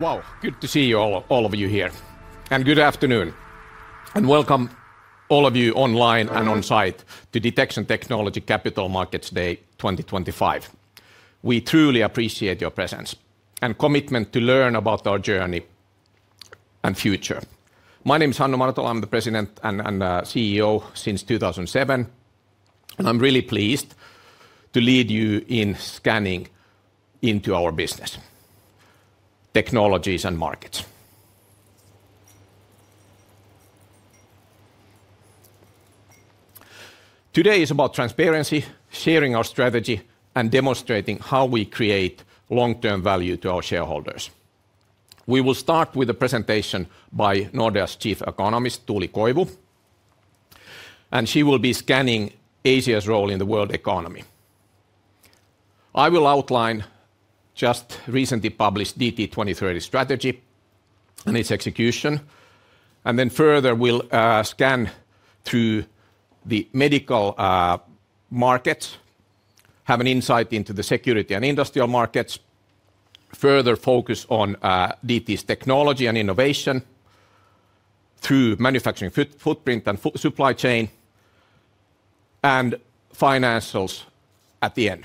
Wow, good to see all of you here. Good afternoon, and welcome all of you online and on site to Detection Technology Capital Markets Day 2025. We truly appreciate your presence and commitment to learn about our journey and future. My name is Hannu Martola, I'm the President and CEO since 2007, and I'm really pleased to lead you in scanning into our business, technologies, and markets. Today is about transparency, sharing our strategy, and demonstrating how we create long-term value to our shareholders. We will start with a presentation by Nordea's Chief Economist, Tuuli Koivu, and she will be scanning Asia's role in the world economy. I will outline just recently published DT 2030 strategy and its execution, and then further we'll scan through the medical markets, have an insight into the security and industrial markets, further focus on DT's technology and innovation through manufacturing footprint and supply chain, and financials at the end.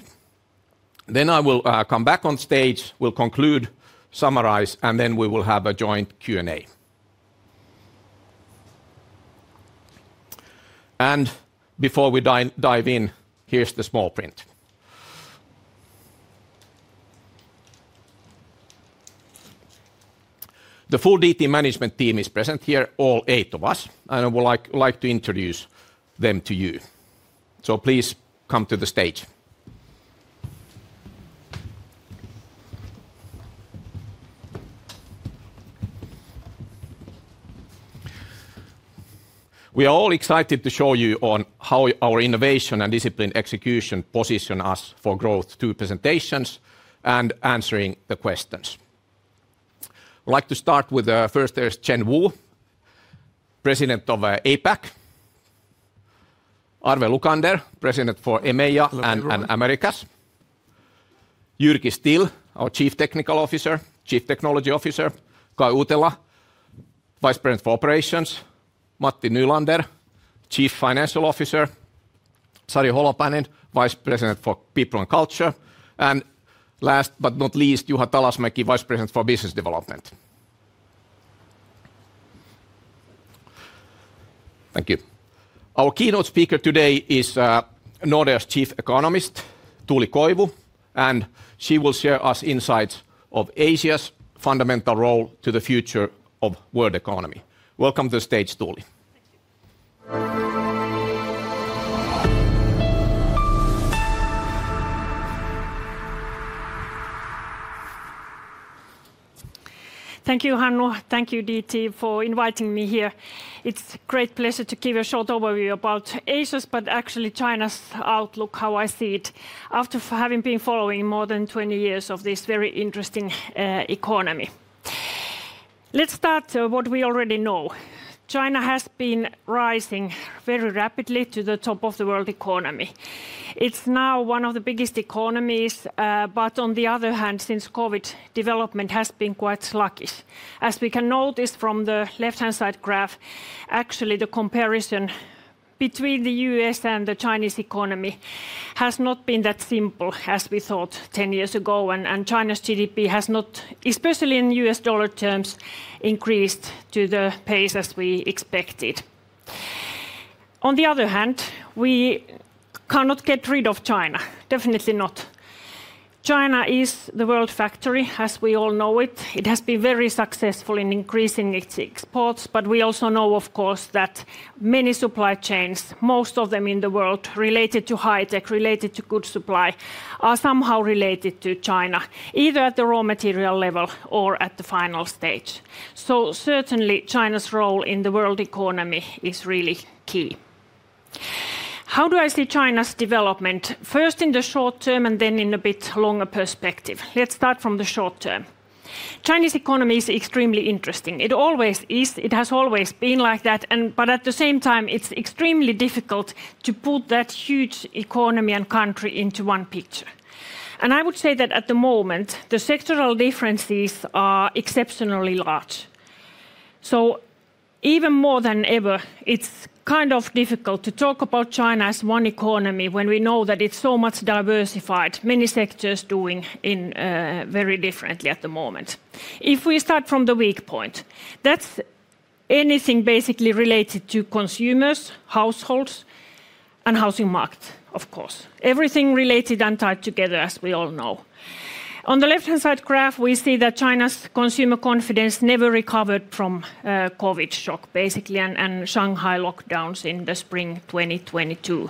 I will come back on stage, we'll conclude, summarize, and then we will have a joint Q&A. Before we dive in, here's the small print. The full DT management team is present here, all eight of us, and I would like to introduce them to you. Please come to the stage. We are all excited to show you how our innovation and discipline execution positions us for growth through presentations and answering the questions. I'd like to start with first, there's Chen Wu, President of APAC, Arve Lukander, President for EMEA and Americas, Jyrki Still, our Chief Technology Officer, Kai Utela, Vice President for Operations, Matti Nylander, Chief Financial Officer, Sari Holopainen, Vice President for People and Culture, and last but not least, Juha Talasmäki, Vice President for Business Development. Thank you. Our keynote speaker today is Nordea's Chief Economist, Tuuli Koivu, and she will share us insights of Asia's fundamental role to the future of the world economy. Welcome to the stage, Tuuli. Thank you, Hannu, thank you, DT, for inviting me here. It's a great pleasure to give a short overview about Asia's, but actually China's outlook, how I see it, after having been following more than 20 years of this very interesting economy. Let's start with what we already know. China has been rising very rapidly to the top of the world economy. It's now one of the biggest economies, but on the other hand, since COVID, development has been quite sluggish. As we can notice from the left-hand side graph, actually the comparison between the U.S. and the Chinese economy has not been that simple as we thought 10 years ago, and China's GDP has not, especially in U.S. dollar terms, increased to the pace as we expected. On the other hand, we cannot get rid of China, definitely not. China is the world factory as we all know it. It has been very successful in increasing its exports, but we also know, of course, that many supply chains, most of them in the world, related to high tech, related to goods supply, are somehow related to China, either at the raw material level or at the final stage. Certainly China's role in the world economy is really key. How do I see China's development? First in the short term and then in a bit longer perspective. Let's start from the short term. Chinese economy is extremely interesting. It always is, it has always been like that, but at the same time, it's extremely difficult to put that huge economy and country into one picture. I would say that at the moment, the sectoral differences are exceptionally large. Even more than ever, it's kind of difficult to talk about China as one economy when we know that it's so much diversified, many sectors doing very differently at the moment. If we start from the weak point, that's anything basically related to consumers, households, and housing markets, of course. Everything related and tied together, as we all know. On the left-hand side graph, we see that China's consumer confidence never recovered from COVID shock, basically, and Shanghai lockdowns in the spring 2022.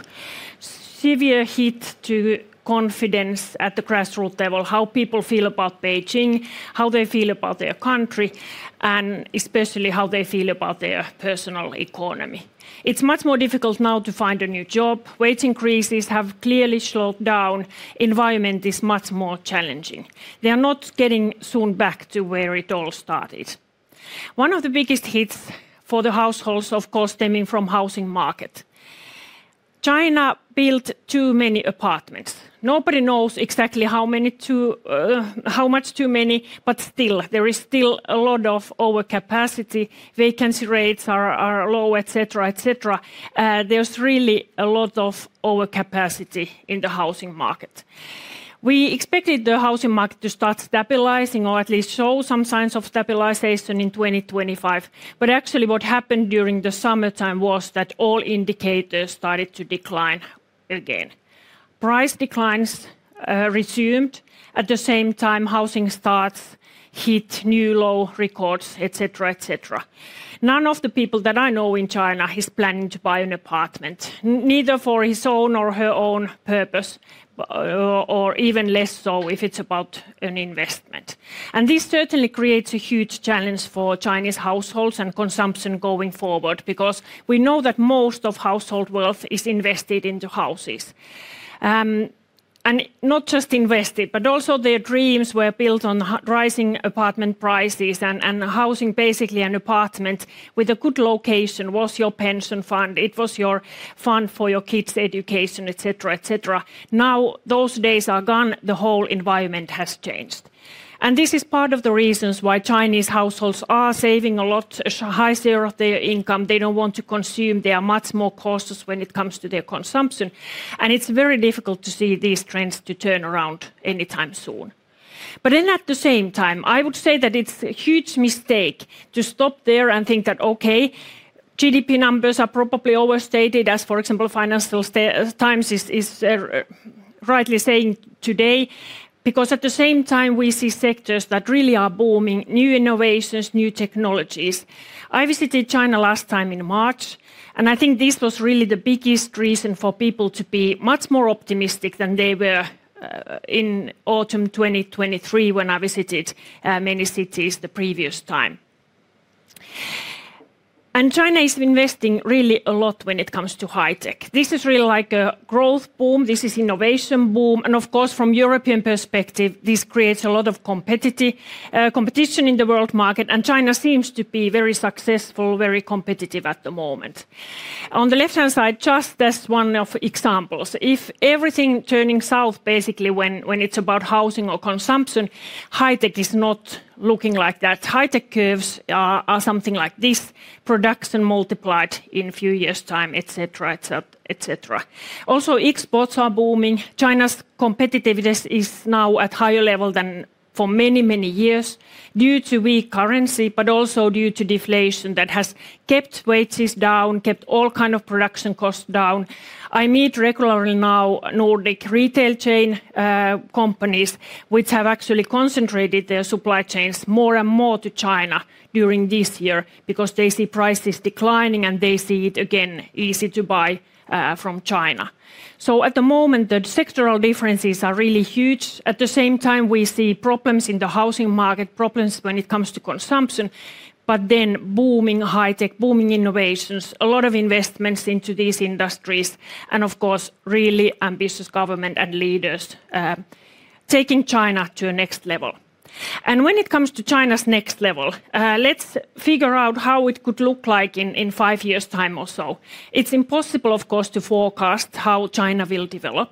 Severe hit to confidence at the grassroots level, how people feel about Beijing, how they feel about their country, and especially how they feel about their personal economy. It's much more difficult now to find a new job. Wage increases have clearly slowed down. Environment is much more challenging. They are not getting soon back to where it all started. One of the biggest hits for the households, of course, stemming from the housing market. China built too many apartments. Nobody knows exactly how much too many, but still, there is still a lot of overcapacity. Vacancy rates are low, etc, etc. There's really a lot of overcapacity in the housing market. We expected the housing market to start stabilizing or at least show some signs of stabilization in 2025, but actually what happened during the summertime was that all indicators started to decline again. Price declines resumed. At the same time, housing starts hit new low records, etc. None of the people that I know in China is planning to buy an apartment, neither for his own or her own purpose, or even less so if it's about an investment. This certainly creates a huge challenge for Chinese households and consumption going forward because we know that most of household wealth is invested into houses. Not just invested, but also their dreams were built on rising apartment prices and housing, basically an apartment with a good location was your pension fund. It was your fund for your kids' education, etc. Now those days are gone. The whole environment has changed. This is part of the reasons why Chinese households are saving a lot, high share of their income. They do not want to consume. They are much more cautious when it comes to their consumption. It is very difficult to see these trends turn around anytime soon. At the same time, I would say that it's a huge mistake to stop there and think that, okay, GDP numbers are probably overstated, as for example, Financial Times is rightly saying today, because at the same time we see sectors that really are booming, new innovations, new technologies. I visited China last time in March, and I think this was really the biggest reason for people to be much more optimistic than they were in autumn 2023 when I visited many cities the previous time. China is investing really a lot when it comes to high tech. This is really like a growth boom. This is an innovation boom. Of course, from a European perspective, this creates a lot of competition in the world market, and China seems to be very successful, very competitive at the moment. On the left-hand side, just as one of examples, if everything turning south, basically when it's about housing or consumption, high tech is not looking like that. High tech curves are something like this, production multiplied in a few years' time, etc. Also, exports are booming. China's competitiveness is now at a higher level than for many, many years due to weak currency, but also due to deflation that has kept wages down, kept all kinds of production costs down. I meet regularly now Nordic retail chain companies, which have actually concentrated their supply chains more and more to China during this year because they see prices declining and they see it again easy to buy from China. At the moment, the sectoral differences are really huge. At the same time, we see problems in the housing market, problems when it comes to consumption, but then booming high tech, booming innovations, a lot of investments into these industries, and of course, really ambitious government and leaders taking China to the next level. When it comes to China's next level, let's figure out how it could look like in five years' time or so. It's impossible, of course, to forecast how China will develop,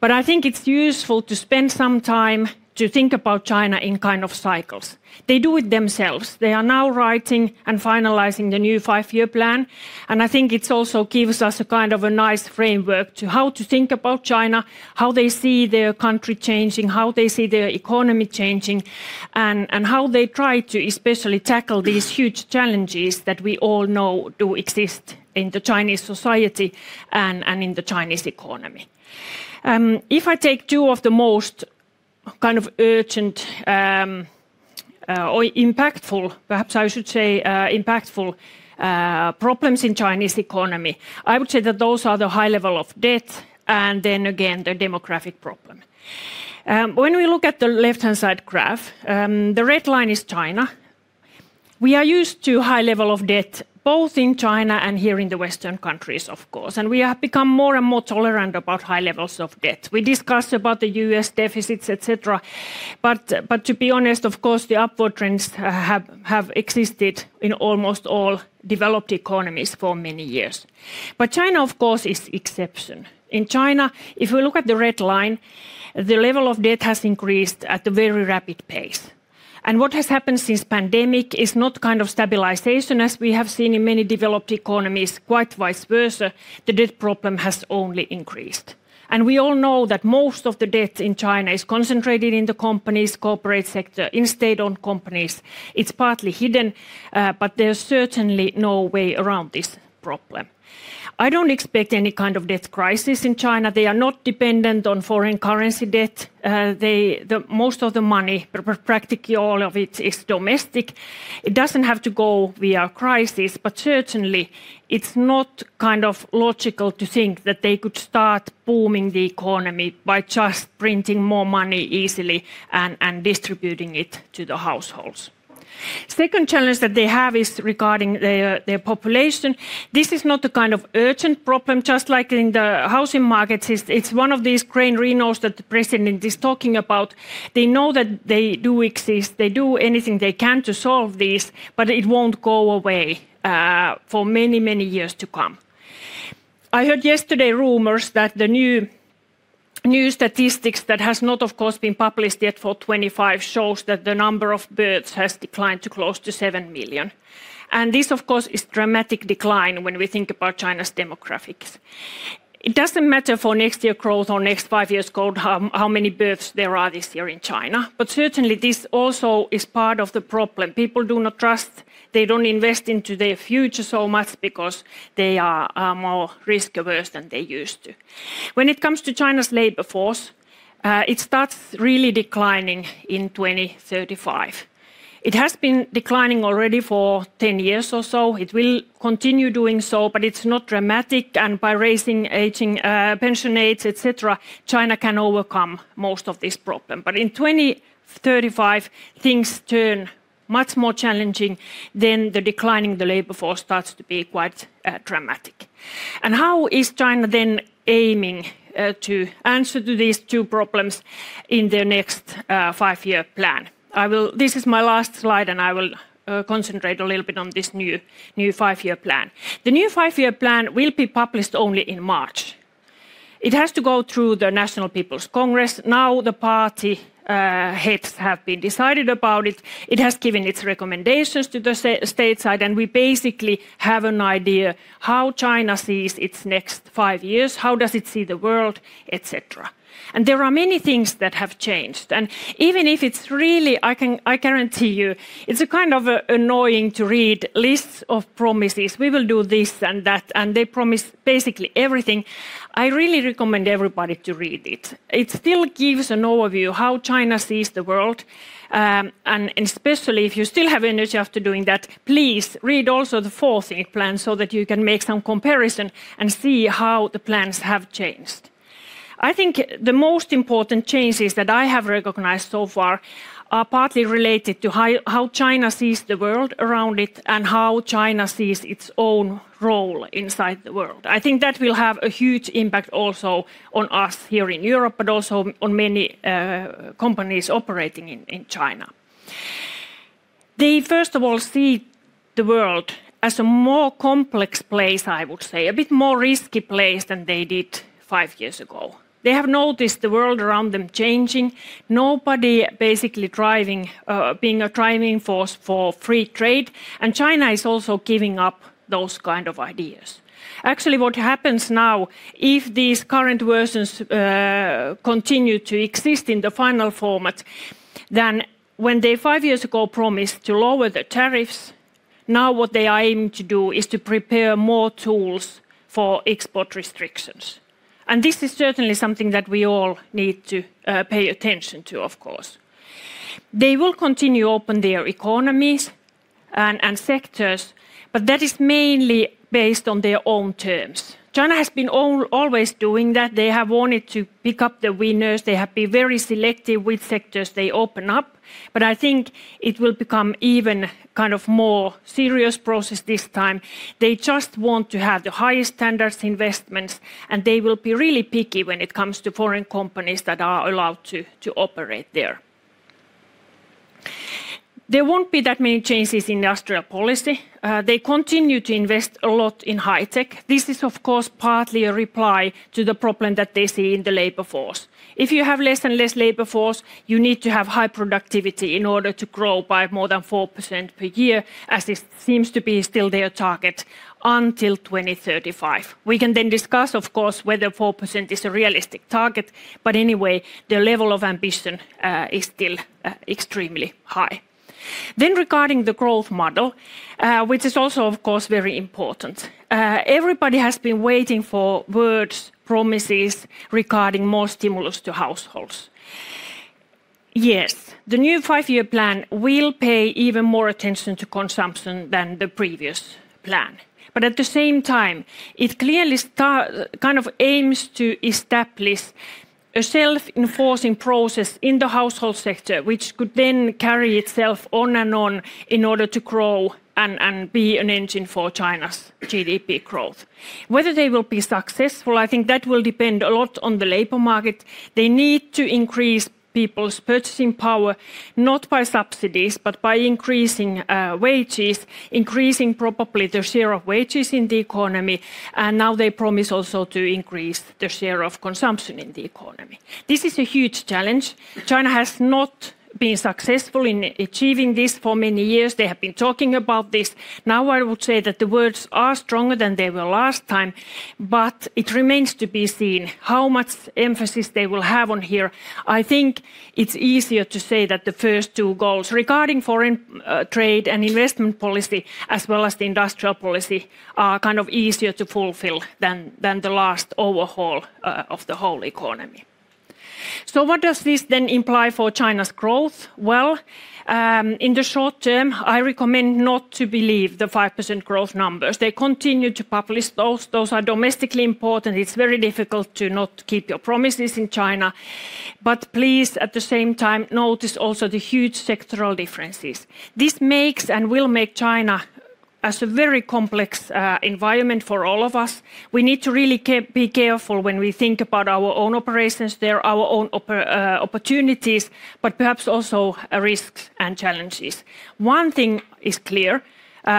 but I think it's useful to spend some time to think about China in kind of cycles. They do it themselves. They are now writing and finalizing the new five-year plan, and I think it also gives us a kind of a nice framework to how to think about China, how they see their country changing, how they see their economy changing, and how they try to especially tackle these huge challenges that we all know do exist in Chinese society and in the Chinese economy. If I take two of the most kind of urgent or impactful, perhaps I should say impactful problems in the Chinese economy, I would say that those are the high level of debt and then again the demographic problem. When we look at the left-hand side graph, the red line is China. We are used to high level of debt both in China and here in the Western countries, of course, and we have become more and more tolerant about high levels of debt. We discussed about the U.S. deficits, etc, but to be honest, of course, the upward trends have existed in almost all developed economies for many years. China, of course, is the exception. In China, if we look at the red line, the level of debt has increased at a very rapid pace. What has happened since the pandemic is not kind of stabilization as we have seen in many developed economies, quite vice versa, the debt problem has only increased. We all know that most of the debt in China is concentrated in the companies, corporate sector, in state-owned companies. It's partly hidden, but there's certainly no way around this problem. I don't expect any kind of debt crisis in China. They are not dependent on foreign currency debt. Most of the money, practically all of it, is domestic. It doesn't have to go via crisis, but certainly it's not kind of logical to think that they could start booming the economy by just printing more money easily and distributing it to the households. The second challenge that they have is regarding their population. This is not a kind of urgent problem, just like in the housing markets. It's one of these gray rhinos that the president is talking about. They know that they do exist. They do anything they can to solve this, but it won't go away for many, many years to come. I heard yesterday rumors that the new statistics that have not, of course, been published yet for 2025 shows that the number of births has declined to close to 7 million. And this, of course, is a dramatic decline when we think about China's demographics. It doesn't matter for next year's growth or next five years' growth how many births there are this year in China, but certainly this also is part of the problem. People do not trust. They don't invest into their future so much because they are more risk-averse than they used to. When it comes to China's labor force, it starts really declining in 2035. It has been declining already for 10 years or so. It will continue doing so, but it's not dramatic. By raising pension age, etc, China can overcome most of this problem. In 2035, things turn much more challenging than the declining labor force starts to be quite dramatic. How is China then aiming to answer to these two problems in their next five-year plan? This is my last slide, and I will concentrate a little bit on this new five-year plan. The new five-year plan will be published only in March. It has to go through the National People's Congress. Now the party heads have been decided about it. It has given its recommendations to the stateside, and we basically have an idea of how China sees its next five years, how does it see the world, etc. There are many things that have changed. Even if it's really, I guarantee you, it's a kind of annoying to read lists of promises. We will do this and that, and they promise basically everything. I really recommend everybody to read it. It still gives an overview of how China sees the world. Especially if you still have energy after doing that, please read also the fourth plan so that you can make some comparison and see how the plans have changed. I think the most important changes that I have recognized so far are partly related to how China sees the world around it and how China sees its own role inside the world. I think that will have a huge impact also on us here in Europe, but also on many companies operating in China. They, first of all, see the world as a more complex place, I would say, a bit more risky place than they did five years ago. They have noticed the world around them changing. Nobody basically being a driving force for free trade. And China is also giving up those kinds of ideas. Actually, what happens now, if these current versions continue to exist in the final format, then when they five years ago promised to lower the tariffs, now what they are aiming to do is to prepare more tools for export restrictions. This is certainly something that we all need to pay attention to, of course. They will continue to open their economies and sectors, but that is mainly based on their own terms. China has been always doing that. They have wanted to pick up the winners. They have been very selective with sectors they open up, but I think it will become even kind of a more serious process this time. They just want to have the highest standards investments, and they will be really picky when it comes to foreign companies that are allowed to operate there. There won't be that many changes in industrial policy. They continue to invest a lot in high tech. This is, of course, partly a reply to the problem that they see in the labor force. If you have less and less labor force, you need to have high productivity in order to grow by more than 4% per year, as it seems to be still their target until 2035. We can then discuss, of course, whether 4% is a realistic target, but anyway, the level of ambition is still extremely high. Regarding the growth model, which is also, of course, very important, everybody has been waiting for words, promises regarding more stimulus to households. Yes, the new five-year plan will pay even more attention to consumption than the previous plan. At the same time, it clearly kind of aims to establish a self-enforcing process in the household sector, which could then carry itself on and on in order to grow and be an engine for China's GDP growth. Whether they will be successful, I think that will depend a lot on the labor market. They need to increase people's purchasing power, not by subsidies, but by increasing wages, increasing probably the share of wages in the economy. Now they promise also to increase the share of consumption in the economy. This is a huge challenge. China has not been successful in achieving this for many years. They have been talking about this. Now I would say that the words are stronger than they were last time, but it remains to be seen how much emphasis they will have on here. I think it's easier to say that the first two goals regarding foreign trade and investment policy, as well as the industrial policy, are kind of easier to fulfill than the last overhaul of the whole economy. What does this then imply for China's growth? In the short term, I recommend not to believe the 5% growth numbers. They continue to publish those. Those are domestically important. It's very difficult to not keep your promises in China. Please, at the same time, notice also the huge sectoral differences. This makes and will make China a very complex environment for all of us. We need to really be careful when we think about our own operations there, our own opportunities, but perhaps also risks and challenges. One thing is clear,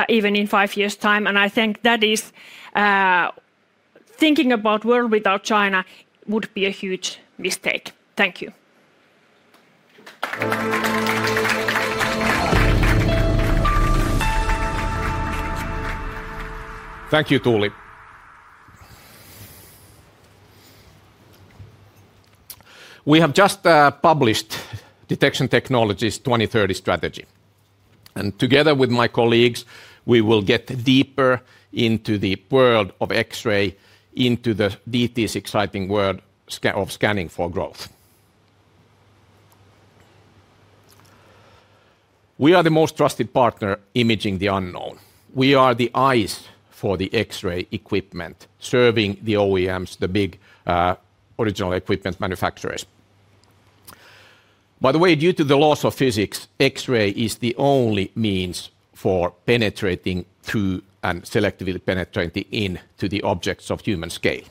even in five years' time, and I think that is thinking about the world without China would be a huge mistake. Thank you. Thank you, Tuuli. We have just published Detection Technology's 2030 Strategy. Together with my colleagues, we will get deeper into the world of X-ray, into the deepest exciting world of scanning for growth. We are the most trusted partner imaging the unknown. We are the eyes for the X-ray equipment serving the OEMs, the big original equipment manufacturers. By the way, due to the laws of physics, X-ray is the only means for penetrating through and selectively penetrating into the objects of human scale.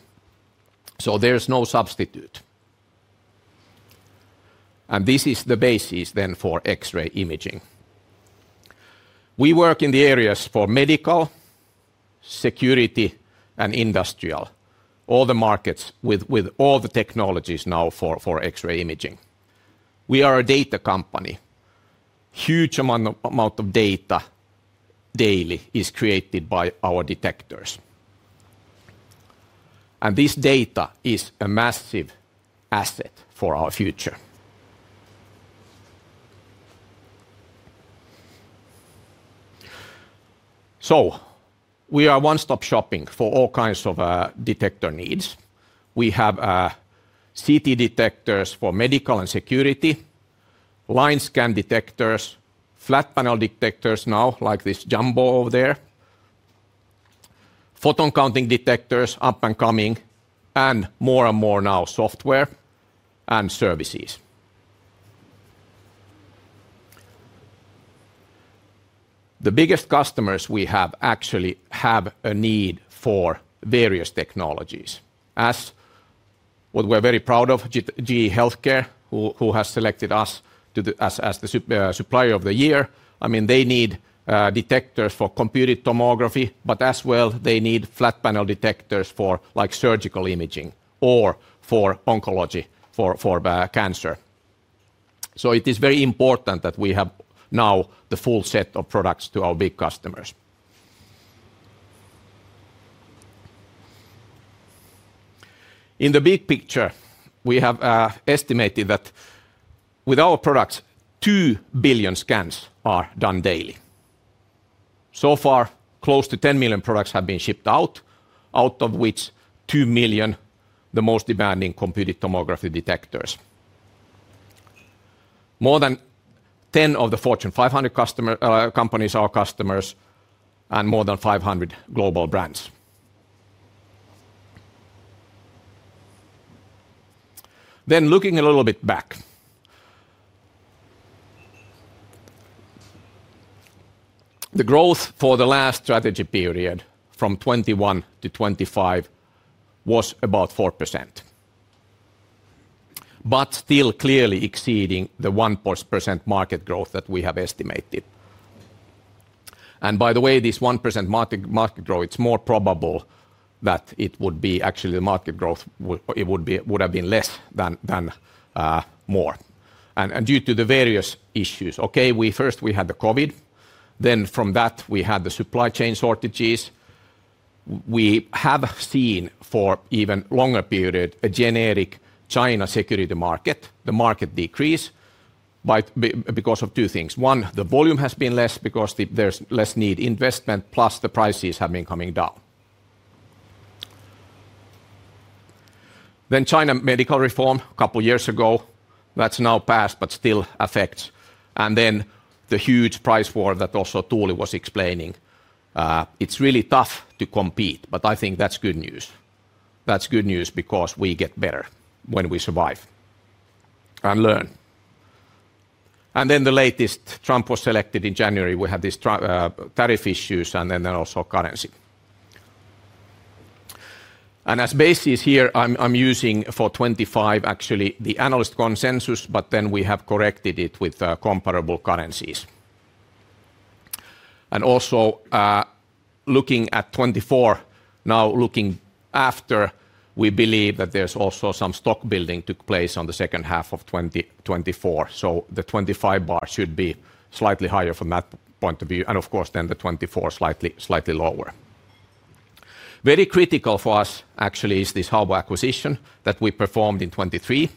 There is no substitute. This is the basis then for X-ray imaging. We work in the areas for medical, security, and industrial, all the markets with all the technologies now for X-ray imaging. We are a data company. A huge amount of data daily is created by our detectors. This data is a massive asset for our future. We are one-stop shopping for all kinds of detector needs. We have CT detectors for medical and security, line scan detectors, flat panel detectors now, like this Jumbo over there, photon counting detectors up and coming, and more and more now software and services. The biggest customers we have actually have a need for various technologies. As what we're very proud of, GE Healthcare, who has selected us as the supplier of the year, I mean, they need detectors for computed tomography, but as well, they need flat panel detectors for surgical imaging or for oncology, for cancer. It is very important that we have now the full set of products to our big customers. In the big picture, we have estimated that with our products, 2 billion scans are done daily. So far, close to 10 million products have been shipped out, out of which 2 million, the most demanding computed tomography detectors. More than 10 of the Fortune 500 companies are customers and more than 500 global brands. Looking a little bit back, the growth for the last strategy period from 2021-2025 was about 4%, but still clearly exceeding the 1% market growth that we have estimated. By the way, this 1% market growth, it's more probable that it would be actually the market growth, it would have been less than more. Due to the various issues, first we had the COVID, then from that we had the supply chain shortages. We have seen for even a longer period a generic China security market, the market decrease because of two things. One, the volume has been less because there's less need investment, plus the prices have been coming down. China medical reform a couple of years ago, that's now passed but still affects. Then the huge price war that also Tuuli was explaining. It's really tough to compete, but I think that's good news. That's good news because we get better when we survive and learn. Then the latest, Trump was selected in January, we had these tariff issues and then also currency. As basis here, I'm using for 2025 actually the analyst consensus, but then we have corrected it with comparable currencies. Also looking at 2024, now looking after, we believe that there's also some stock building took place in the second half of 2024. The 2025 bar should be slightly higher from that point of view. Of course, then the 2024 slightly lower. Very critical for us actually is this Haobo acquisition that we performed in 2023.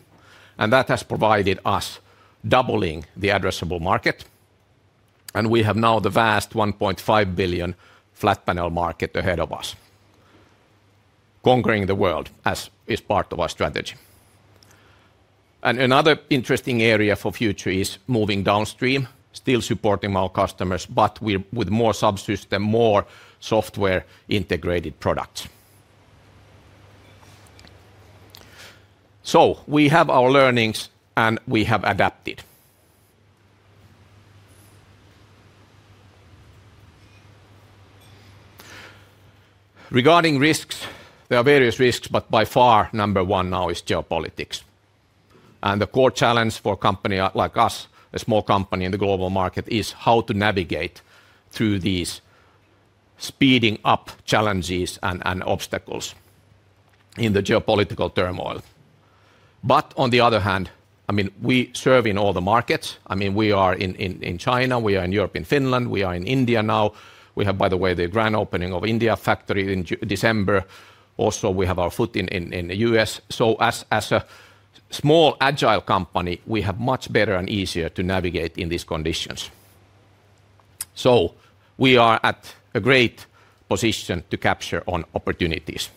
That has provided us doubling the addressable market. We have now the vast 1.5 billion flat panel market ahead of us, conquering the world as is part of our strategy. Another interesting area for future is moving downstream, still supporting our customers, but with more subsystem, more software integrated products. We have our learnings and we have adapted. Regarding risks, there are various risks, but by far number one now is geopolitics. The core challenge for a company like us, a small company in the global market, is how to navigate through these speeding up challenges and obstacles in the geopolitical turmoil. On the other hand, I mean, we serve in all the markets. I mean, we are in China, we are in Europe, in Finland, we are in India now. We have, by the way, the grand opening of India factory in December. Also, we have our foot in the U.S.. As a small agile company, we have much better and easier to navigate in these conditions. We are at a great position to capture on opportunities.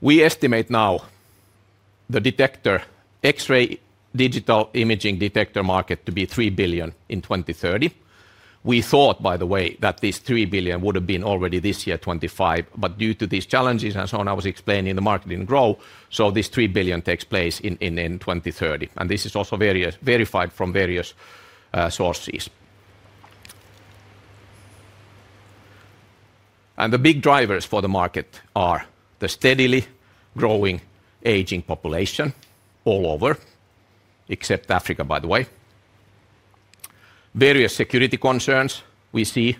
We estimate now the X-ray digital imaging detector market to be 3 billion in 2030. We thought, by the way, that this 3 billion would have been already this year 2025, but due to these challenges and so on, I was explaining the market growth. This 3 billion takes place in 2030. This is also verified from various sources. The big drivers for the market are the steadily growing aging population all over, except Africa, by the way. Various security concerns we see.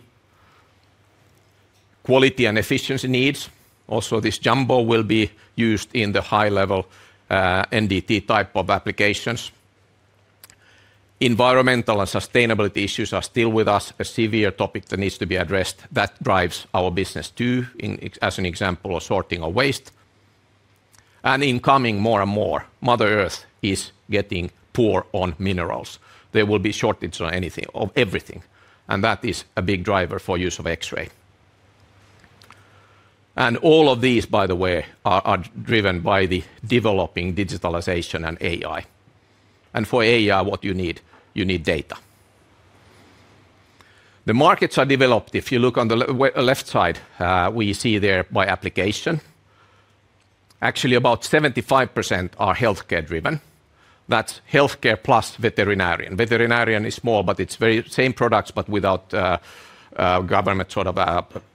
Quality and efficiency needs. Also, this Jumbo will be used in the high-level NDT type of applications. Environmental and sustainability issues are still with us, a severe topic that needs to be addressed that drives our business too, as an example of sorting of waste. Incoming more and more, Mother Earth is getting poor on minerals. There will be shortages of everything. That is a big driver for use of X-ray. All of these, by the way, are driven by the developing digitalization and AI. For AI, what you need, you need data. The markets are developed. If you look on the left side, we see there by application, actually about 75% are healthcare driven. That is healthcare plus veterinarian. Veterinarian is small, but it is very same products, but without government sort of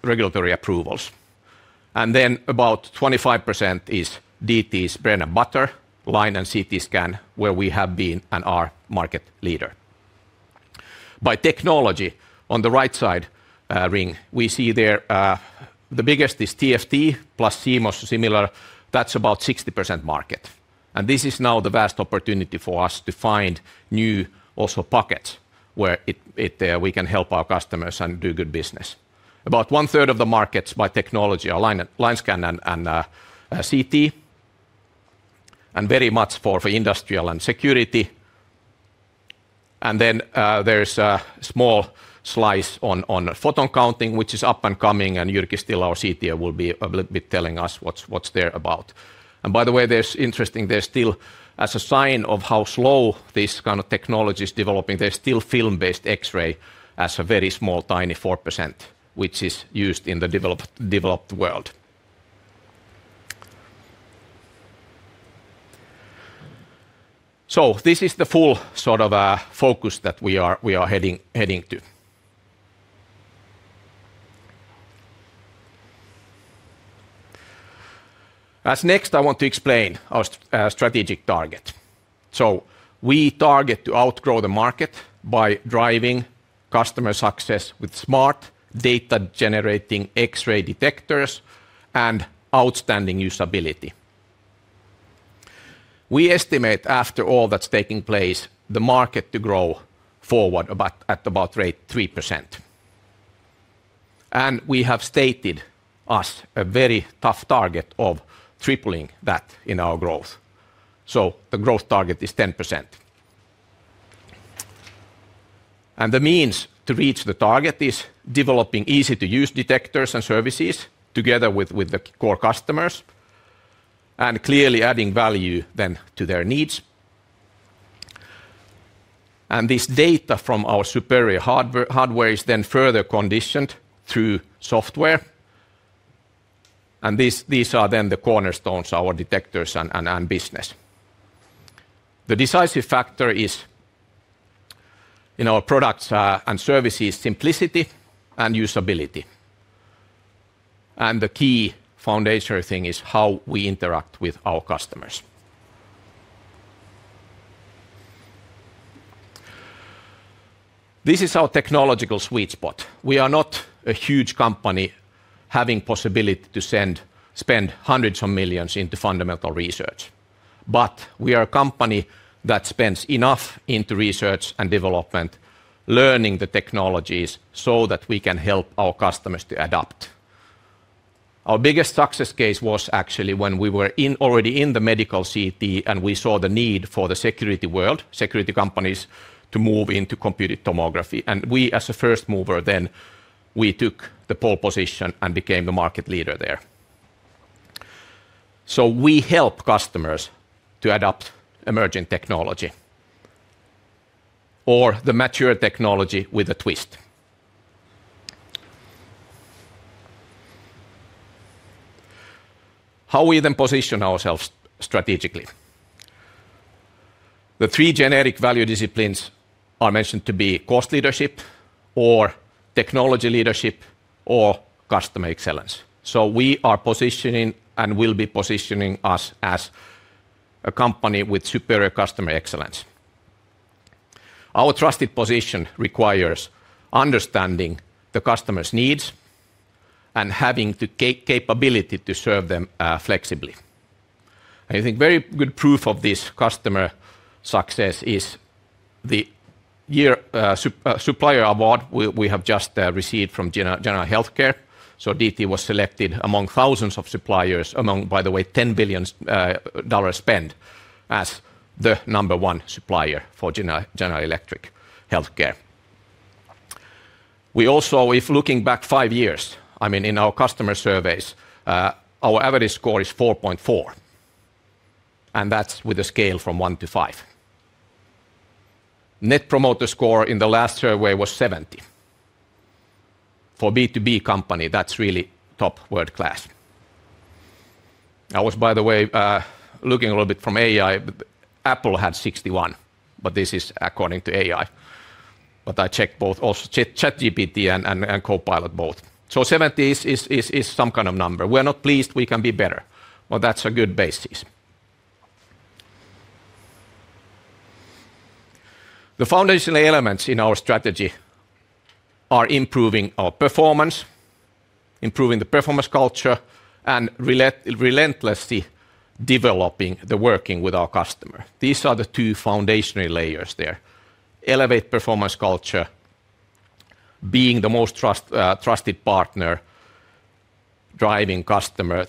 regulatory approvals. Then about 25% is Detection Technology's bread and butter, line and CT scan, where we have been and are market leader. By technology, on the right side ring, we see there the biggest is TFT plus CMOS, similar. That's about 60% market. This is now the vast opportunity for us to find new also pockets where we can help our customers and do good business. About one third of the markets by technology are line scan and CT, and very much for industrial and security. There is a small slice on photon counting, which is up and coming, and Jyrki Still, our CTO, will be a little bit telling us what's there about. By the way, there's interesting, there's still, as a sign of how slow this kind of technology is developing, there's still film-based X-ray as a very small, tiny 4%, which is used in the developed world. This is the full sort of focus that we are heading to. As next, I want to explain our strategic target. We target to outgrow the market by driving customer success with smart data-generating X-ray detectors and outstanding usability. We estimate, after all that's taking place, the market to grow forward at about rate 3%. We have stated us a very tough target of tripling that in our growth. The growth target is 10%. The means to reach the target is developing easy-to-use detectors and services together with the core customers and clearly adding value then to their needs. This data from our superior hardware is then further conditioned through software. These are then the cornerstones, our detectors and business. The decisive factor is in our products and services, simplicity and usability. The key foundational thing is how we interact with our customers. This is our technological sweet spot. We are not a huge company having possibility to spend hundreds of millions into fundamental research. But we are a company that spends enough into research and development, learning the technologies so that we can help our customers to adapt. Our biggest success case was actually when we were already in the medical CT and we saw the need for the security world, security companies to move into computed tomography. And we as a first mover then, we took the pole position and became the market leader there. So we help customers to adopt emerging technology or the mature technology with a twist. How we then position ourselves strategically. The three generic value disciplines are mentioned to be cost leadership, or technology leadership, or customer excellence. So we are positioning and will be positioning us as a company with superior customer excellence. Our trusted position requires understanding the customer's needs and having the capability to serve them flexibly. I think very good proof of this customer success is the supplier award we have just received from GE Healthcare. DT was selected among thousands of suppliers, among, by the way, EUR 10 billion spent as the number one supplier for GE Healthcare. If looking back five years, I mean, in our customer surveys, our average score is 4.4. That is with a scale from 1-5. Net Promoter Score in the last survey was 70. For a B2B company, that is really top world class. I was, by the way, looking a little bit from AI, but Apple had 61, but this is according to AI. I checked both also ChatGPT and Copilot both. Seventy is some kind of number. We are not pleased we can be better, but that's a good basis. The foundational elements in our strategy are improving our performance, improving the performance culture, and relentlessly developing the working with our customer. These are the two foundational layers there: elevate performance culture, being the most trusted partner, driving customer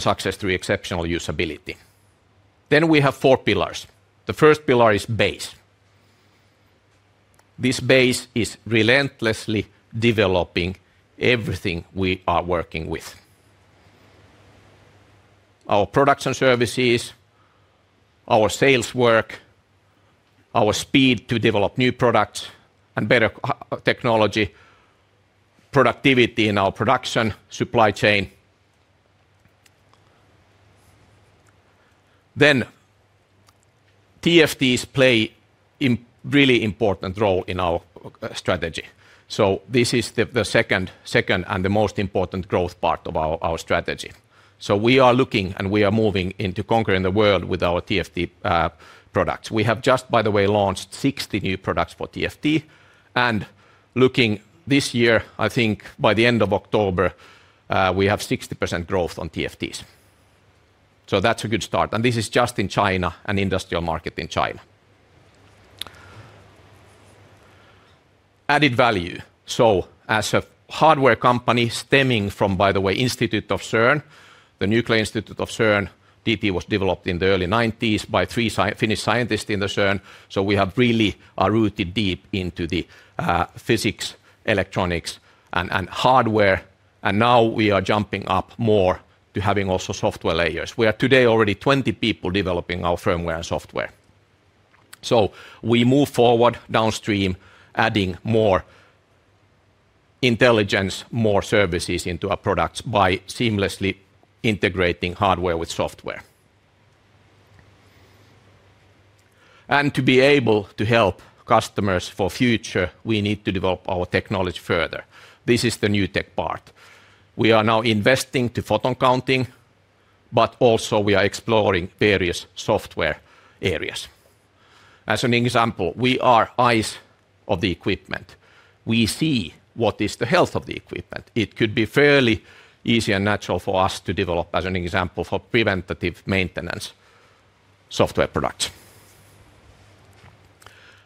success through exceptional usability. We have four pillars. The first pillar is base. This base is relentlessly developing everything we are working with: our production services, our sales work, our speed to develop new products and better technology, productivity in our production supply chain. TFTs play a really important role in our strategy. This is the second and the most important growth part of our strategy. We are looking and we are moving into conquering the world with our TFT products. We have just, by the way, launched 60 new products for TFT. Looking this year, I think by the end of October, we have 60% growth on TFTs. That is a good start. This is just in China, an industrial market in China. Added value. As a hardware company stemming from, by the way, CERN, the Nuclear Institute of CERN, Detection Technology was developed in the early 1990s by three Finnish scientists in CERN. We have really rooted deep into the physics, electronics, and hardware. Now we are jumping up more to having also software layers. We are today already 20 people developing our firmware and software. We move forward downstream, adding more intelligence, more services into our products by seamlessly integrating hardware with software. To be able to help customers for future, we need to develop our technology further. This is the new tech part. We are now investing to photon counting, but also we are exploring various software areas. As an example, we are eyes of the equipment. We see what is the health of the equipment. It could be fairly easy and natural for us to develop, as an example, for preventative maintenance software products.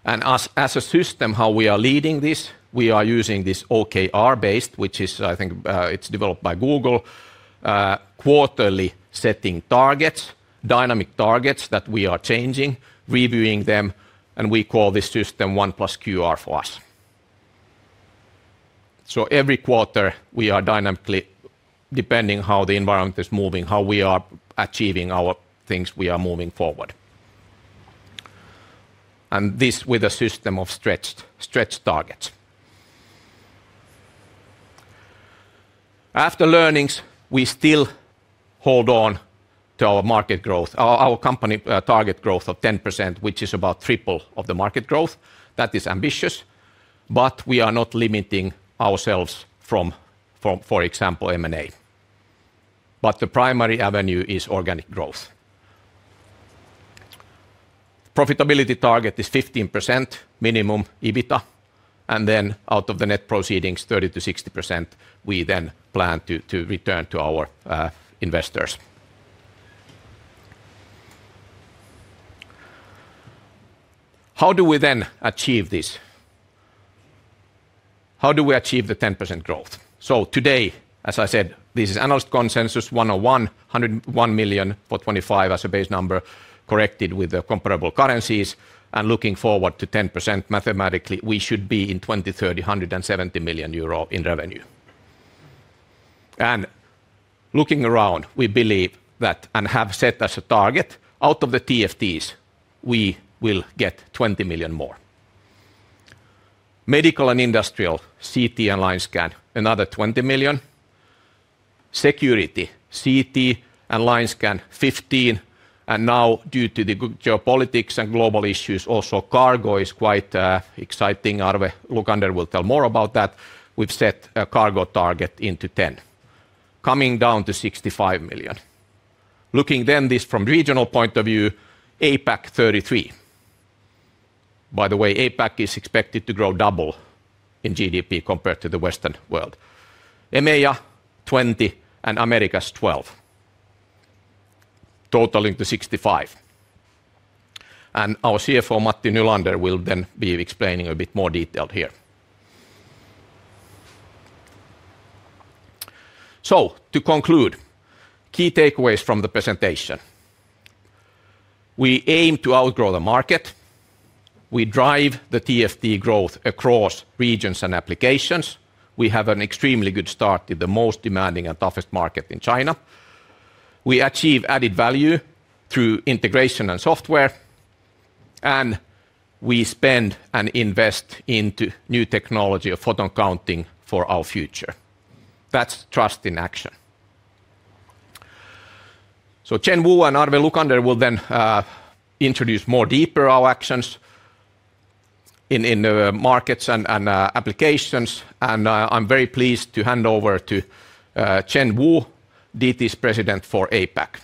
As a system, how we are leading this, we are using this OKR-based, which is, I think it's developed by Google, quarterly setting targets, dynamic targets that we are changing, reviewing them, and we call this system OnePlus QR for us. Every quarter we are dynamically, depending on how the environment is moving, how we are achieving our things, we are moving forward. This with a system of stretched targets. After learnings, we still hold on to our market growth, our company target growth of 10%, which is about triple of the market growth. That is ambitious, but we are not limiting ourselves from, for example, M&A. The primary avenue is organic growth. Profitability target is 15% minimum EBITDA. Out of the net proceedings, 30%-60%, we then plan to return to our investors. How do we then achieve this? How do we achieve the 10% growth? Today, as I said, this is analyst consensus 101, 101 million for 2025 as a base number, corrected with the comparable currencies. Looking forward to 10% mathematically, we should be in 2030, 170 million euro in revenue. Looking around, we believe that and have set as a target, out of the TFTs, we will get 20 million more. Medical and Industrial, CT and Line Scan, another 20 million. Security, CT and Line Scan, 15 million. Now, due to the geopolitics and global issues, also cargo is quite exciting. Arve Lukander will tell more about that. We've set a cargo target into 10, coming down to 65 million. Looking then at this from a regional point of view, APAC 33. By the way, APAC is expected to grow double in GDP compared to the Western world. EMEA 20 and Americas 12, totaling to 65 million. And our CFO, Matti Nylander, will then be explaining a bit more detailed here. To conclude, key takeaways from the presentation. We aim to outgrow the market. We drive the TFT growth across regions and applications. We have an extremely good start in the most demanding and toughest market in China. We achieve added value through integration and software. We spend and invest into new technology of photon counting for our future. That's trust in action. Chen Wu and Arve Lukander will then introduce more deeper our actions in the markets and applications. I'm very pleased to hand over to Chen Wu, DT's President for APAC.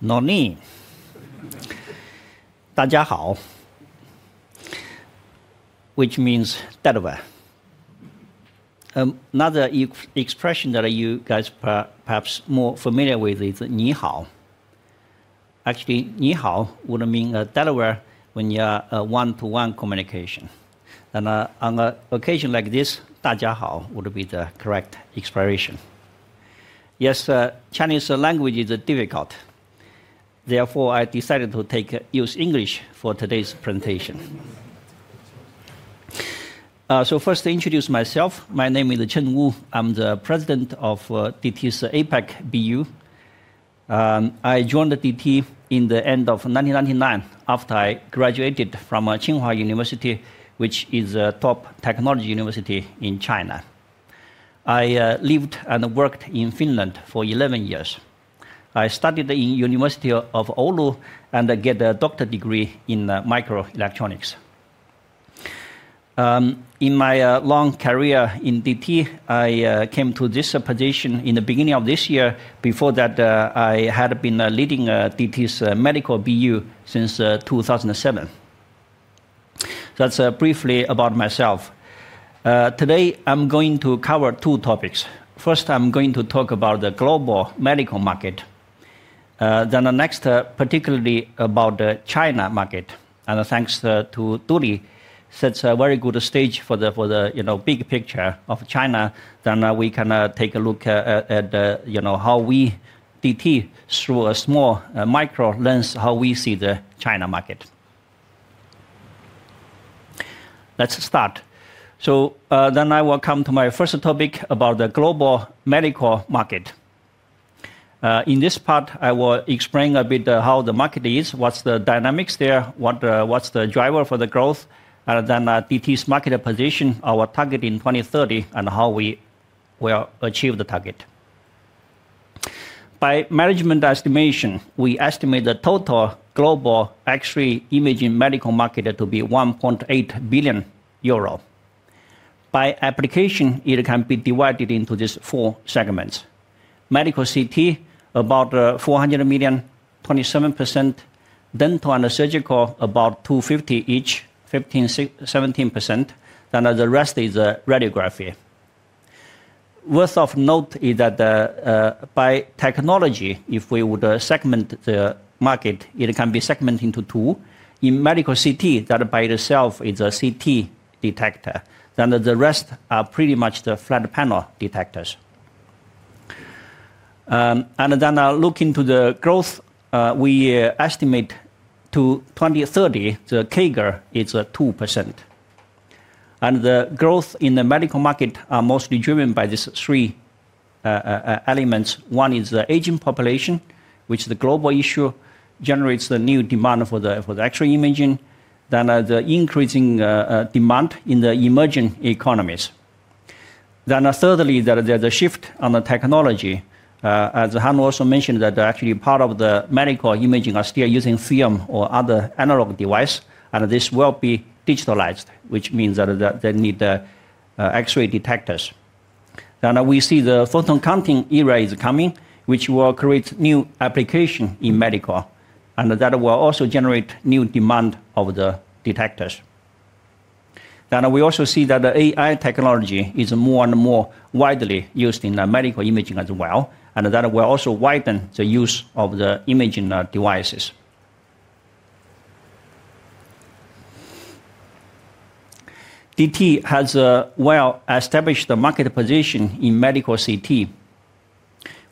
"No niin", which means "deliver". Another expression that you guys are perhaps more familiar with is "ni hao." Actually, "ni hao" would mean "deliver" when you are one-to-one communication. On an occasion like this, "da jia hao" would be the correct expression. Yes, Chinese language is difficult. Therefore, I decided to use English for today's presentation. First, to introduce myself, my name is Chen Wu. I'm the President of DT's APAC BU. I joined DT in the end of 1999 after I graduated from Tsinghua University, which is a top technology university in China. I lived and worked in Finland for 11 years. I studied in the University of Oulu and got a doctorate degree in microelectronics. In my long career in DT, I came to this position in the beginning of this year. Before that, I had been leading DT's medical BU since 2007. So that's briefly about myself. Today, I'm going to cover two topics. First, I'm going to talk about the global medical market. Then the next, particularly about the China market. And thanks to DT, sets a very good stage for the big picture of China. Then we can take a look at how we, DT, through a small micro lens, how we see the China market. Let's start. So then I will come to my first topic about the global medical market. In this part, I will explain a bit how the market is, what's the dynamics there, what's the driver for the growth, and then DT's market position, our target in 2030, and how we will achieve the target. By management estimation, we estimate the total global X-ray imaging medical market to be 1.8 billion euro. By application, it can be divided into these four segments: medical CT, about 400 million, 27%; dental and surgical, about 250 million each, 15%-17%; then the rest is radiography. Worth of note is that by technology, if we would segment the market, it can be segmented into two. In medical CT, that by itself is a CT detector. Then the rest are pretty much the flat panel detectors. Looking to the growth, we estimate to 2030, the CAGR is 2%. The growth in the medical market is mostly driven by these three elements. One is the aging population, which is the global issue, generates the new demand for the X-ray imaging. The increasing demand in the emerging economies. Thirdly, there is a shift on the technology. As Hannu also mentioned, that actually part of the medical imaging is still using film or other analog devices. This will be digitalized, which means that they need X-ray detectors. We see the photon counting era is coming, which will create new applications in medical. That will also generate new demand for the detectors. We also see that the AI technology is more and more widely used in medical imaging as well. That will also widen the use of the imaging devices. DT has a well-established market position in medical CT.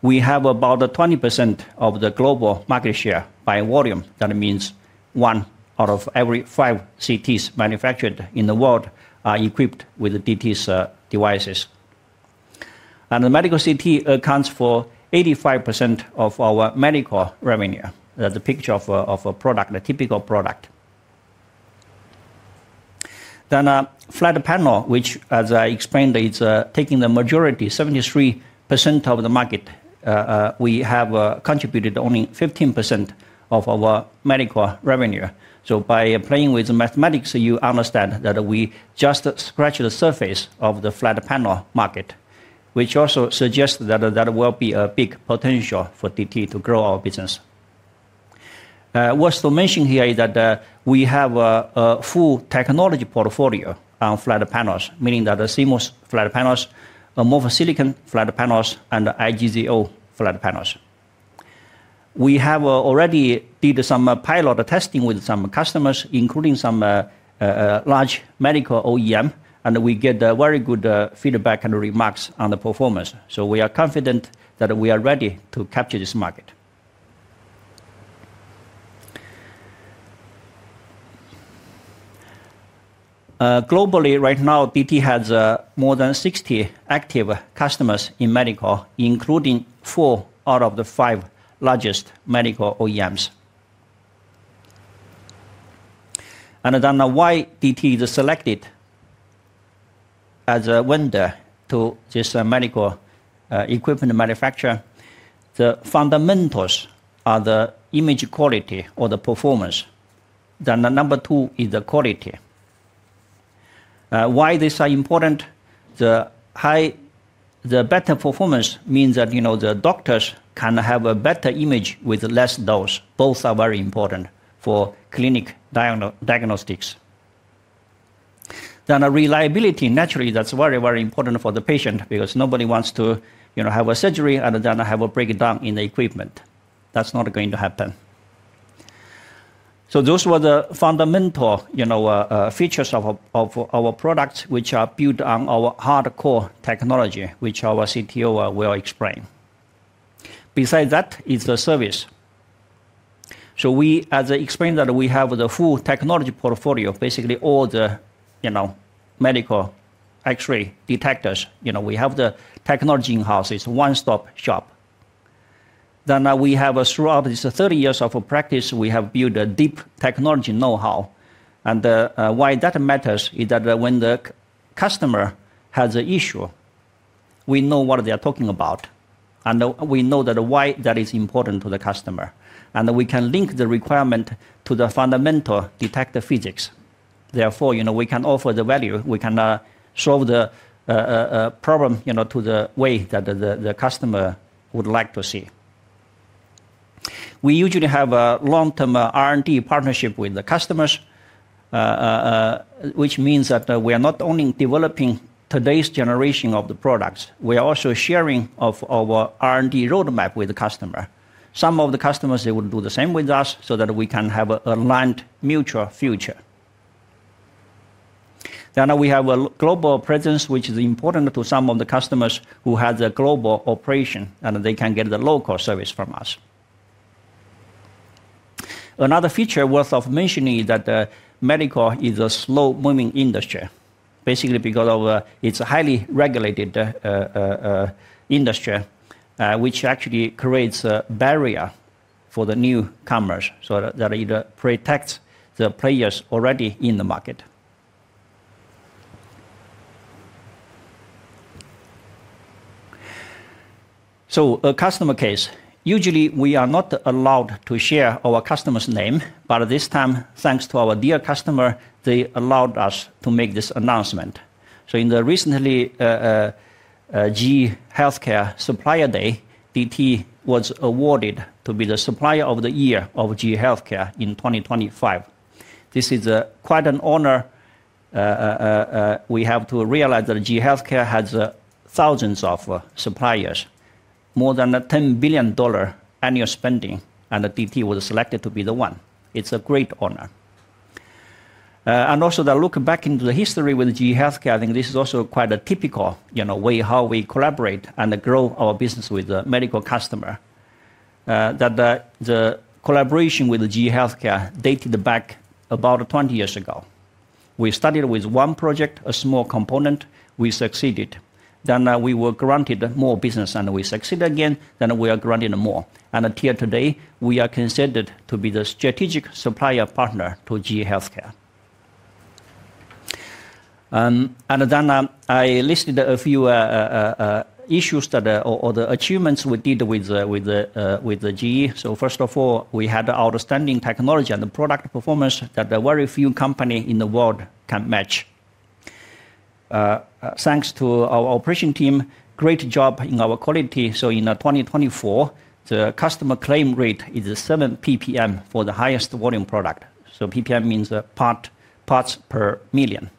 We have about 20% of the global market share by volume. That means one out of every five CTs manufactured in the world are equipped with DT's devices. The medical CT accounts for 85% of our medical revenue. That's the picture of a product, a typical product. Flat panel, which, as I explained, is taking the majority, 73% of the market. We have contributed only 15% of our medical revenue. By playing with the mathematics, you understand that we just scratched the surface of the flat panel market, which also suggests that there will be a big potential for DT to grow our business. Worth to mention here is that we have a full technology portfolio on flat panels, meaning that the CMOS flat panels, the amorphous silicon flat panels, and the IGZO flat panels. We have already done some pilot testing with some customers, including some large medical OEMs. We get very good feedback and remarks on the performance. We are confident that we are ready to capture this market. Globally, right now, DT has more than 60 active customers in medical, including four out of the five largest medical OEMs. Why Detection Technology is selected as a vendor to this medical equipment manufacturer? The fundamentals are the image quality or the performance. Number two is the quality. Why this is important? The better performance means that the doctors can have a better image with less dose. Both are very important for clinic diagnostics. Reliability, naturally, that's very, very important for the patient because nobody wants to have a surgery and then have a breakdown in the equipment. That's not going to happen. Those were the fundamental features of our products, which are built on our hardcore technology, which our CTO will explain. Beside that is the service. As I explained, we have the full technology portfolio, basically all the medical X-ray detectors. We have the technology in-house. It's a one-stop shop. Throughout these 30 years of practice, we have built a deep technology know-how. Why that matters is that when the customer has an issue, we know what they are talking about. We know why that is important to the customer. We can link the requirement to the fundamental detector physics. Therefore, we can offer the value. We can solve the problem the way that the customer would like to see. We usually have a long-term R&D partnership with the customers, which means that we are not only developing today's generation of the products. We are also sharing our R&D roadmap with the customer. Some of the customers, they would do the same with us so that we can have an aligned mutual future. We have a global presence, which is important to some of the customers who have the global operation, and they can get the local service from us. Another feature worth mentioning is that medical is a slow-moving industry, basically because of its highly regulated industry, which actually creates a barrier for the newcomers so that it protects the players already in the market. A customer case. Usually, we are not allowed to share our customer's name. This time, thanks to our dear customer, they allowed us to make this announcement. In the recent GE Healthcare Supplier Day, Detection Technology was awarded to be the Supplier of the Year of GE Healthcare in 2025. This is quite an honor. We have to realize that GE Healthcare has thousands of suppliers, more than EUR 10 billion annual spending, and Detection Technology was selected to be the one. It's a great honor. Also to look back into the history with GE Healthcare, I think this is also quite a typical way how we collaborate and grow our business with the medical customer. The collaboration with GE Healthcare dated back about 20 years ago. We started with one project, a small component. We succeeded. Then we were granted more business, and we succeeded again. We are granted more. Until today, we are considered to be the strategic supplier partner to GE Healthcare. I listed a few issues or the achievements we did with GE. First of all, we had outstanding technology and the product performance that very few companies in the world can match. Thanks to our operation team, great job in our quality. In 2024, the customer claim rate is 7 PPM for the highest volume product. PPM means parts per million.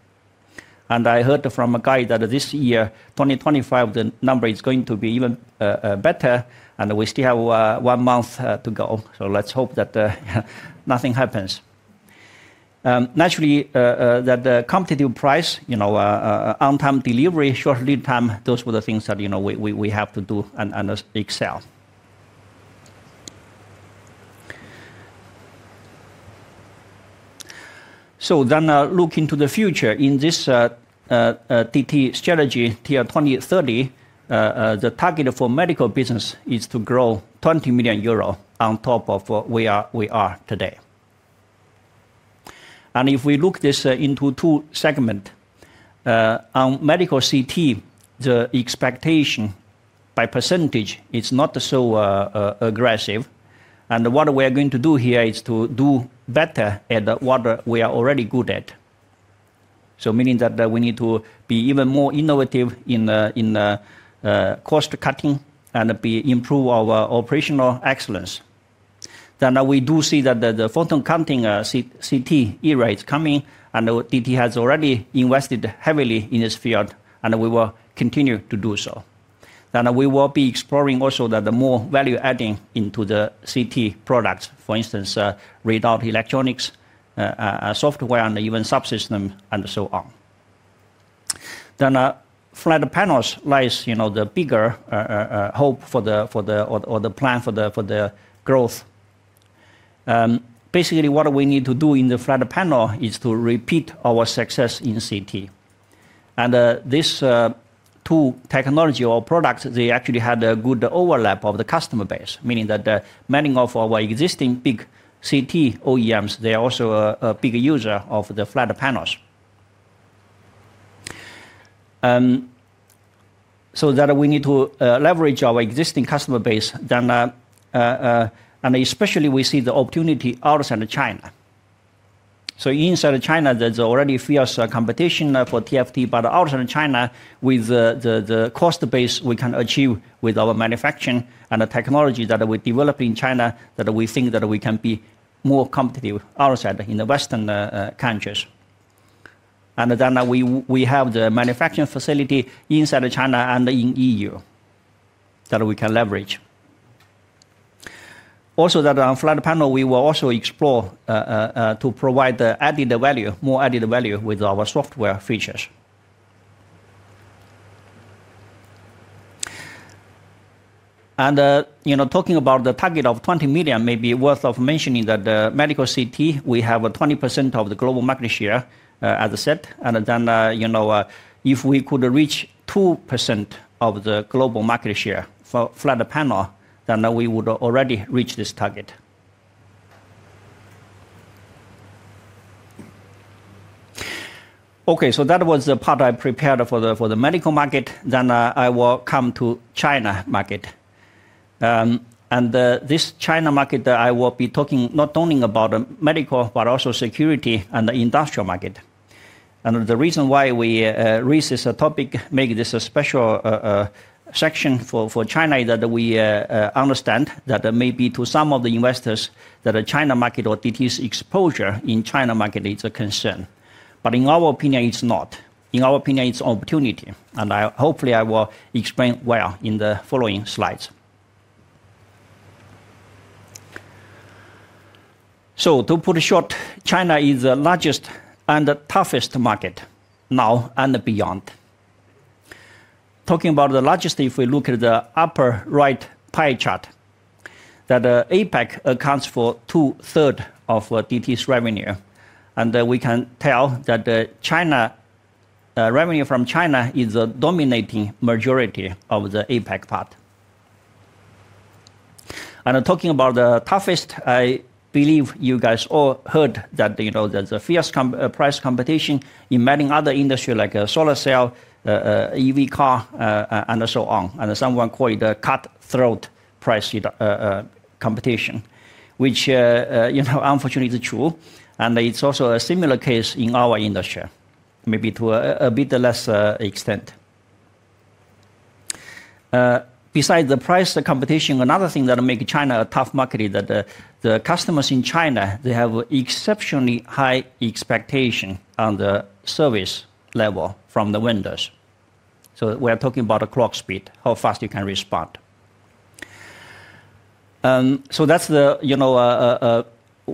I heard from a guy that this year, 2025, the number is going to be even better. We still have one month to go. Let's hope that nothing happens. Naturally, the competitive price, on-time delivery, short lead time, those were the things that we have to do and excel. Looking to the future, in this DT strategy tier 2030, the target for medical business is to grow 20 million euro on top of where we are today. If we look at this in two segments, on medical CT, the expectation by percentage is not so aggressive. What we are going to do here is to do better at what we are already good at. Meaning that we need to be even more innovative in cost cutting and improve our operational excellence. We do see that the photon counting CT era is coming, and DT has already invested heavily in this field, and we will continue to do so. We will be exploring also the more value-adding into the CT products, for instance, radar electronics, software, and even subsystems, and so on. Flat panels lie the bigger hope for the plan for the growth. Basically, what we need to do in the flat panel is to repeat our success in CT. These two technology or products, they actually had a good overlap of the customer base, meaning that many of our existing big CT OEMs, they are also a big user of the flat panels. We need to leverage our existing customer base. Especially, we see the opportunity outside of China. Inside of China, there's already fierce competition for TFT, but outside of China, with the cost base we can achieve with our manufacturing and the technology that we develop in China, we think that we can be more competitive outside in the Western countries. We have the manufacturing facility inside of China and in EU that we can leverage. Also, on flat panel, we will also explore to provide added value, more added value with our software features. Talking about the target of 20 million, maybe worth mentioning that medical CT, we have 20% of the global market share, as I said. If we could reach 2% of the global market share for flat panel, then we would already reach this target. Okay, that was the part I prepared for the medical market. I will come to China market. This China market, I will be talking not only about medical, but also security and the industrial market. The reason why we raise this topic, make this a special section for China, is that we understand that maybe to some of the investors, the China market or Detection Technology's exposure in China market is a concern. In our opinion, it's not. In our opinion, it's an opportunity. Hopefully, I will explain well in the following slides. To put it short, China is the largest and toughest market now and beyond. Talking about the largest, if we look at the upper right pie chart, APAC accounts for 2/3 of Detection Technology's revenue. We can tell that revenue from China is the dominating majority of the APAC part. Talking about the toughest, I believe you guys all heard that there's a fierce price competition in many other industries like solar cell, EV car, and so on. Someone called it a cut-throat price competition, which unfortunately is true. It is also a similar case in our industry, maybe to a bit less extent. Besides the price competition, another thing that makes China a tough market is that the customers in China, they have exceptionally high expectations on the service level from the vendors. We are talking about a clock speed, how fast you can respond. That is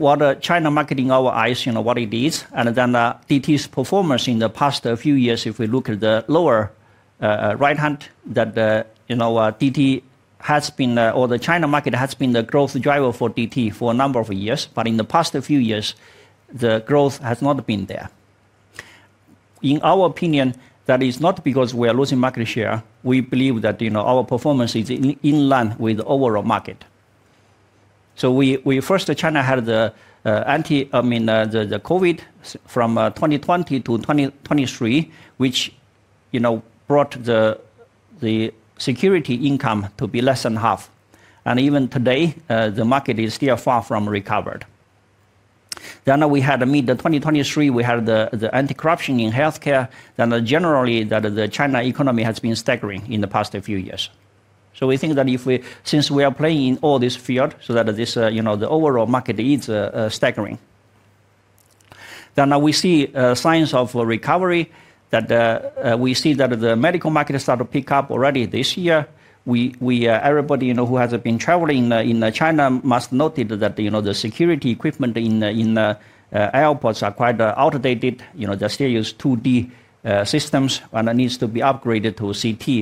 what China market in our eyes, what it is. DT's performance in the past few years, if we look at the lower right hand, DT has been, or the China market has been the growth driver for DT for a number of years. In the past few years, the growth has not been there. In our opinion, that is not because we are losing market share. We believe that our performance is in line with the overall market. First, China had the COVID from 2020 to 2023, which brought the security income to be less than half. Even today, the market is still far from recovered. We had mid-2023, we had the anti-corruption in healthcare. Generally, the China economy has been staggering in the past few years. We think that since we are playing in all this field, the overall market is staggering. We see signs of recovery that we see that the medical market started to pick up already this year. Everybody who has been traveling in China must notice that the security equipment in airports are quite outdated. They still use 2D systems, and it needs to be upgraded to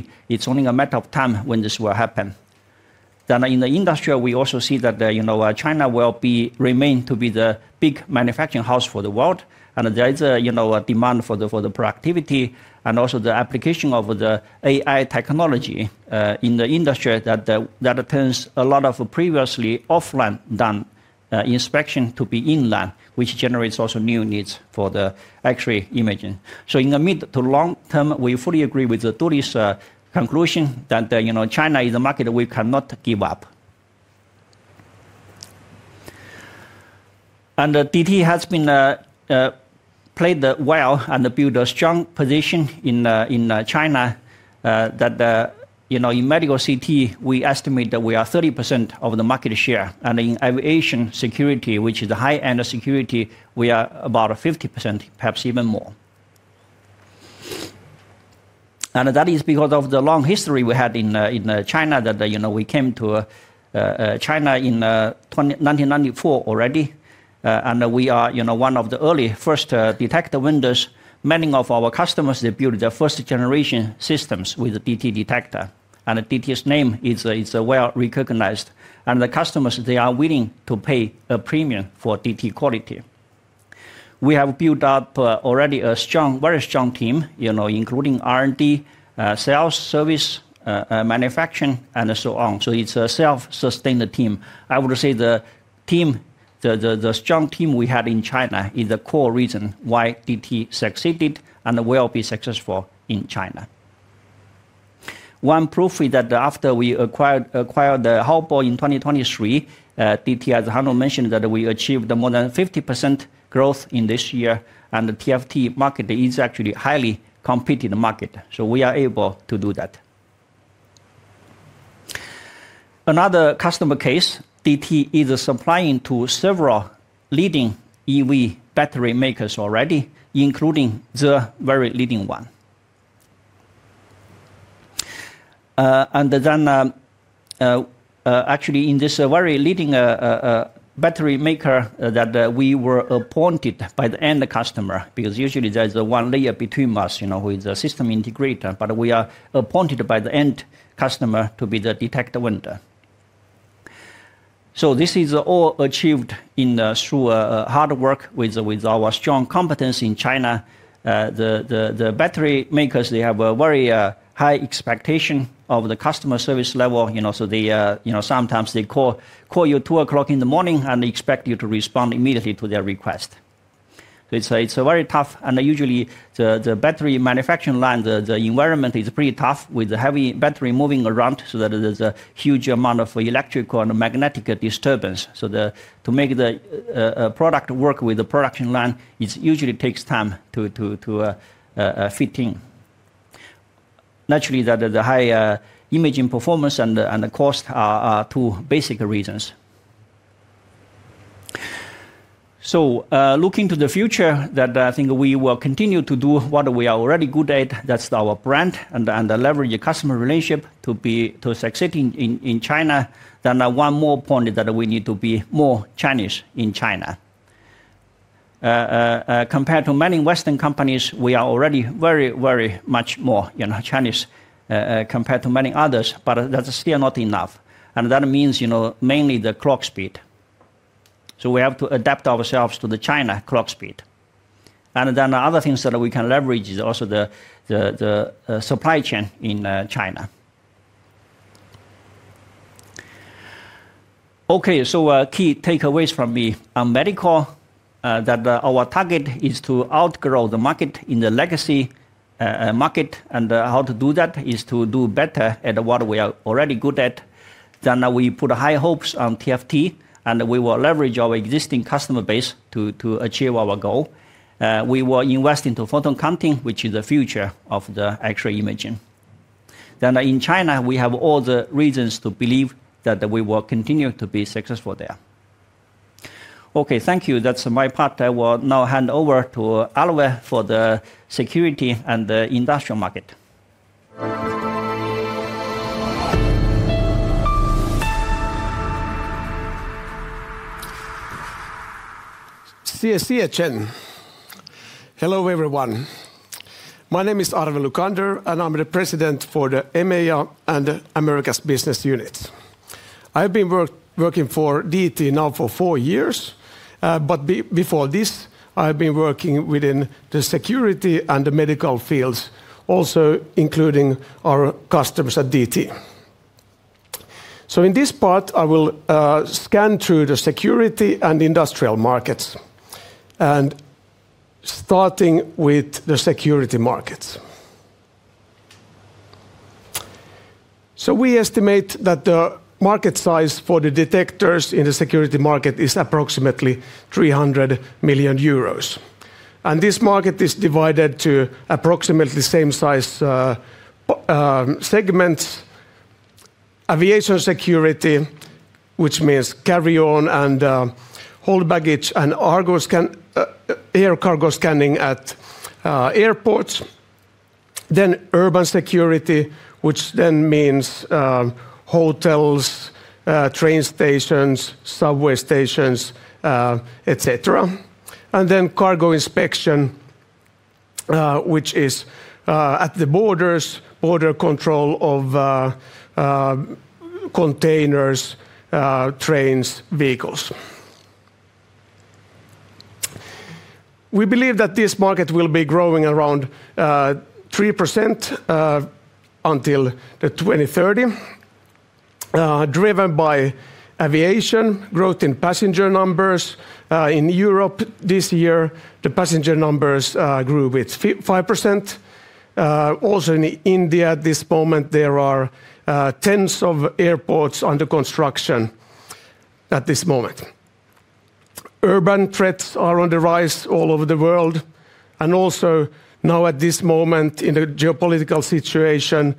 CT. It's only a matter of time when this will happen. In the industry, we also see that China will remain to be the big manufacturing house for the world. There is a demand for the productivity and also the application of the AI technology in the industry that turns a lot of previously offline done inspection to be inline, which generates also new needs for the X-ray imaging. In the mid to long term, we fully agree with DT's conclusion that China is a market we cannot give up. DT has played well and built a strong position in China that in medical CT, we estimate that we are 30% of the market share. In aviation security, which is a high-end security, we are about 50%, perhaps even more. That is because of the long history we had in China that we came to China in 1994 already. We are one of the early first detector vendors. Many of our customers, they built their first-generation systems with DT detector. DT's name is well recognized. The customers, they are willing to pay a premium for DT quality. We have built up already a very strong team, including R&D, sales, service, manufacturing, and so on. It is a self-sustained team. I would say the strong team we had in China is the core reason why DT succeeded and will be successful in China. One proof is that after we acquired Haobo in 2023, DT, as Hannu mentioned, we achieved more than 50% growth in this year. The TFT market is actually a highly competitive market. We are able to do that. Another customer case, DT is supplying to several leading EV battery makers already, including the very leading one. In this very leading battery maker, we were appointed by the end customer, because usually there's one layer between us who is a system integrator. We are appointed by the end customer to be the detector vendor. This is all achieved through hard work with our strong competence in China. The battery makers have a very high expectation of the customer service level. Sometimes they call you at 2:00 A.M. and expect you to respond immediately to their request. It's very tough. Usually, the battery manufacturing line environment is pretty tough with the heavy battery moving around, so there's a huge amount of electrical and magnetic disturbance. To make the product work with the production line, it usually takes time to fit in. Naturally, the high imaging performance and the cost are two basic reasons. Looking to the future, I think we will continue to do what we are already good at. That is our brand and leverage a customer relationship to succeed in China. One more point is that we need to be more Chinese in China. Compared to many Western companies, we are already very, very much more Chinese compared to many others. That is still not enough. That means mainly the clock speed. We have to adapt ourselves to the China clock speed. Other things that we can leverage are also the supply chain in China. Key takeaways from me. On medical, our target is to outgrow the market in the legacy market. How to do that is to do better at what we are already good at. We put high hopes on TFT, and we will leverage our existing customer base to achieve our goal. We will invest into photon counting, which is the future of the X-ray imaging. In China, we have all the reasons to believe that we will continue to be successful there. Okay, thank you. That is my part. I will now hand over to Arve for the security and the industrial market. See you, Chen. Hello, everyone. My name is Arve Lukander, and I am the President for the EMEA and Americas Business Unit. I have been working for DT now for four years. Before this, I have been working within the security and the medical fields, also including our customers at DT. In this part, I will scan through the security and industrial markets, starting with the security markets. We estimate that the market size for the detectors in the security market is approximately 300 million euros. This market is divided to approximately the same size segments: aviation security, which means carry-on and whole baggage and air cargo scanning at airports; urban security, which then means hotels, train stations, subway stations, etc.; and cargo inspection, which is at the borders, border control of containers, trains, vehicles. We believe that this market will be growing around 3% until 2030, driven by aviation growth in passenger numbers. In Europe this year, the passenger numbers grew with 5%. Also in India, at this moment, there are tens of airports under construction at this moment. Urban threats are on the rise all over the world. Also now, at this moment, in the geopolitical situation,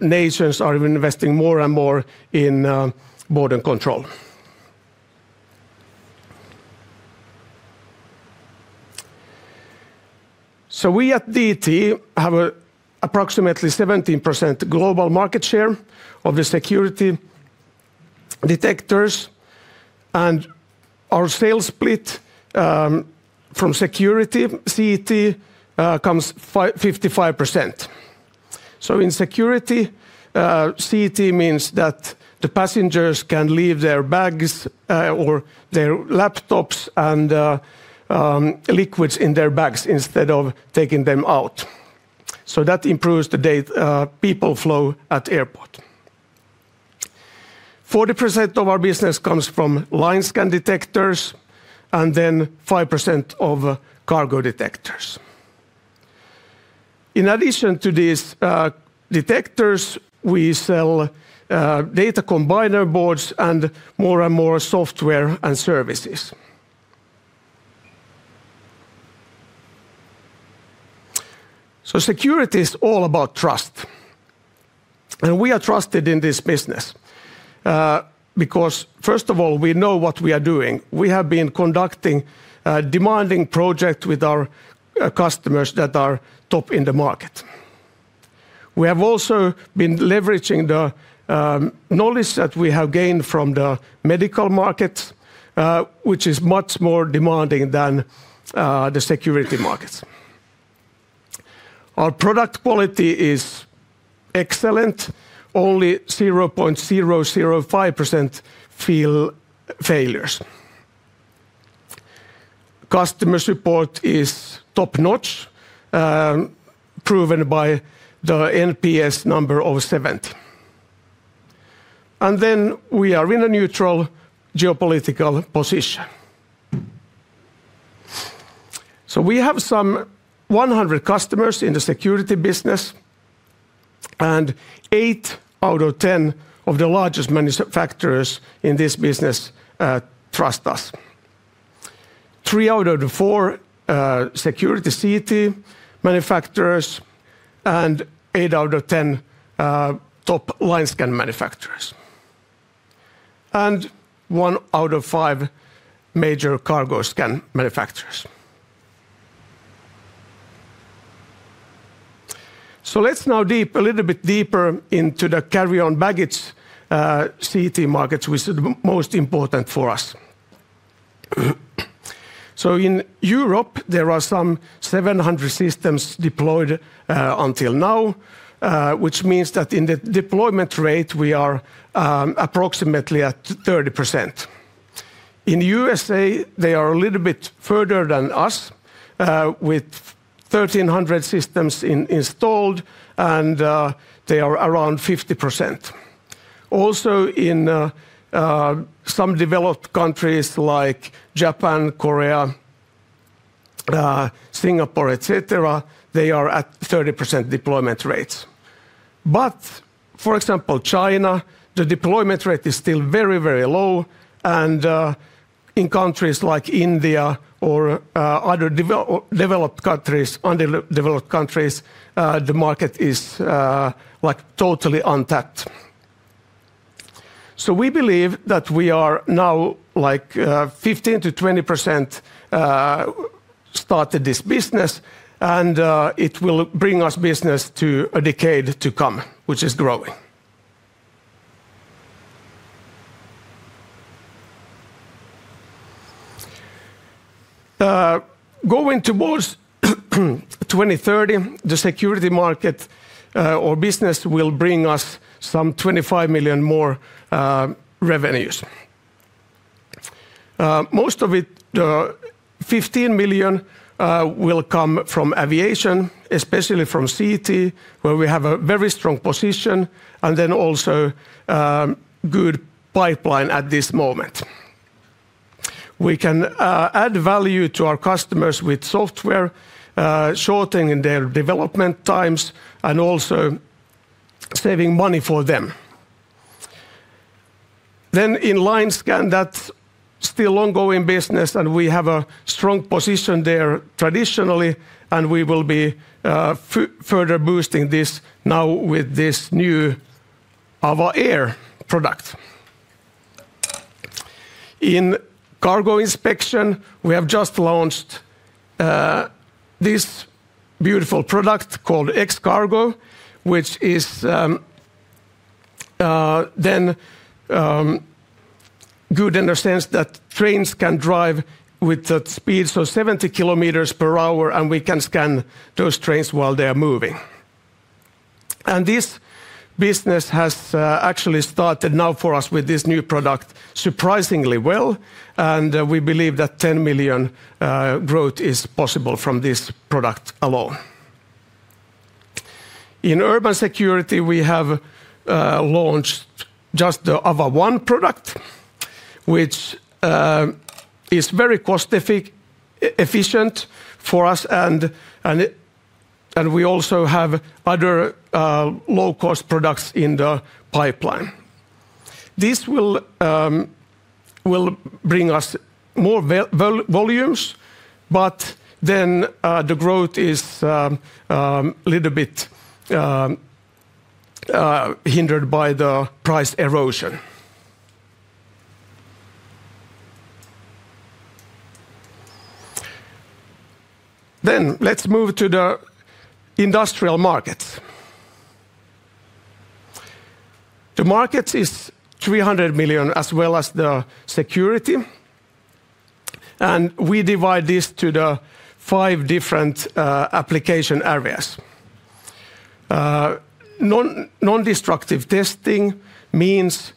nations are investing more and more in border control. We at Detection Technology have approximately 17% global market share of the security detectors. Our sales split from security CT comes 55%. In security, CT means that the passengers can leave their bags or their laptops and liquids in their bags instead of taking them out. That improves the people flow at airport. 40% of our business comes from line scan detectors and then 5% of cargo detectors. In addition to these detectors, we sell data combiner boards and more and more software and services. Security is all about trust. We are trusted in this business because, first of all, we know what we are doing. We have been conducting demanding projects with our customers that are top in the market. We have also been leveraging the knowledge that we have gained from the medical market, which is much more demanding than the security markets. Our product quality is excellent. Only 0.005% field failures. Customer support is top-notch, proven by the NPS number of 70. We are in a neutral geopolitical position. We have some 100 customers in the security business, and 8 out of 10 of the largest manufacturers in this business trust us. Three out of the four security CT manufacturers and 8 out of 10 top line scan manufacturers. One out of five major cargo scan manufacturers. Let's now dig a little bit deeper into the carry-on baggage CT markets, which are the most important for us. In Europe, there are some 700 systems deployed until now, which means that in the deployment rate, we are approximately at 30%. In the U.S., they are a little bit further than us with 1,300 systems installed, and they are around 50%. Also in some developed countries like Japan, Korea, Singapore, etc., they are at 30% deployment rates. For example, China, the deployment rate is still very, very low. In countries like India or other underdeveloped countries, the market is totally untapped. We believe that we are now 15%-20% started this business, and it will bring us business to a decade to come, which is growing. Going towards 2030, the security market or business will bring us some 25 million more revenues. Most of it, 15 million will come from aviation, especially from CT, where we have a very strong position and then also a good pipeline at this moment. We can add value to our customers with software, shortening their development times and also saving money for them. In line scan, that's still ongoing business, and we have a strong position there traditionally, and we will be further boosting this now with this new AVA Air product. In cargo inspection, we have just launched this beautiful product called X-Cargo, which is good in the sense that trains can drive with that speed of 70 km per hour, and we can scan those trains while they are moving. This business has actually started now for us with this new product surprisingly well. We believe that 10 million growth is possible from this product alone. In urban security, we have launched just the AVA One product, which is very cost-efficient for us. We also have other low-cost products in the pipeline. This will bring us more volumes, but the growth is a little bit hindered by the price erosion. Let's move to the industrial markets. The market is 300 million, as well as the security. We divide this to the five different application areas. Non-destructive testing means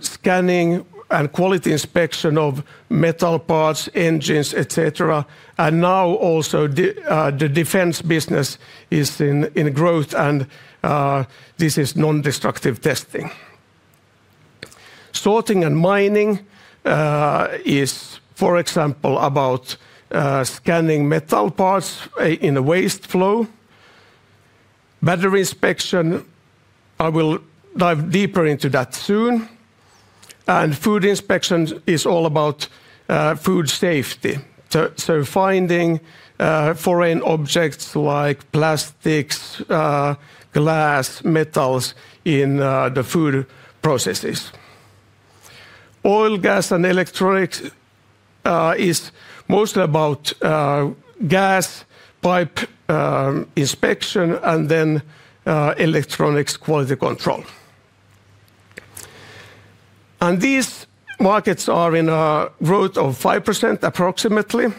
scanning and quality inspection of metal parts, engines, etc. Now also the defense business is in growth, and this is non-destructive testing. Sorting and mining is, for example, about scanning metal parts in a waste flow. Battery inspection, I will dive deeper into that soon. Food inspection is all about food safety, finding foreign objects like plastics, glass, metals in the food processes. Oil, gas, and electronics is mostly about gas pipe inspection and then electronics quality control. These markets are in a growth of 5% approximately,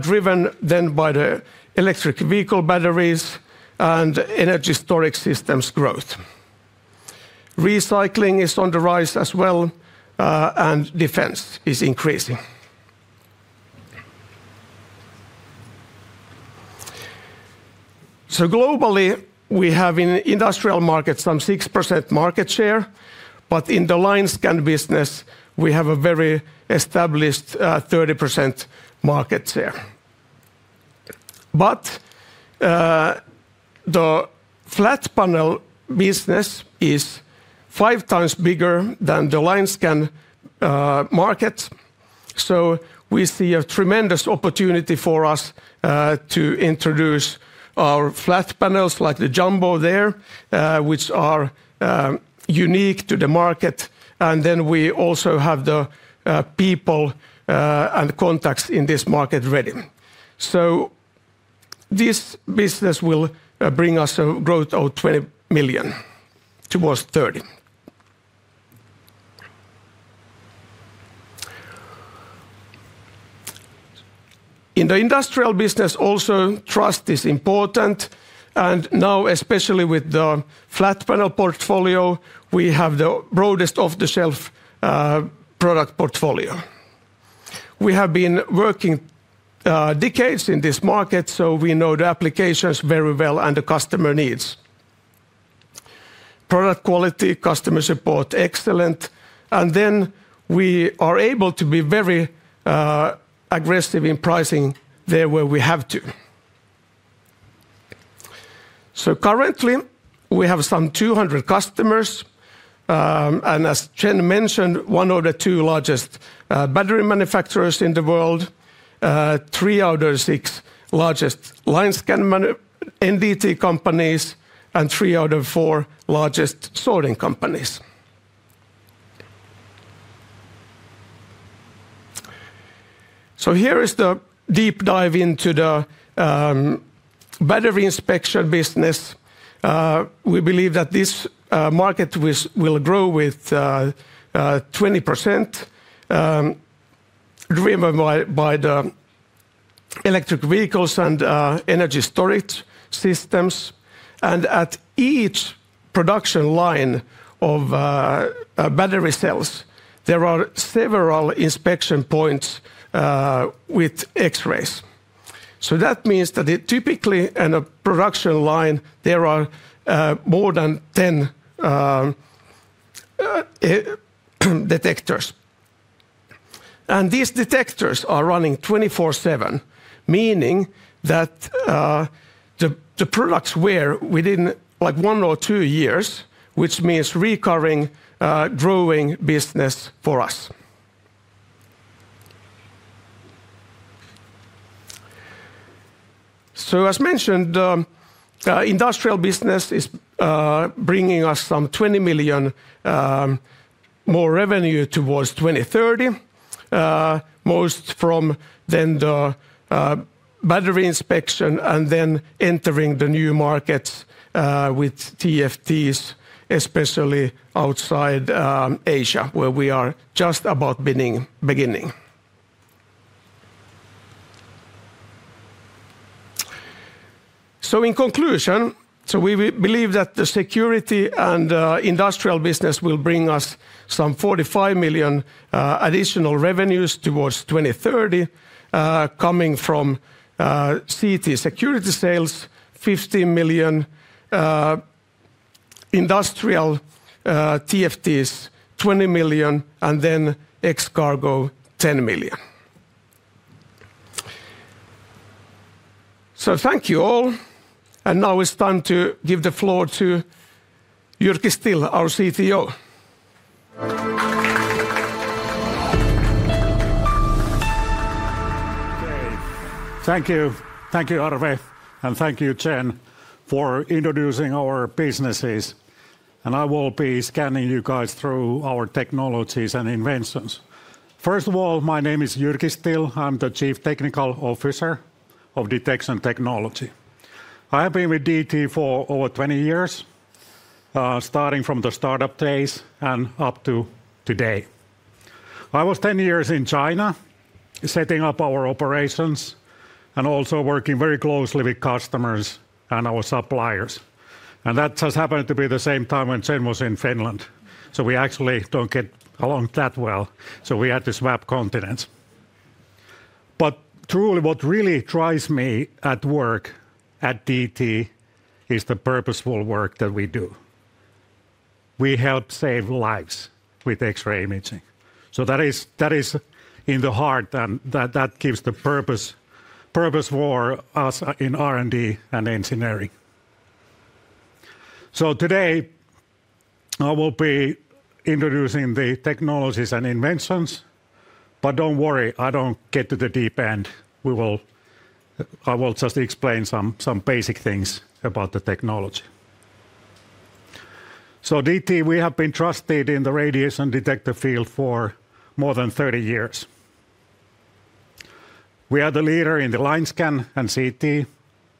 driven then by the electric vehicle batteries and energy storage systems growth. Recycling is on the rise as well, and defense is increasing. Globally, we have in industrial markets some 6% market share. In the line scan business, we have a very established 30% market share. The flat panel business is five times bigger than the line scan market. We see a tremendous opportunity for us to introduce our flat panels like the Jumbo there, which are unique to the market. We also have the people and contacts in this market ready. This business will bring us a growth of 20 million towards 30 million. In the industrial business, also trust is important. Now, especially with the flat panel portfolio, we have the broadest off-the-shelf product portfolio. We have been working decades in this market, so we know the applications very well and the customer needs. Product quality, customer support, excellent. We are able to be very aggressive in pricing there where we have to. Currently, we have some 200 customers. As Chen mentioned, one of the two largest battery manufacturers in the world, three out of six largest line scan NDT companies, and three out of four largest sorting companies. Here is the deep dive into the battery inspection business. We believe that this market will grow with 20% driven by the electric vehicles and energy storage systems. At each production line of battery cells, there are several inspection points with X-rays. That means that typically in a production line, there are more than 10 detectors. These detectors are running 24/7, meaning that the products wear within one or two years, which means recurring growing business for us. As mentioned, the industrial business is bringing us some 20 million more revenue towards 2030, most from the battery inspection and then entering the new markets with TFTs, especially outside Asia, where we are just about beginning. In conclusion, we believe that the security and industrial business will bring us some 45 million additional revenues towards 2030, coming from CT security sales, 15 million, industrial TFTs, 20 million, and then X-Cargo, 10 million. Thank you all. Now it is time to give the floor to Jyrki Still, our CTO. Thank you. Thank you, Arve, and thank you, Chen, for introducing our businesses. I will be scanning you guys through our technologies and inventions. First of all, my name is Jyrki Still. I'm the Chief Technology Officer of Detection Technology. I have been with DT for over 20 years, starting from the startup days and up to today. I was 10 years in China setting up our operations and also working very closely with customers and our suppliers. That has happened to be the same time when Chen was in Finland. We actually don't get along that well. We had to swap continents. Truly, what really drives me at work at DT is the purposeful work that we do. We help save lives with X-ray imaging. That is in the heart, and that gives the purpose for us in R&D and engineering. Today, I will be introducing the technologies and inventions. Don't worry, I don't get to the deep end. I will just explain some basic things about the technology. Detection Technology, we have been trusted in the radiation detector field for more than 30 years. We are the leader in the line scan and CT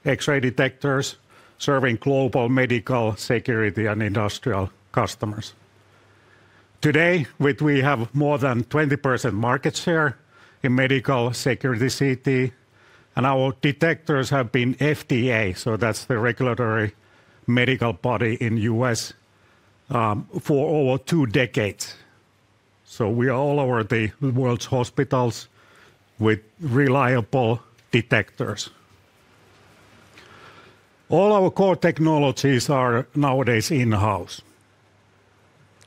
X-ray detectors serving global medical, security, and industrial customers. Today, we have more than 20% market share in medical security CT. Our detectors have been FDA, so that's the regulatory medical body in the U.S., for over two decades. We are all over the world's hospitals with reliable detectors. All our core technologies are nowadays in-house.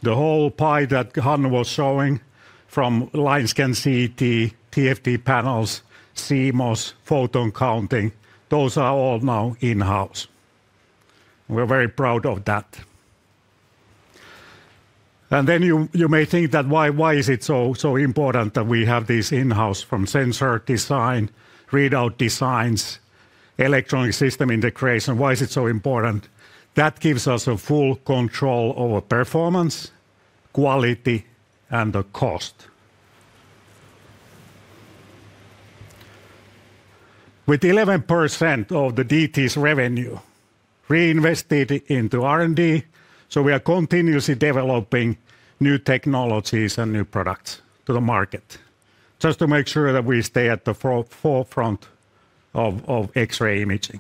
The whole pie that Hannu was showing from line scan, CT, TFT panels, CMOS, photon counting, those are all now in-house. We're very proud of that. You may think that why is it so important that we have this in-house from sensor design, readout designs, electronic system integration? Why is it so important? That gives us full control over performance, quality, and the cost. With 11% of DT's revenue reinvested into R&D, we are continuously developing new technologies and new products to the market just to make sure that we stay at the forefront of X-ray imaging.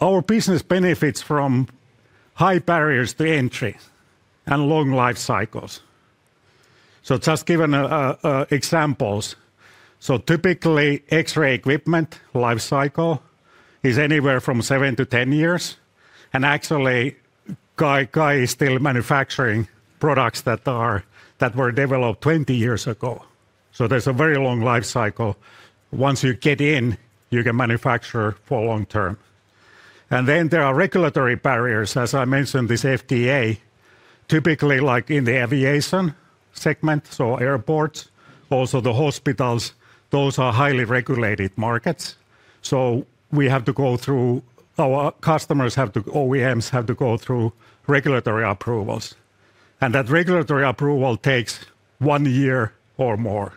Our business benefits from high barriers to entry and long life cycles. Just giving examples, typically X-ray equipment life cycle is anywhere from 7-10 years. Actually, DT is still manufacturing products that were developed 20 years ago. There is a very long life cycle. Once you get in, you can manufacture for a long term. There are regulatory barriers. As I mentioned, the FDA, typically like in the aviation segment, airports, also the hospitals, those are highly regulated markets. We have to go through, our customers have to, OEMs have to go through regulatory approvals. That regulatory approval takes one year or more.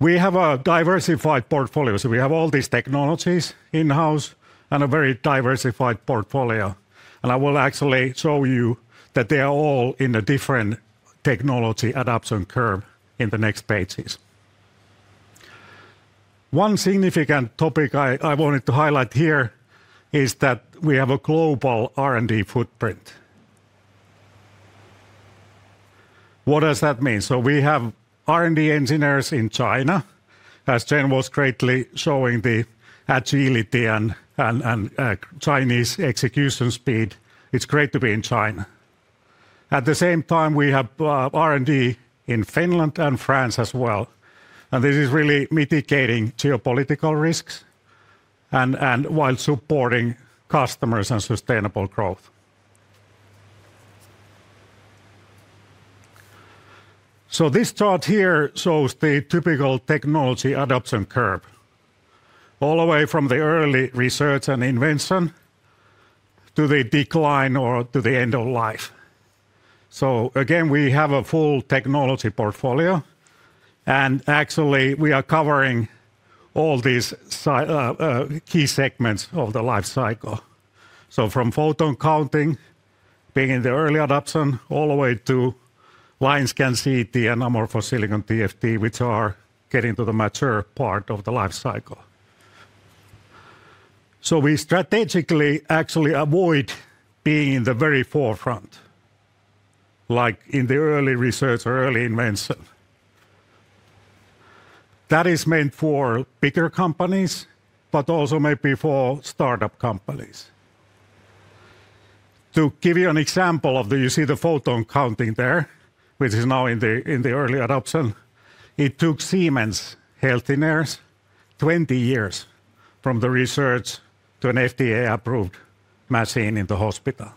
We have a diversified portfolio. We have all these technologies in-house and a very diversified portfolio. I will actually show you that they are all in a different technology adoption curve in the next pages. One significant topic I wanted to highlight here is that we have a global R&D footprint. What does that mean? We have R&D engineers in China. As Chen was greatly showing, the agility and Chinese execution speed, it's great to be in China. At the same time, we have R&D in Finland and France as well. This is really mitigating geopolitical risks and while supporting customers and sustainable growth. This chart here shows the typical technology adoption curve all the way from the early research and invention to the decline or to the end of life. Again, we have a full technology portfolio. Actually, we are covering all these key segments of the life cycle. From photon counting, being in the early adoption, all the way to line scan CT and amorphous silicon TFT, which are getting to the mature part of the life cycle. We strategically actually avoid being in the very forefront, like in the early research or early invention. That is meant for bigger companies, but also maybe for startup companies. To give you an example, you see the photon counting there, which is now in the early adoption. It took Siemens Healthineers 20 years from the research to an FDA-approved machine in the hospital.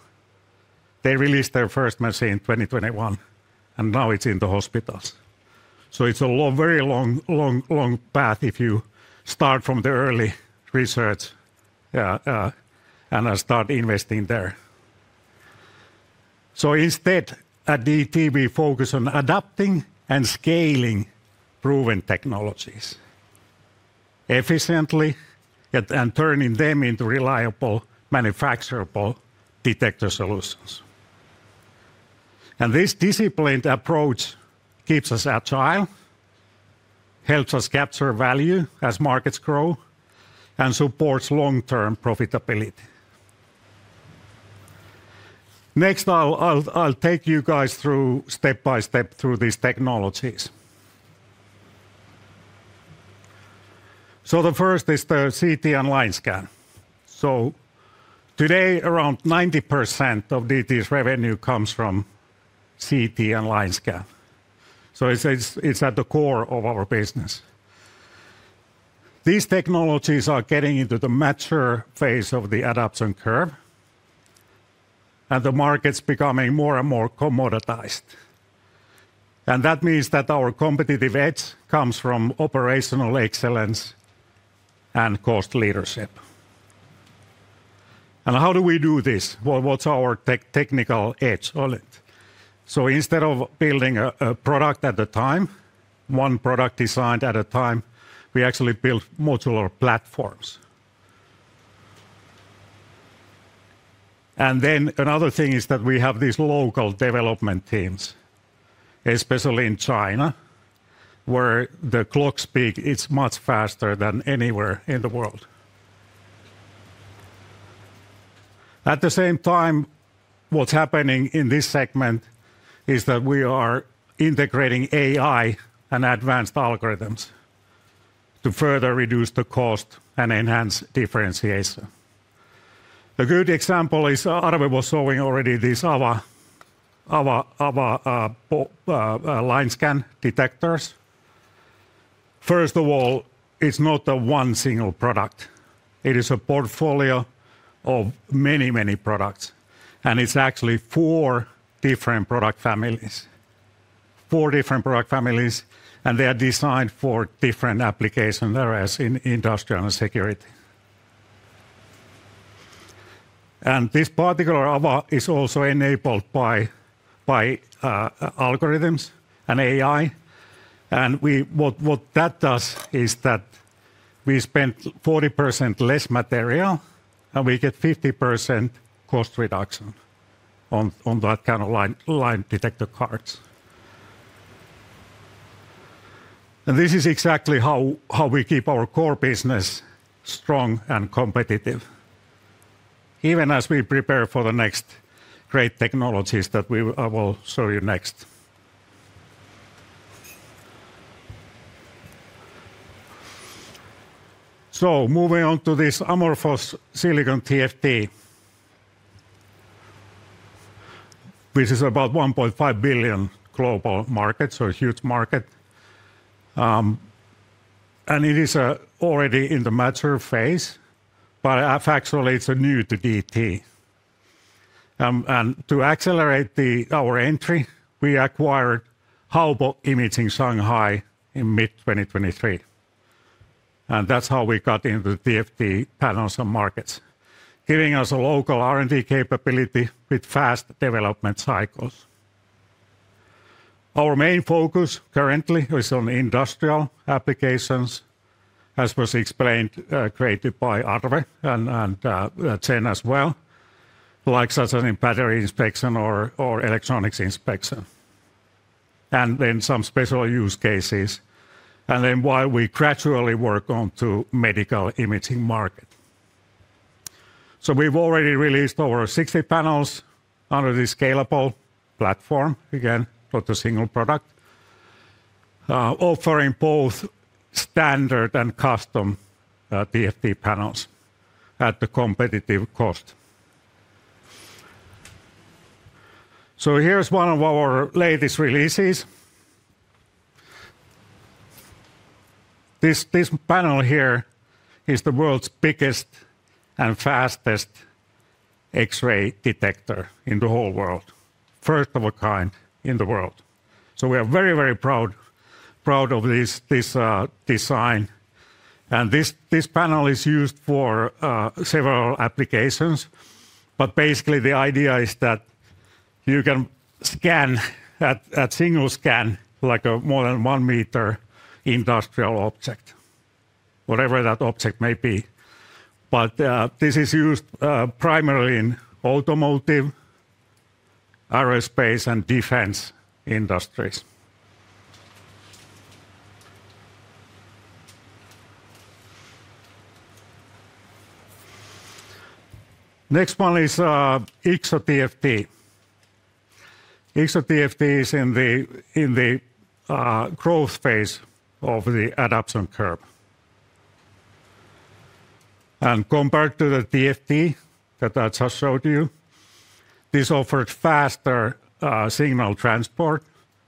They released their first machine in 2021, and now it's in the hospitals. It's a very long path if you start from the early research and start investing there. Instead, at DT, we focus on adapting and scaling proven technologies efficiently and turning them into reliable, manufacturable detector solutions. This disciplined approach keeps us agile, helps us capture value as markets grow, and supports long-term profitability. Next, I'll take you guys step by step through these technologies. The first is the CT and line scan. Today, around 90% of DT's revenue comes from CT and line scan. It's at the core of our business. These technologies are getting into the mature phase of the adoption curve, and the market's becoming more and more commoditized. That means that our competitive edge comes from operational excellence and cost leadership. How do we do this? What's our technical edge? Instead of building a product at a time, one product designed at a time, we actually build modular platforms. Another thing is that we have these local development teams, especially in China, where the clock speed is much faster than anywhere in the world. At the same time, what's happening in this segment is that we are integrating AI and advanced algorithms to further reduce the cost and enhance differentiation. A good example is Arve was showing already these AVA line scan detectors. First of all, it's not a single product. It is a portfolio of many, many products. It's actually four different product families, four different product families, and they are designed for different applications, whereas in industrial and security. This particular AVA is also enabled by algorithms and AI. What that does is that we spend 40% less material, and we get 50% cost reduction on that kind of line detector cards. This is exactly how we keep our core business strong and competitive, even as we prepare for the next great technologies that I will show you next. Moving on to this amorphous silicon TFT, which is about 1.5 billion global market, a huge market. It is already in the mature phase, but actually it's new to DT. To accelerate our entry, we acquired Shanghai Haobo Imaging Technology in mid-2023. That's how we got into the TFT panels and markets, giving us a local R&D capability with fast development cycles. Our main focus currently is on industrial applications, as was explained, created by Arve and Chen as well, like such as in battery inspection or electronics inspection, and then some special use cases, and then while we gradually work on to medical imaging market. We have already released over 60 panels under the scalable platform, again, not a single product, offering both standard and custom TFT panels at the competitive cost. Here is one of our latest releases. This panel here is the world's biggest and fastest X-ray detector in the whole world, first of a kind in the world. We are very, very proud of this design. This panel is used for several applications. Basically, the idea is that you can scan at single scan, like a more than 1 meter industrial object, whatever that object may be. This is used primarily in automotive, aerospace, and defense industries. Next one is IGZO-TFT. IGZO-TFT is in the growth phase of the adoption curve. Compared to the TFT that I just showed you, this offers faster signal transport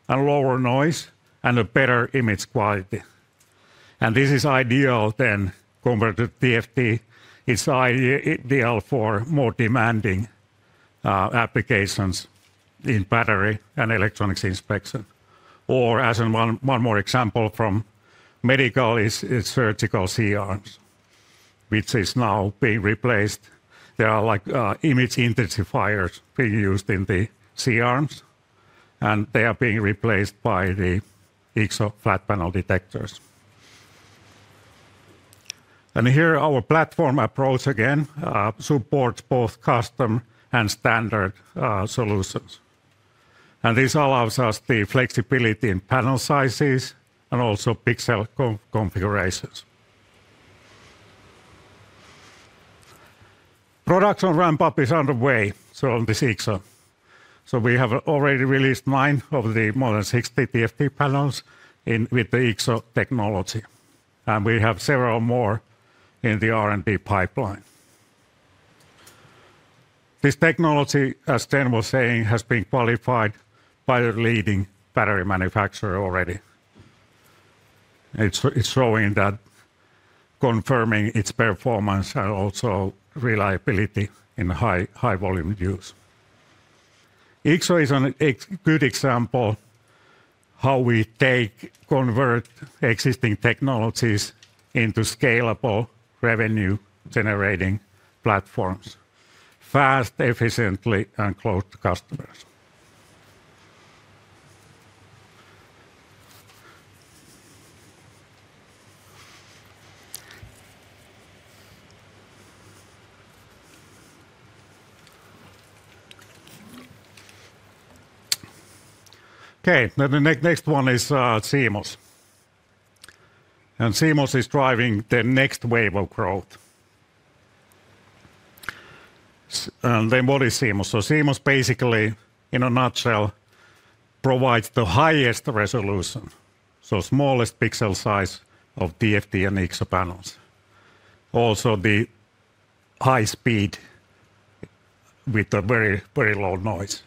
and lower noise and a better image quality. This is ideal then compared to TFT. It's ideal for more demanding applications in battery and electronics inspection. Or as in one more example from medical, it's surgical C-arms, which is now being replaced. There are image intensifiers being used in the C-arms, and they are being replaced by the IGZO flat panel detectors. Here our platform approach again supports both custom and standard solutions. This allows us the flexibility in panel sizes and also pixel configurations. Production ramp-up is underway on this IGZO. We have already released nine of the more than 60 TFT panels with the IGZO technology. We have several more in the R&D pipeline. This technology, as Chen was saying, has been qualified by the leading battery manufacturer already. It is showing that, confirming its performance and also reliability in high volume use. IGZO is a good example of how we take, convert existing technologies into scalable revenue-generating platforms, fast, efficiently, and close to customers. The next one is CMOS. CMOS is driving the next wave of growth. What is CMOS? CMOS basically, in a nutshell, provides the highest resolution, so smallest pixel size of TFT and IGZO panels. Also the high speed with very, very low noise.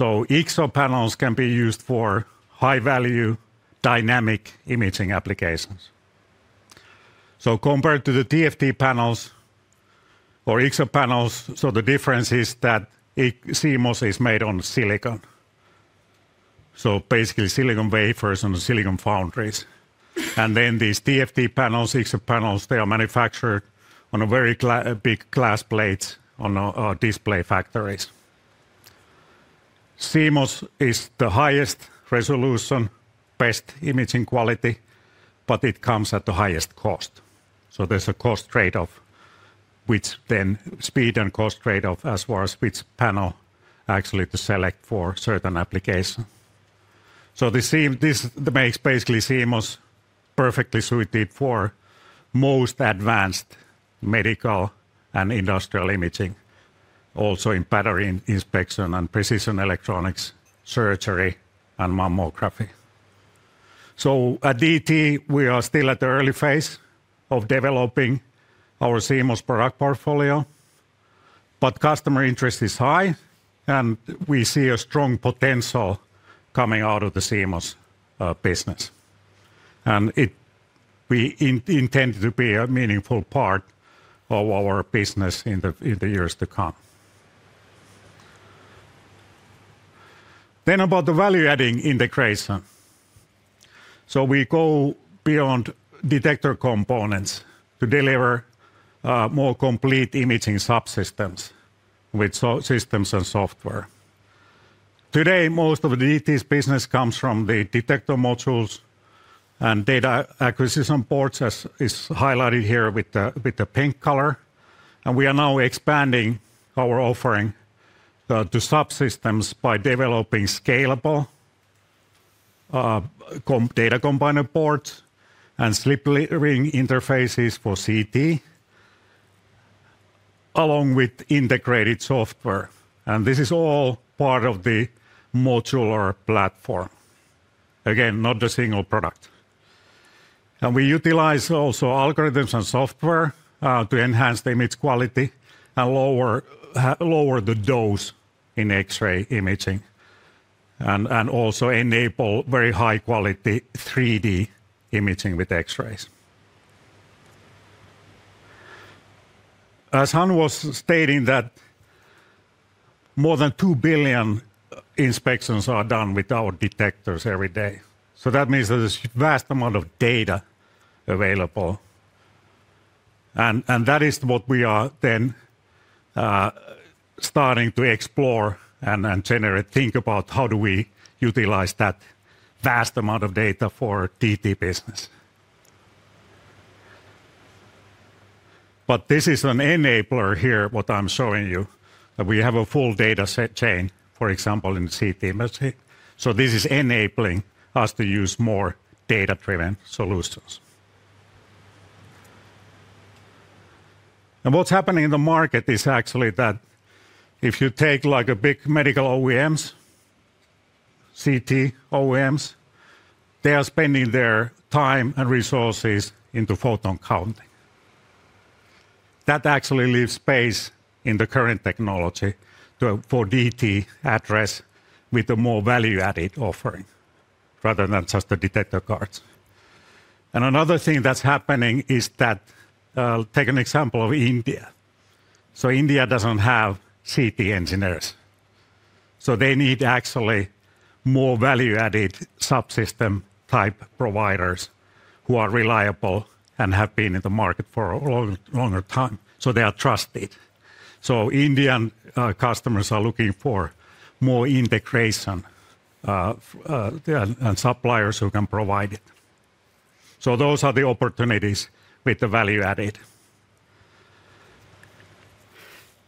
IGZO panels can be used for high-value dynamic imaging applications. Compared to the TFT panels or IGZO panels, the difference is that CMOS is made on silicon, so basically silicon wafers and silicon foundries. These TFT panels, IGZO panels, they are manufactured on very big glass plates on display factories. CMOS is the highest resolution, best imaging quality, but it comes at the highest cost. There's a cost trade-off, which is then a speed and cost trade-off as far as which panel actually to select for certain application. This makes CMOS perfectly suited for most advanced medical and industrial imaging, also in battery inspection and precision electronics, surgery, and mammography. At DT, we are still at the early phase of developing our CMOS product portfolio, but customer interest is high, and we see a strong potential coming out of the CMOS business. We intend to be a meaningful part of our business in the years to come. About the value-adding integration, we go beyond detector components to deliver more complete imaging subsystems with systems and software. Today, most of DT's business comes from the detector modules, and data acquisition ports as highlighted here with the pink color. We are now expanding our offering to subsystems by developing scalable data combined ports and slip ring interfaces for CT, along with integrated software. This is all part of the modular platform, again, not a single product. We utilize also algorithms and software to enhance the image quality and lower the dose in X-ray imaging, and also enable very high-quality 3D imaging with X-rays. As Hannu was stating, more than 2 billion inspections are done with our detectors every day. That means there's a vast amount of data available. That is what we are then starting to explore and generate, think about how do we utilize that vast amount of data for DT business. This is an enabler here, what I'm showing you, that we have a full data chain, for example, in CT imaging. This is enabling us to use more data-driven solutions. What's happening in the market is actually that if you take like big medical OEMs, CT OEMs, they are spending their time and resources into photon counting. That actually leaves space in the current technology for DT to address with a more value-added offering rather than just the detector cards. Another thing that's happening is that take an example of India. India doesn't have CT engineers. They need actually more value-added subsystem type providers who are reliable and have been in the market for a longer time. They are trusted. Indian customers are looking for more integration and suppliers who can provide it. Those are the opportunities with the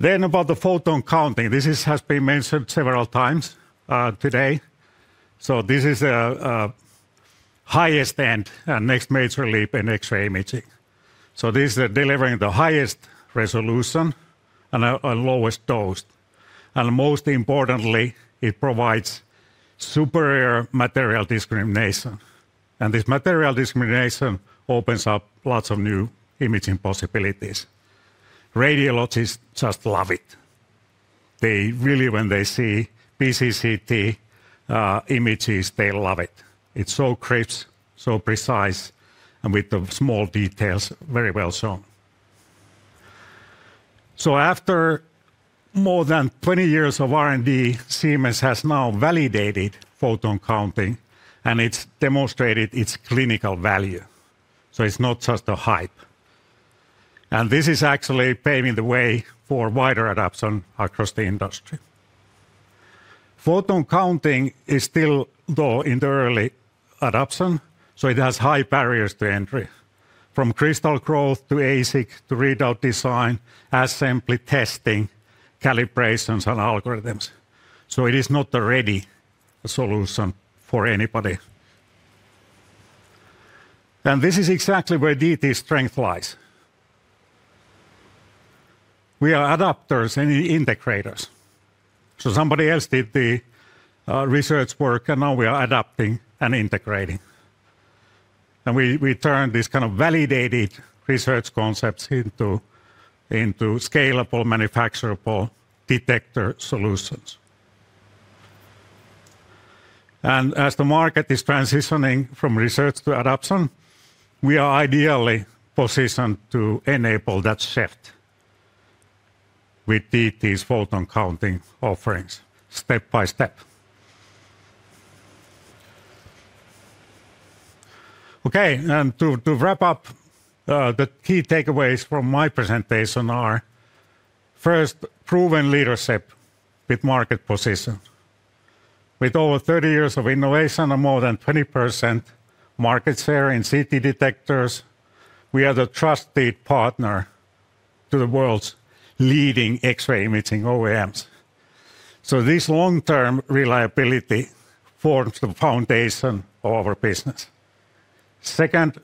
value-added. About the photon counting, this has been mentioned several times today. This is the highest end and next major leap in X-ray imaging. This is delivering the highest resolution and a lowest dose. Most importantly, it provides superior material discrimination. This material discrimination opens up lots of new imaging possibilities. Radiologists just love it. They really, when they see PCCT images, they love it. It is so crisp, so precise, and with the small details very well shown. After more than 20 years of R&D, Siemens has now validated photon counting, and it has demonstrated its clinical value. It is not just a hype. This is actually paving the way for wider adoption across the industry. Photon counting is still low in the early adoption, so it has high barriers to entry, from crystal growth to ASIC to readout design, assembly, testing, calibrations, and algorithms. It is not a ready solution for anybody. This is exactly where DT's strength lies. We are adopters and integrators. Somebody else did the research work, and now we are adapting and integrating. We turn this kind of validated research concepts into scalable, manufacturable detector solutions. As the market is transitioning from research to adoption, we are ideally positioned to enable that shift with DT's photon counting offerings step by step. Okay, to wrap up, the key takeaways from my presentation are first, proven leadership with market position. With over 30 years of innovation and more than 20% market share in CT detectors, we are the trusted partner to the world's leading X-ray imaging OEMs. This long-term reliability forms the foundation of our business. Second,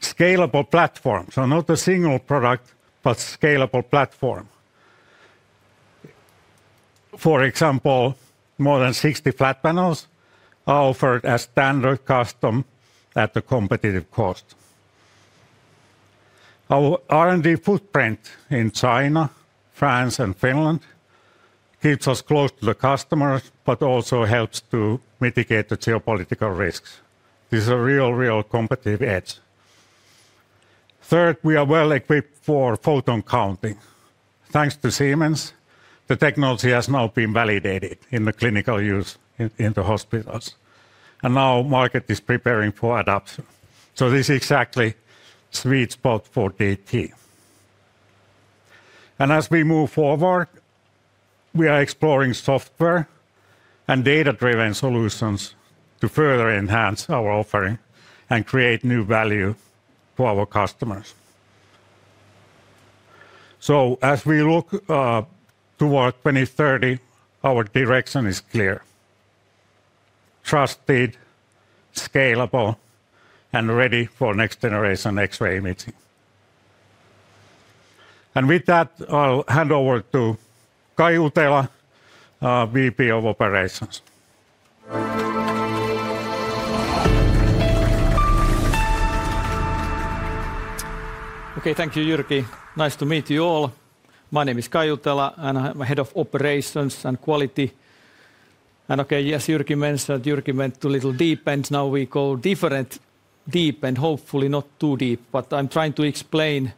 scalable platform. Not a single product, but scalable platform. For example, more than 60 flat panels are offered as standard custom at a competitive cost. Our R&D footprint in China, France, and Finland keeps us close to the customers, but also helps to mitigate the geopolitical risks. This is a real, real competitive edge. Third, we are well equipped for photon counting. Thanks to Siemens, the technology has now been validated in the clinical use in the hospitals. The market is preparing for adoption. This is exactly the sweet spot for DT. As we move forward, we are exploring software and data-driven solutions to further enhance our offering and create new value for our customers. As we look toward 2030, our direction is clear: trusted, scalable, and ready for next generation X-ray imaging. With that, I'll hand over to Kai Utela, Vice President of Operations. Okay, thank you, Jyrki. Nice to meet you all. My name is Kai Utela, and I'm head of operations and quality. Okay, as Jyrki mentioned, Jyrki went a little deep, and now we go different, deep, and hopefully not too deep, but I'm trying to explain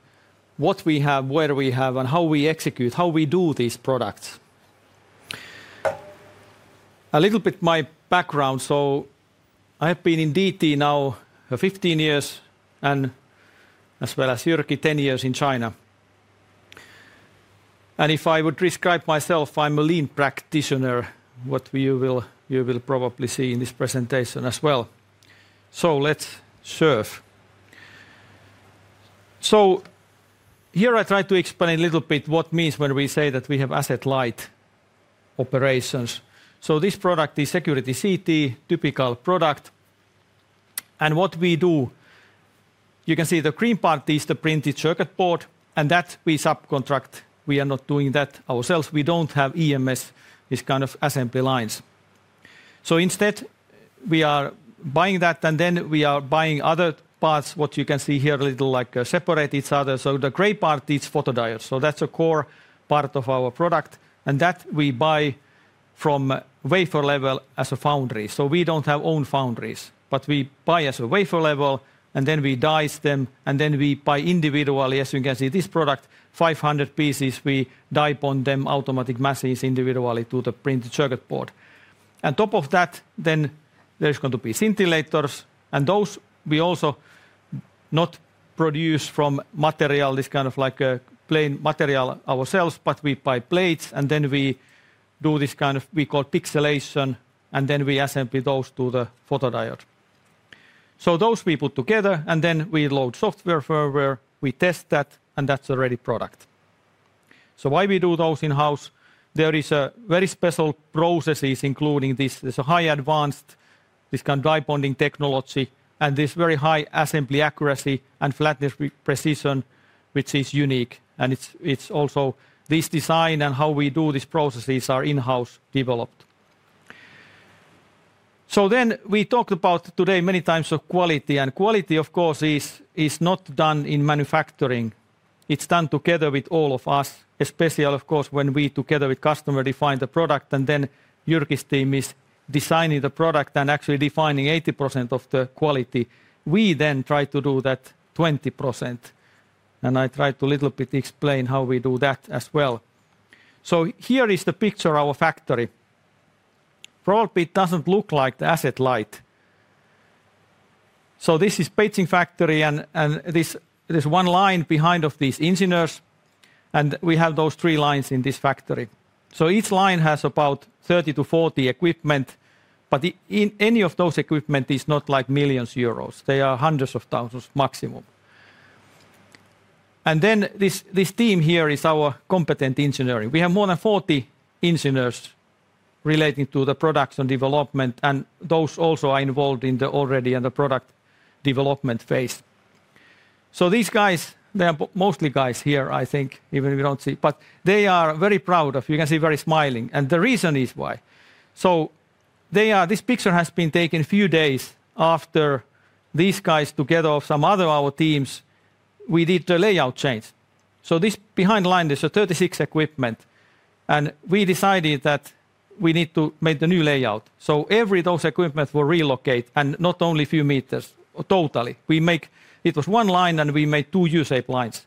what we have, where we have, and how we execute, how we do these products. A little bit of my background. I have been in DT now 15 years, and as well as Jyrki, 10 years in China. If I would describe myself, I'm a lean practitioner, what you will probably see in this presentation as well. Let's serve. Here I try to explain a little bit what it means when we say that we have asset-light operations. This product is Security CT, typical product. What we do, you can see the green part is the printed circuit board, and that we subcontract. We are not doing that ourselves. We do not have EMS, this kind of assembly lines. Instead, we are buying that, and then we are buying other parts, what you can see here, a little like separate each other. The gray part is photodiodes. That is a core part of our product. That we buy from wafer level as a foundry. We do not have own foundries, but we buy as a wafer level, and then we dice them, and then we buy individually. As you can see, this product, 500 pieces, we die on them automatic machines individually to the printed circuit board. On top of that, there are going to be scintillators. Those we also do not produce from material, this kind of like a plain material ourselves, but we buy plates, and then we do this kind of, we call pixelation, and then we assemble those to the photodiode. Those we put together, and then we load software firmware, we test that, and that is a ready product. Why we do those in-house? There is a very special process including this. There is a high advanced, this kind of die bonding technology, and this very high assembly accuracy and flatness precision, which is unique. It is also this design and how we do these processes are in-house developed. We talked about today many times of quality. Quality, of course, is not done in manufacturing. It is done together with all of us, especially of course when we together with customer define the product, and then Jyrki's team is designing the product and actually defining 80% of the quality. We then try to do that 20%. I tried to a little bit explain how we do that as well. Here is the picture of our factory. Probably it does not look like the asset light. This is a pacing factory, and there is one line behind these engineers, and we have those three lines in this factory. Each line has about 30-40 equipment, but any of those equipment is not like millions of euros. They are hundreds of thousands maximum. This team here is our competent engineering. We have more than 40 engineers relating to the production development, and those also are involved already in the product development phase. These guys, they are mostly guys here, I think, even if we do not see, but they are very proud of, you can see very smiling. The reason is why. This picture has been taken a few days after these guys together with some other of our teams, we did the layout change. This behind line, there is 36 equipment, and we decided that we need to make the new layout. Every one of those equipment was relocated and not only a few meters totally. It was one line, and we made two U-shaped lines.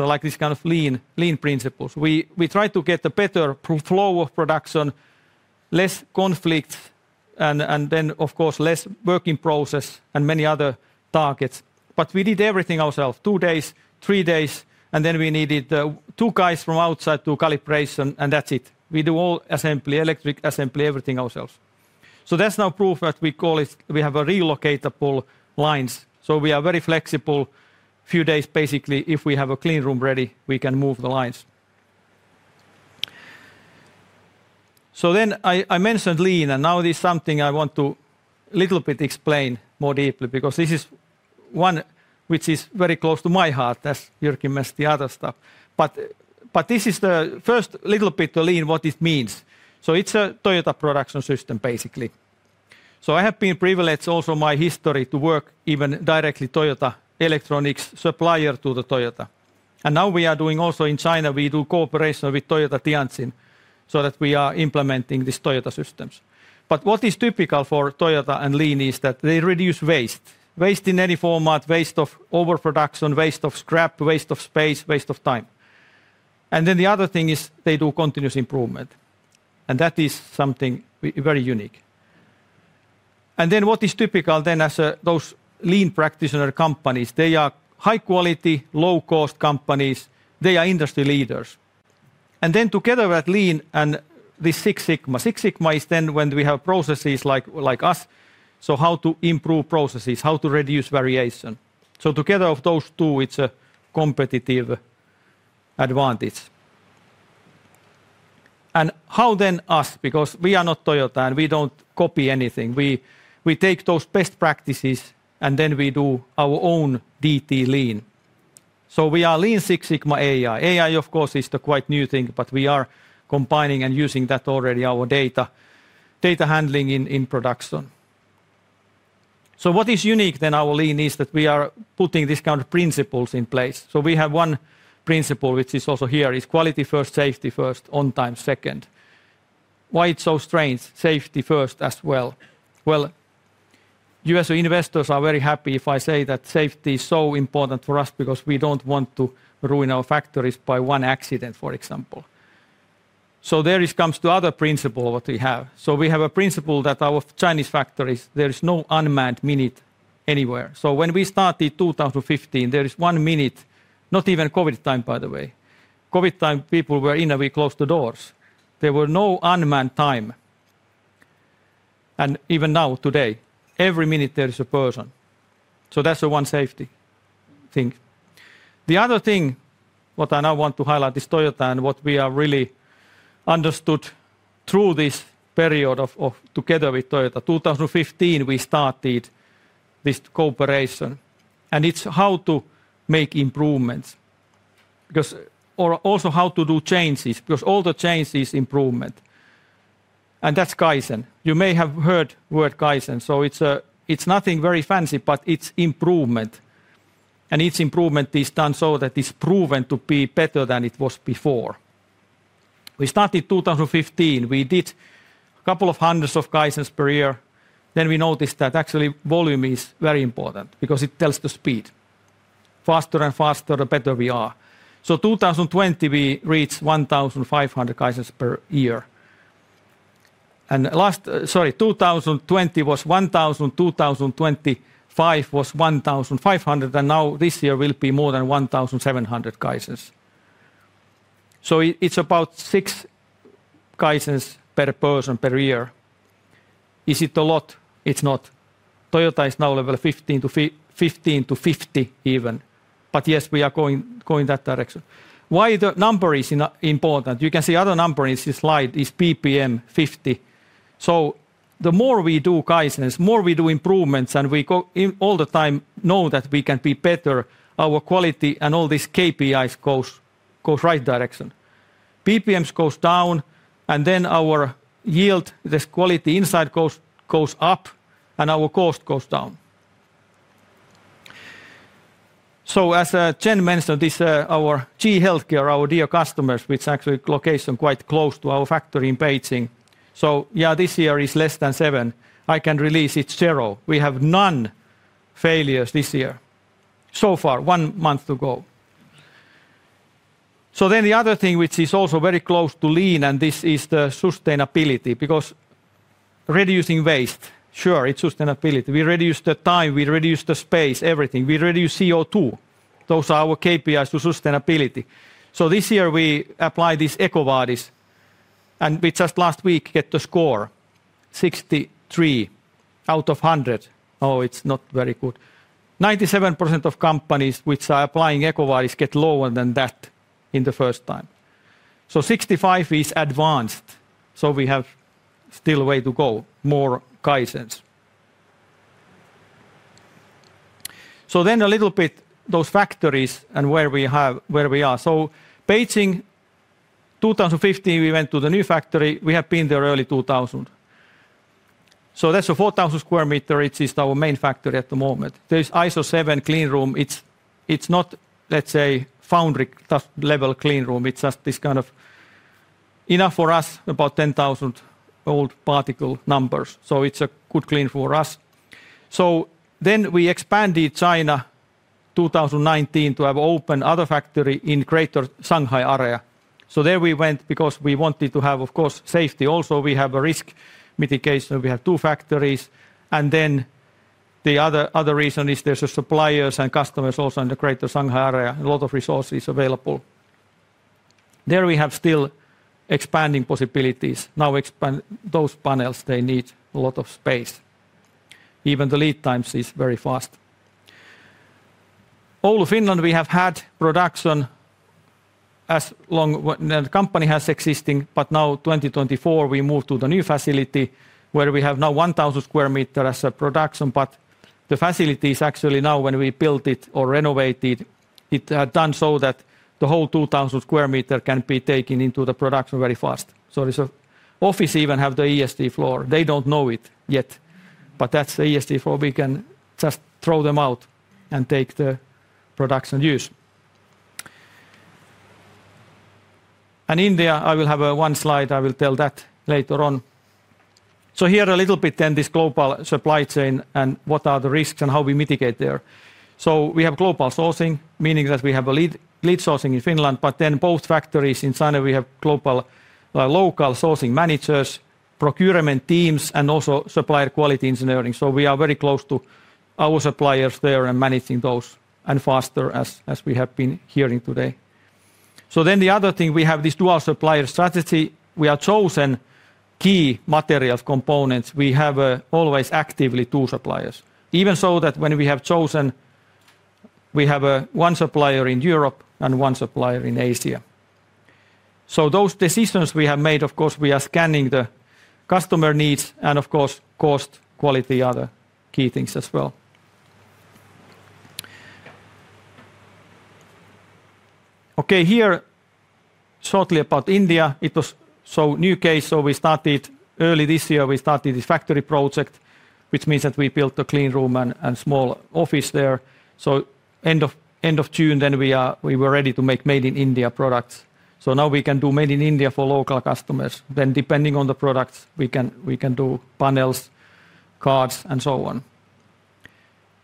Like this kind of lean principles. We tried to get a better flow of production, less conflicts, and then of course less working process and many other targets. We did everything ourselves, two days, three days, and then we needed two guys from outside to calibration, and that's it. We do all assembly, electric assembly, everything ourselves. That's now proof that we call it we have relocatable lines. We are very flexible. Few days basically, if we have a clean room ready, we can move the lines. I mentioned lean, and this is something I want to a little bit explain more deeply because this is one which is very close to my heart, as Jyrki mentioned the other stuff. This is the first little bit to lean what it means. It's a Toyota production system basically. I have been privileged also in my history to work even directly as a Toyota electronics supplier to Toyota. Now we are doing also in China, we do cooperation with Toyota Tianjin so that we are implementing these Toyota systems. What is typical for Toyota and lean is that they reduce waste. Waste in any format, waste of overproduction, waste of scrap, waste of space, waste of time. The other thing is they do continuous improvement. That is something very unique. What is typical then as those lean practitioner companies, they are high quality, low cost companies. They are industry leaders. Together with lean and the Six Sigma. Six Sigma is then when we have processes like us. How to improve processes, how to reduce variation. Together of those two, it's a competitive advantage. How then us, because we are not Toyota and we do not copy anything. We take those best practices and then we do our own DT lean. We are Lean Six Sigma AI. AI of course is the quite new thing, but we are combining and using that already in our data handling in production. What is unique in our lean is that we are putting this kind of principles in place. We have one principle which is also here: quality first, safety first, on time second. Why is it so strange? Safety first as well. You as investors are very happy if I say that safety is so important for us because we do not want to ruin our factories by one accident, for example. There it comes to another principle that we have. We have a principle that in our Chinese factories, there is no unmanned minute anywhere. When we started in 2015, there was not one minute, not even during COVID time by the way. During COVID time, people were, in a week, closing the doors. There was no unmanned time. Even now today, every minute there is a person. That is one safety thing. The other thing I want to highlight is Toyota and what we have really understood through this period together with Toyota. In 2015, we started this cooperation. It is about how to make improvements, and also how to do changes, because all the change is improvement. That is Kaizen. You may have heard the word Kaizen. It is nothing very fancy, but it is improvement. Each improvement is done so that it is proven to be better than it was before. We started in 2015. We did a couple of hundreds of Kaizens per year. Then we noticed that actually volume is very important because it tells the speed. Faster and faster, the better we are. In 2020 we reached 1,000 Kaizens per year. 2025 was 1,500, and now this year will be more than 1,700 Kaizens. It is about six Kaizens per person per year. Is it a lot? It is not. Toyota is now level 15-50 even. Yes, we are going that direction. Why the number is important? You can see other number in this slide is PPM 50. The more we do Kaizens, the more we do improvements, and we all the time know that we can be better, our quality and all these KPIs go right direction. PPMs go down, and then our yield, this quality inside, goes up, and our cost goes down. As Jen mentioned, this is our GE Healthcare, our dear customers, which actually location quite close to our factory in Beijing. This year is less than seven. I can release it zero. We have none failures this year. So far, one month to go. The other thing which is also very close to lean, and this is the sustainability, because reducing waste, sure, it's sustainability. We reduce the time, we reduce the space, everything. We reduce CO2. Those are our KPIs to sustainability. This year we apply these EcoVadis, and we just last week get the score, 63 out of 100. Oh, it's not very good. 97% of companies which are applying EcoVadis get lower than that in the first time. 65 is advanced. We have still a way to go, more Kaizens. Then a little bit those factories and where we are. Beijing, 2015 we went to the new factory. We have been there early 2000. That is a 4,000 square meter. It is just our main factory at the moment. There is ISO 7 clean room. It is not, let's say, foundry level clean room. It is just this kind of enough for us, about 10,000 old particle numbers. It is a good clean room for us. Then we expanded China 2019 to have opened other factory in greater Shanghai area. There we went because we wanted to have, of course, safety. Also, we have a risk mitigation. We have two factories. The other reason is there are suppliers and customers also in the greater Shanghai area. A lot of resources available. There we have still expanding possibilities. Now expand those panels. They need a lot of space. Even the lead times is very fast. All of Finland, we have had production as long as the company has existed, but now 2024 we moved to the new facility where we have now 1,000 square meter as a production, but the facility is actually now when we built it or renovated, it had done so that the whole 2,000 square meter can be taken into the production very fast. The office even have the ESD floor. They do not know it yet, but that is the ESD floor. We can just throw them out and take the production use. India, I will have one slide. I will tell that later on. Here a little bit then this global supply chain and what are the risks and how we mitigate there. We have global sourcing, meaning that we have a lead sourcing in Finland, but then both factories in China, we have global local sourcing managers, procurement teams, and also supplier quality engineering. We are very close to our suppliers there and managing those and faster as we have been hearing today. The other thing, we have this dual supplier strategy. We have chosen key materials components. We have always actively two suppliers. Even so that when we have chosen, we have one supplier in Europe and one supplier in Asia. Those decisions we have made, of course, we are scanning the customer needs and of course cost, quality, other key things as well. Okay, here shortly about India. It was so new case. We started early this year. We started this factory project, which means that we built a clean room and small office there. End of June, then we were ready to make made in India products. Now we can do made in India for local customers. Depending on the products, we can do panels, cards, and so on.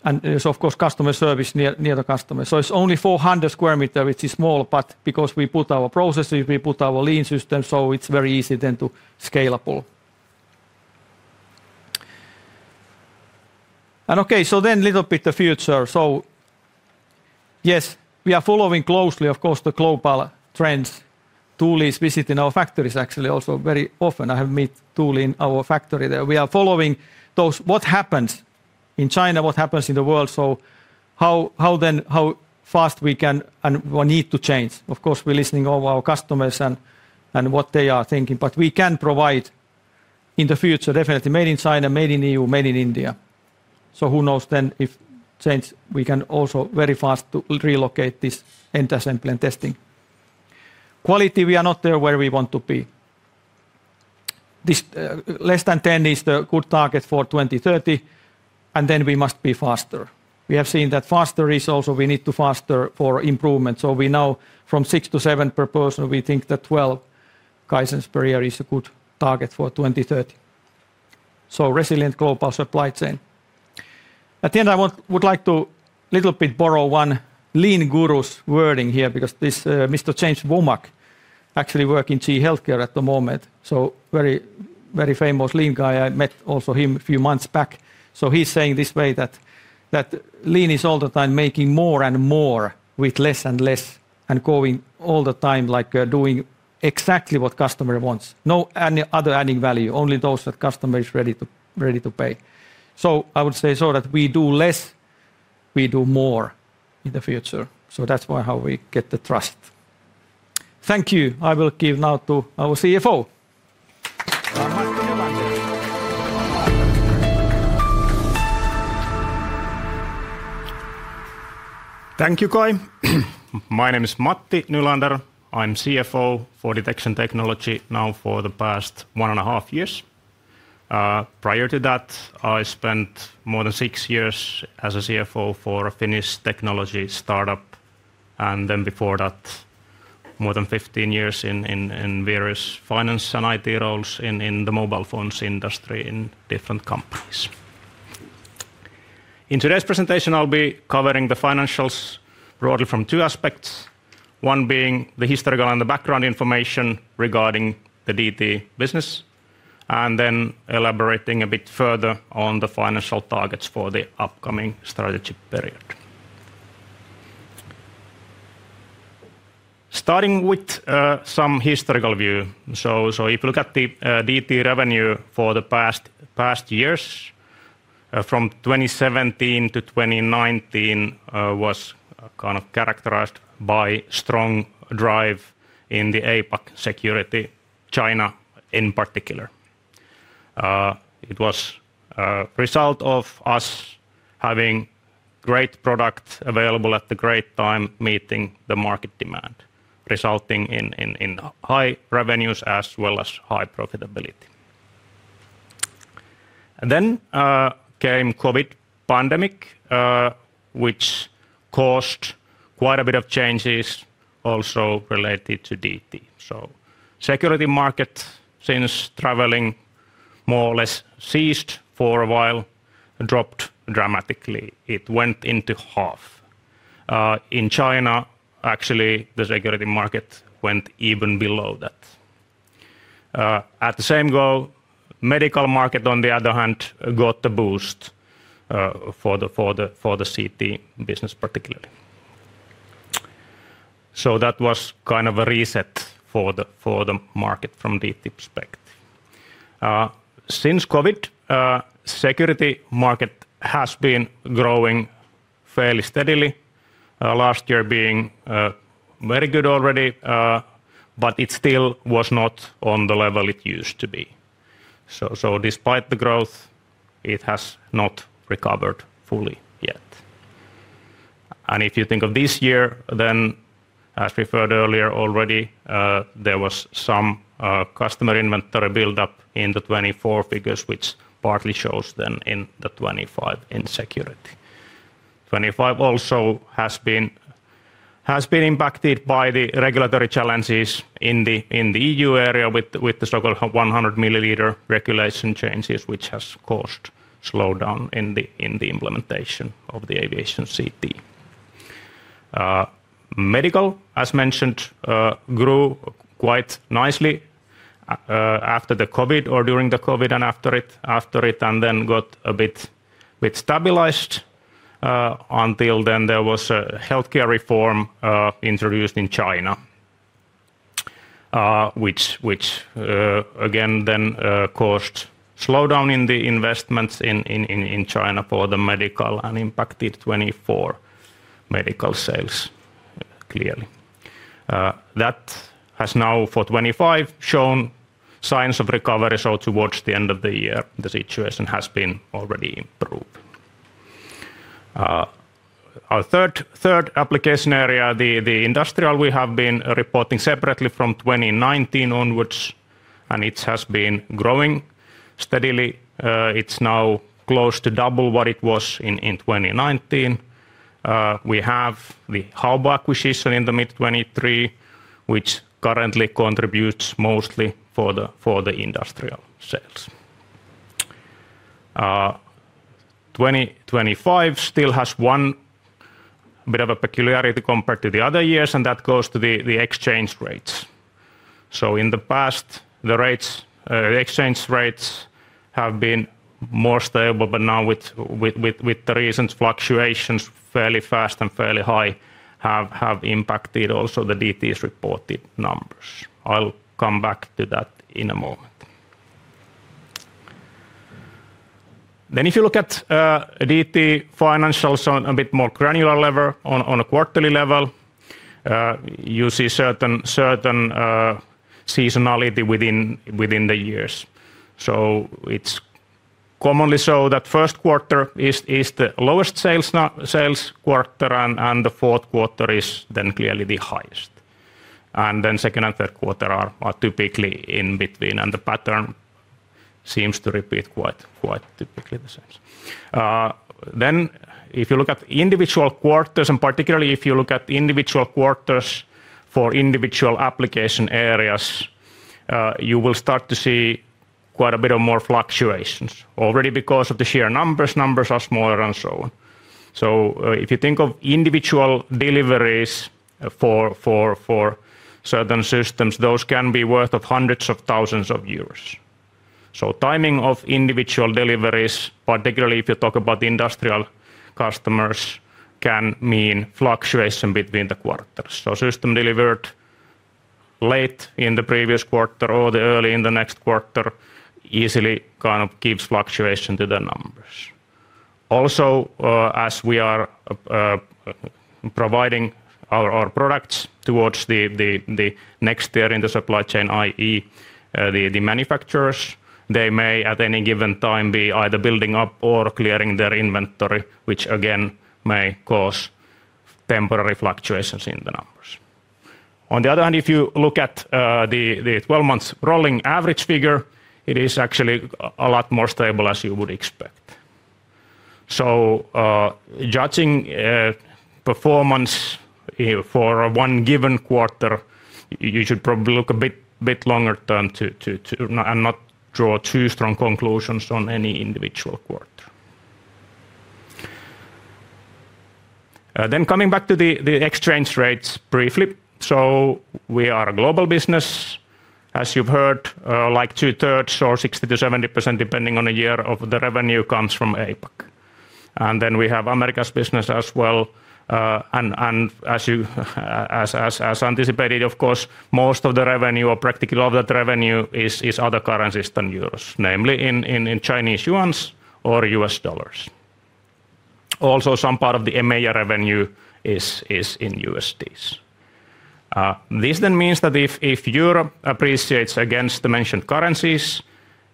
There is of course customer service near the customer. It is only 400 square meter, which is small, but because we put our processes, we put our lean system, it is very easy then to scale up. Okay, a little bit the future. Yes, we are following closely, of course, the global trends. Tuuli is visiting our factories actually also very often. I have met Tuuli in our factory there. We are following what happens in China, what happens in the world. How then how fast we can and need to change. Of course, we're listening to our customers and what they are thinking, but we can provide in the future definitely made in China, made in EU, made in India. Who knows then if change, we can also very fast relocate this end assembly and testing. Quality, we are not there where we want to be. Less than 10 is the good target for 2030, and we must be faster. We have seen that faster is also we need to faster for improvement. We know from 6-7 per person, we think that 12 Kaizens per year is a good target for 2030. Resilient global supply chain. At the end, I would like to a little bit borrow one lean guru's wording here because this Mr. James Womack actually works in Qi Healthcare at the moment. Very, very famous lean guy. I met also him a few months back. He is saying this way that lean is all the time making more and more with less and less and going all the time like doing exactly what customer wants. No other adding value, only those that customer is ready to pay. I would say that we do less, we do more in the future. That is why how we get the trust. Thank you. I will give now to our CFO. Thank you, Kai. My name is Matti Nylander. I am CFO for Detection Technology now for the past one and a half years. Prior to that, I spent more than six years as a CFO for a Finnish technology startup. Before that, more than 15 years in various finance and IT roles in the mobile phones industry in different companies. In today's presentation, I'll be covering the financials broadly from two aspects. One being the historical and the background information regarding the DT business, and then elaborating a bit further on the financial targets for the upcoming strategy period. Starting with some historical view. If you look at the DT revenue for the past years, from 2017-2019 was kind of characterized by strong drive in the APAC security, China in particular. It was a result of us having great product available at the great time meeting the market demand, resulting in high revenues as well as high profitability. Then came COVID pandemic, which caused quite a bit of changes also related to DT. Security market since traveling more or less ceased for a while and dropped dramatically. It went into half. In China, actually the security market went even below that. At the same goal, medical market on the other hand got the boost for the CT business particularly. That was kind of a reset for the market from Detection Technology perspective. Since COVID, security market has been growing fairly steadily. Last year being very good already, but it still was not on the level it used to be. Despite the growth, it has not recovered fully yet. If you think of this year, then as referred earlier already, there was some customer inventory buildup in the 2024 figures, which partly shows then in the 2025 in security. 2025 also has been impacted by the regulatory challenges in the EU area with the so-called 100 milliliter regulation changes, which has caused slowdown in the implementation of the aviation CT. Medical, as mentioned, grew quite nicely after the COVID or during the COVID and after it, and then got a bit stabilized until then there was a healthcare reform introduced in China, which again then caused slowdown in the investments in China for the medical and impacted 2024 medical sales clearly. That has now for 2025 shown signs of recovery. Towards the end of the year, the situation has been already improved. Our third application area, the industrial, we have been reporting separately from 2019 onwards, and it has been growing steadily. It is now close to double what it was in 2019. We have the Haobo acquisition in mid-2023, which currently contributes mostly for the industrial sales. 2025 still has one bit of a peculiarity compared to the other years, and that goes to the exchange rates. In the past, the exchange rates have been more stable, but now with the recent fluctuations, fairly fast and fairly high have impacted also the DT's reported numbers. I'll come back to that in a moment. If you look at DT financials on a bit more granular level on a quarterly level, you see certain seasonality within the years. It is commonly so that first quarter is the lowest sales quarter, and the fourth quarter is then clearly the highest. Second and third quarter are typically in between, and the pattern seems to repeat quite typically the same. If you look at individual quarters, and particularly if you look at individual quarters for individual application areas, you will start to see quite a bit more fluctuations already because of the sheer numbers. Numbers are smaller and so on. If you think of individual deliveries for certain systems, those can be worth hundreds of thousands of EUR. Timing of individual deliveries, particularly if you talk about industrial customers, can mean fluctuation between the quarters. A system delivered late in the previous quarter or early in the next quarter easily kind of gives fluctuation to the numbers. Also, as we are providing our products towards the next year in the supply chain, i.e., the manufacturers, they may at any given time be either building up or clearing their inventory, which again may cause temporary fluctuations in the numbers. On the other hand, if you look at the 12-month rolling average figure, it is actually a lot more stable as you would expect. Judging performance for one given quarter, you should probably look a bit longer term and not draw too strong conclusions on any individual quarter. Coming back to the exchange rates briefly. We are a global business. As you've heard, like 2/3 or 60-70%, depending on the year, of the revenue comes from APAC. We have Americas business as well. As anticipated, of course, most of the revenue or practically all that revenue is other currencies than euros, namely in Chinese yuan or U.S. dollars. Also, some part of the EMEA revenue is in U.S. dollars. This then means that if euro appreciates against the mentioned currencies,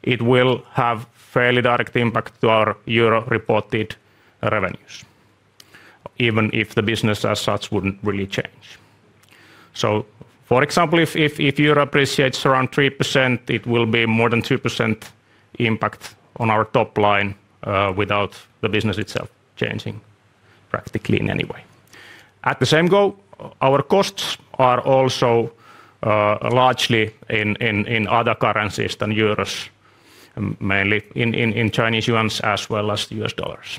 it will have fairly direct impact to our EUR reported revenues, even if the business as such wouldn't really change. For example, if euro appreciates around 3%, it will be more than 2% impact on our top line without the business itself changing practically in any way. At the same goal, our costs are also largely in other currencies than euros, mainly in Chinese yuan as well as U.S. dollars.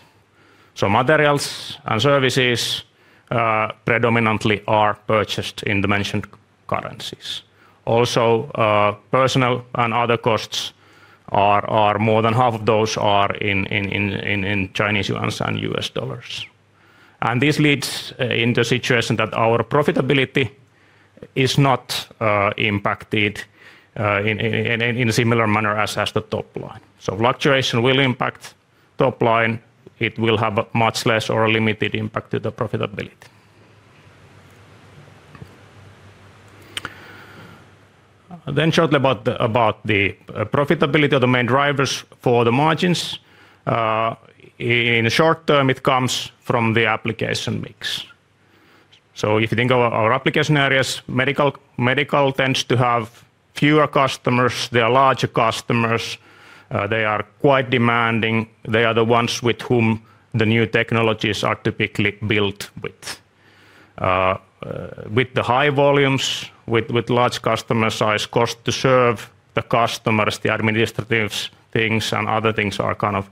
Materials and services predominantly are purchased in the mentioned currencies. Also, personnel and other costs, more than half of those are in Chinese yuan and U.S. dollars. This leads into a situation that our profitability is not impacted in a similar manner as the top line. Fluctuation will impact top line. It will have much less or a limited impact to the profitability. Shortly about the profitability of the main drivers for the margins. In the short term, it comes from the application mix. If you think of our application areas, medical tends to have fewer customers. They are larger customers. They are quite demanding. They are the ones with whom the new technologies are typically built with. With the high volumes, with large customer size, cost to serve the customers, the administrative things and other things are kind of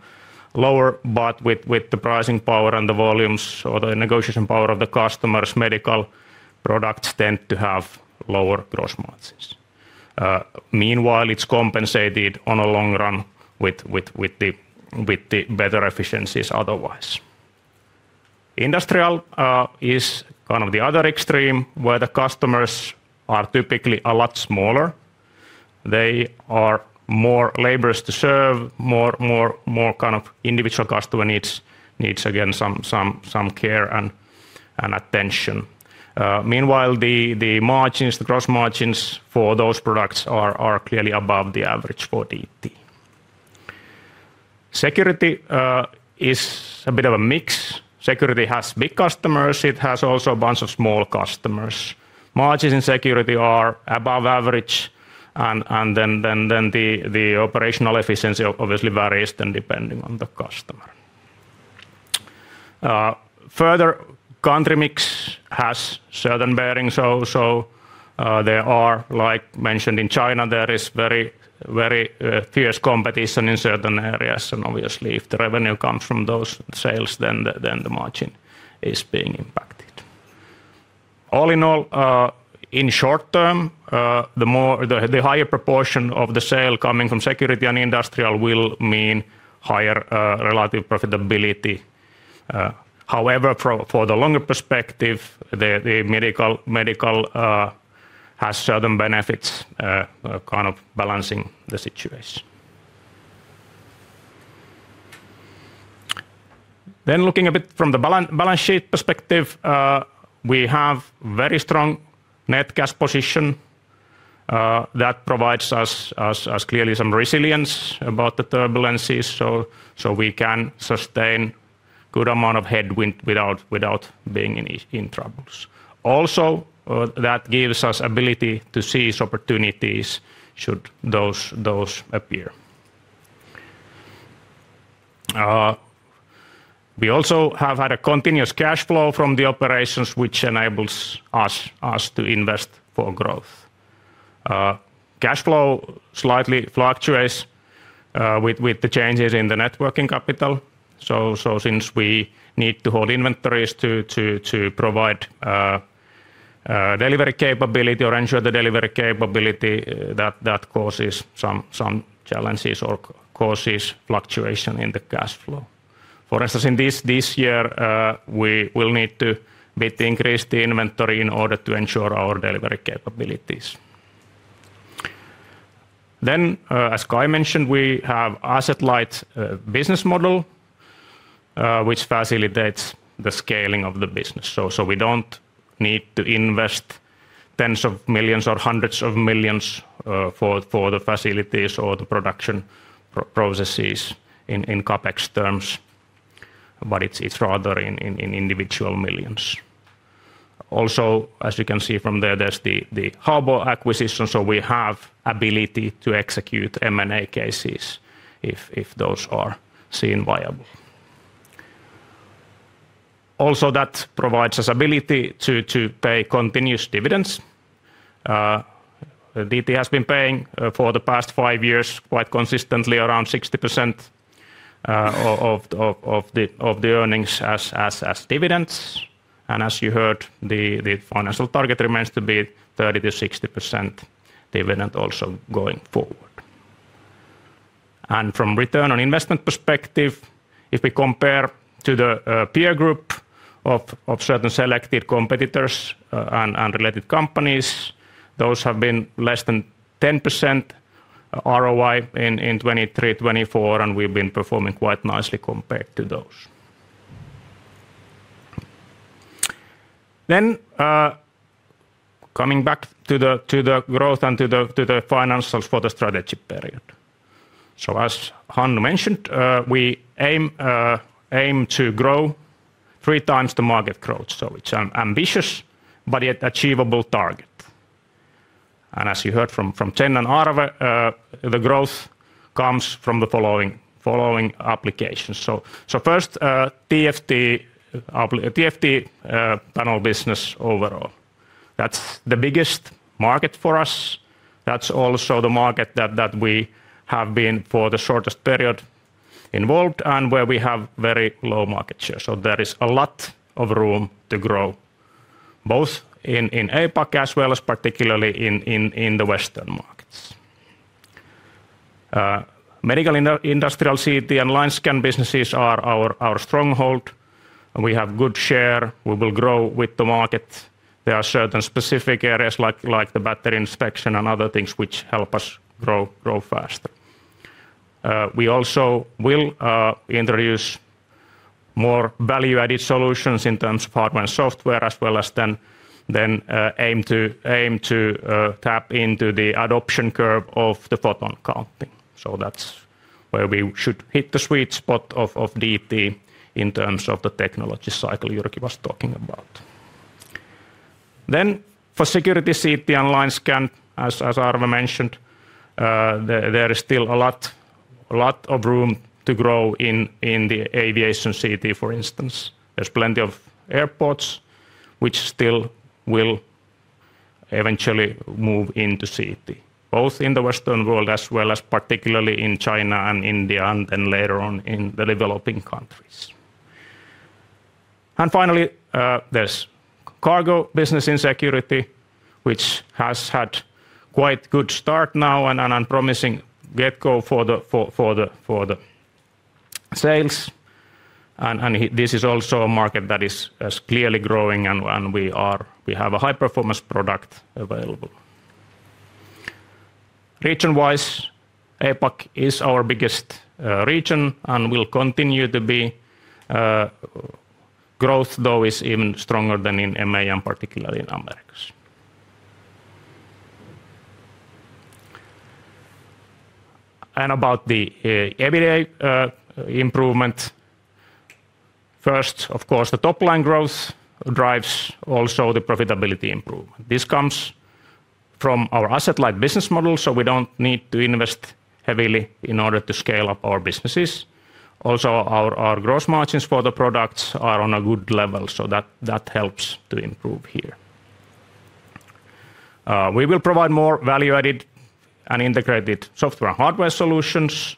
lower, but with the pricing power and the volumes or the negotiation power of the customers, medical products tend to have lower gross margins. Meanwhile, it is compensated on a long run with the better efficiencies otherwise. Industrial is kind of the other extreme where the customers are typically a lot smaller. They are more laborious to serve, more kind of individual customer needs again some care and attention. Meanwhile, the margins, the gross margins for those products are clearly above the average for DT. Security is a bit of a mix. Security has big customers. It has also a bunch of small customers. Margins in security are above average. The operational efficiency obviously varies then depending on the customer. Further, country mix has certain bearings. There are, like mentioned in China, very fierce competition in certain areas. Obviously, if the revenue comes from those sales, then the margin is being impacted. All in all, in short term, the higher proportion of the sale coming from security and industrial will mean higher relative profitability. However, for the longer perspective, the medical has certain benefits kind of balancing the situation. Looking a bit from the balance sheet perspective, we have very strong net cash position that provides us clearly some resilience about the turbulences. We can sustain a good amount of headwind without being in troubles. Also, that gives us ability to seize opportunities should those appear. We also have had a continuous cash flow from the operations, which enables us to invest for growth. Cash flow slightly fluctuates with the changes in the networking capital. Since we need to hold inventories to provide delivery capability or ensure the delivery capability, that causes some challenges or causes fluctuation in the cash flow. For instance, this year, we will need to increase the inventory in order to ensure our delivery capabilities. As Kai mentioned, we have an asset-light business model, which facilitates the scaling of the business. We do not need to invest tens of millions or hundreds of millions for the facilities or the production processes in CapEx terms, but it is rather in individual millions. Also, as you can see from there, there is the Haobo acquisition. We have the ability to execute M&A cases if those are seen viable. Also, that provides us the ability to pay continuous dividends. Detection Technology has been paying for the past five years quite consistently around 60% of the earnings as dividends. As you heard, the financial target remains to be 30-60% dividend also going forward. From a return on investment perspective, if we compare to the peer group of certain selected competitors and related companies, those have been less than 10% ROI in 2023-2024, and we have been performing quite nicely compared to those. Coming back to the growth and to the financials for the strategy period. As Hannu mentioned, we aim to grow three times the market growth, so it's an ambitious but yet achievable target. As you heard from Chen and Arve, the growth comes from the following applications. First, TFT panel business overall. That's the biggest market for us. That's also the market that we have been for the shortest period involved and where we have very low market share. There is a lot of room to grow both in APAC as well as particularly in the Western markets. Medical, industrial, CT, and line scan businesses are our stronghold. We have a good share. We will grow with the market. There are certain specific areas like the battery inspection and other things which help us grow faster. We also will introduce more value-added solutions in terms of hardware and software as well as then aim to tap into the adoption curve of the photon counting. That is where we should hit the sweet spot of DT in terms of the technology cycle Jyrki was talking about. For security, CT and line scan, as Arve mentioned, there is still a lot of room to grow in the aviation CT, for instance. There are plenty of airports which still will eventually move into CT, both in the Western world as well as particularly in China and India and later on in the developing countries. Finally, there is cargo business in security, which has had quite a good start now and a promising get-go for the sales. This is also a market that is clearly growing and we have a high-performance product available. Region-wise, APAC is our biggest region and will continue to be. Growth, though, is even stronger than in EMEA and particularly in Americas. About the everyday improvement, first, of course, the top line growth drives also the profitability improvement. This comes from our asset-light business model, so we do not need to invest heavily in order to scale up our businesses. Also, our gross margins for the products are on a good level, so that helps to improve here. We will provide more value-added and integrated software and hardware solutions,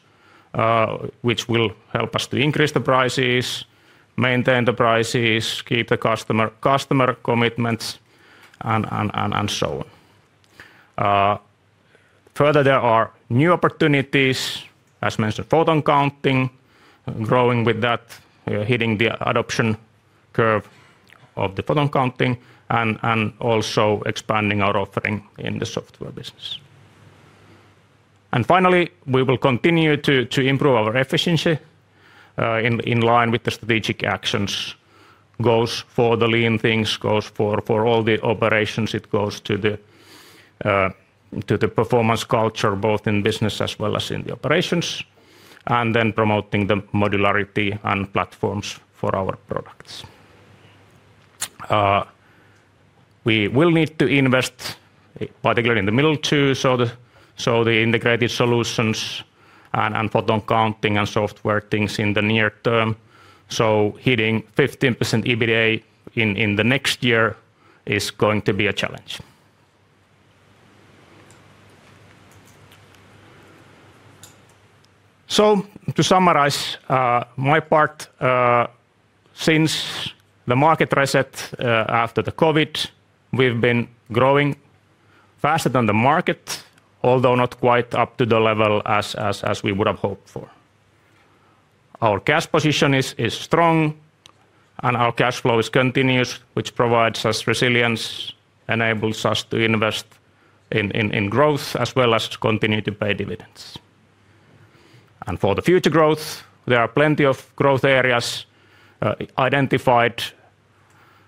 which will help us to increase the prices, maintain the prices, keep the customer commitments, and so on. Further, there are new opportunities, as mentioned, photon counting, growing with that, hitting the adoption curve of the photon counting and also expanding our offering in the software business. Finally, we will continue to improve our efficiency in line with the strategic actions. That goes for the lean things, goes for all the operations, it goes to the performance culture both in business as well as in the operations, and then promoting the modularity and platforms for our products. We will need to invest, particularly in the middle two, so the integrated solutions and photon counting and software things in the near term. Hitting 15% EBITDA in the next year is going to be a challenge. To summarize my part, since the market reset after the COVID, we have been growing faster than the market, although not quite up to the level as we would have hoped for. Our cash position is strong and our cash flow is continuous, which provides us resilience, enables us to invest in growth as well as continue to pay dividends. For the future growth, there are plenty of growth areas identified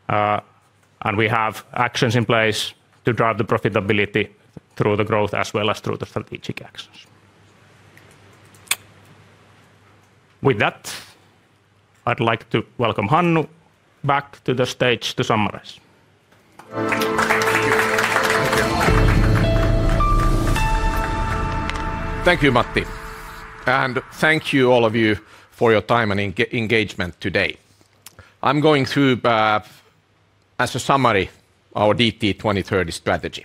and we have actions in place to drive the profitability through the growth as well as through the strategic actions. With that, I'd like to welcome Hannu back to the stage to summarize. Thank you, Matti. And thank you, all of you, for your time and engagement today. I'm going through, as a summary, our DT 2030 strategy.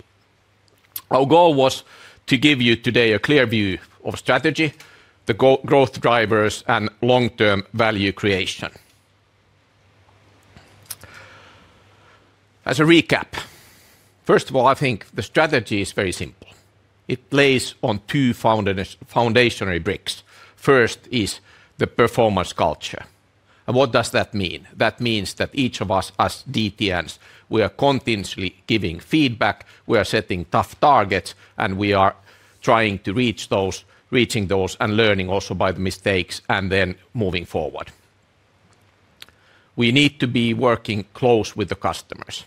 Our goal was to give you today a clear view of strategy, the growth drivers, and long-term value creation. As a recap, first of all, I think the strategy is very simple. It plays on two foundational bricks. First is the performance culture. And what does that mean? That means that each of us, as DTNs, we are continuously giving feedback, we are setting tough targets, and we are trying to reach those, reaching those and learning also by the mistakes and then moving forward. We need to be working close with the customers.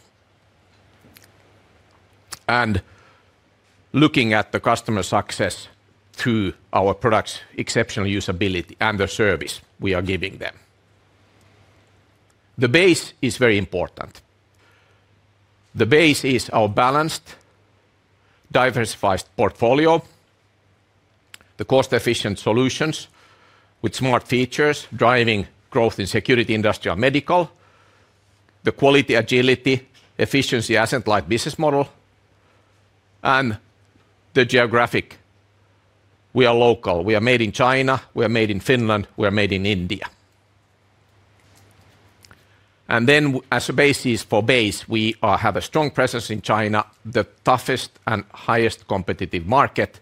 Looking at the customer success through our products, exceptional usability, and the service we are giving them. The base is very important. The base is our balanced, diversified portfolio, the cost-efficient solutions with smart features driving growth in security, industrial, medical, the quality, agility, efficiency, asset-light business model, and the geographic. We are local. We are made in China. We are made in Finland. We are made in India. As a basis for base, we have a strong presence in China, the toughest and highest competitive market.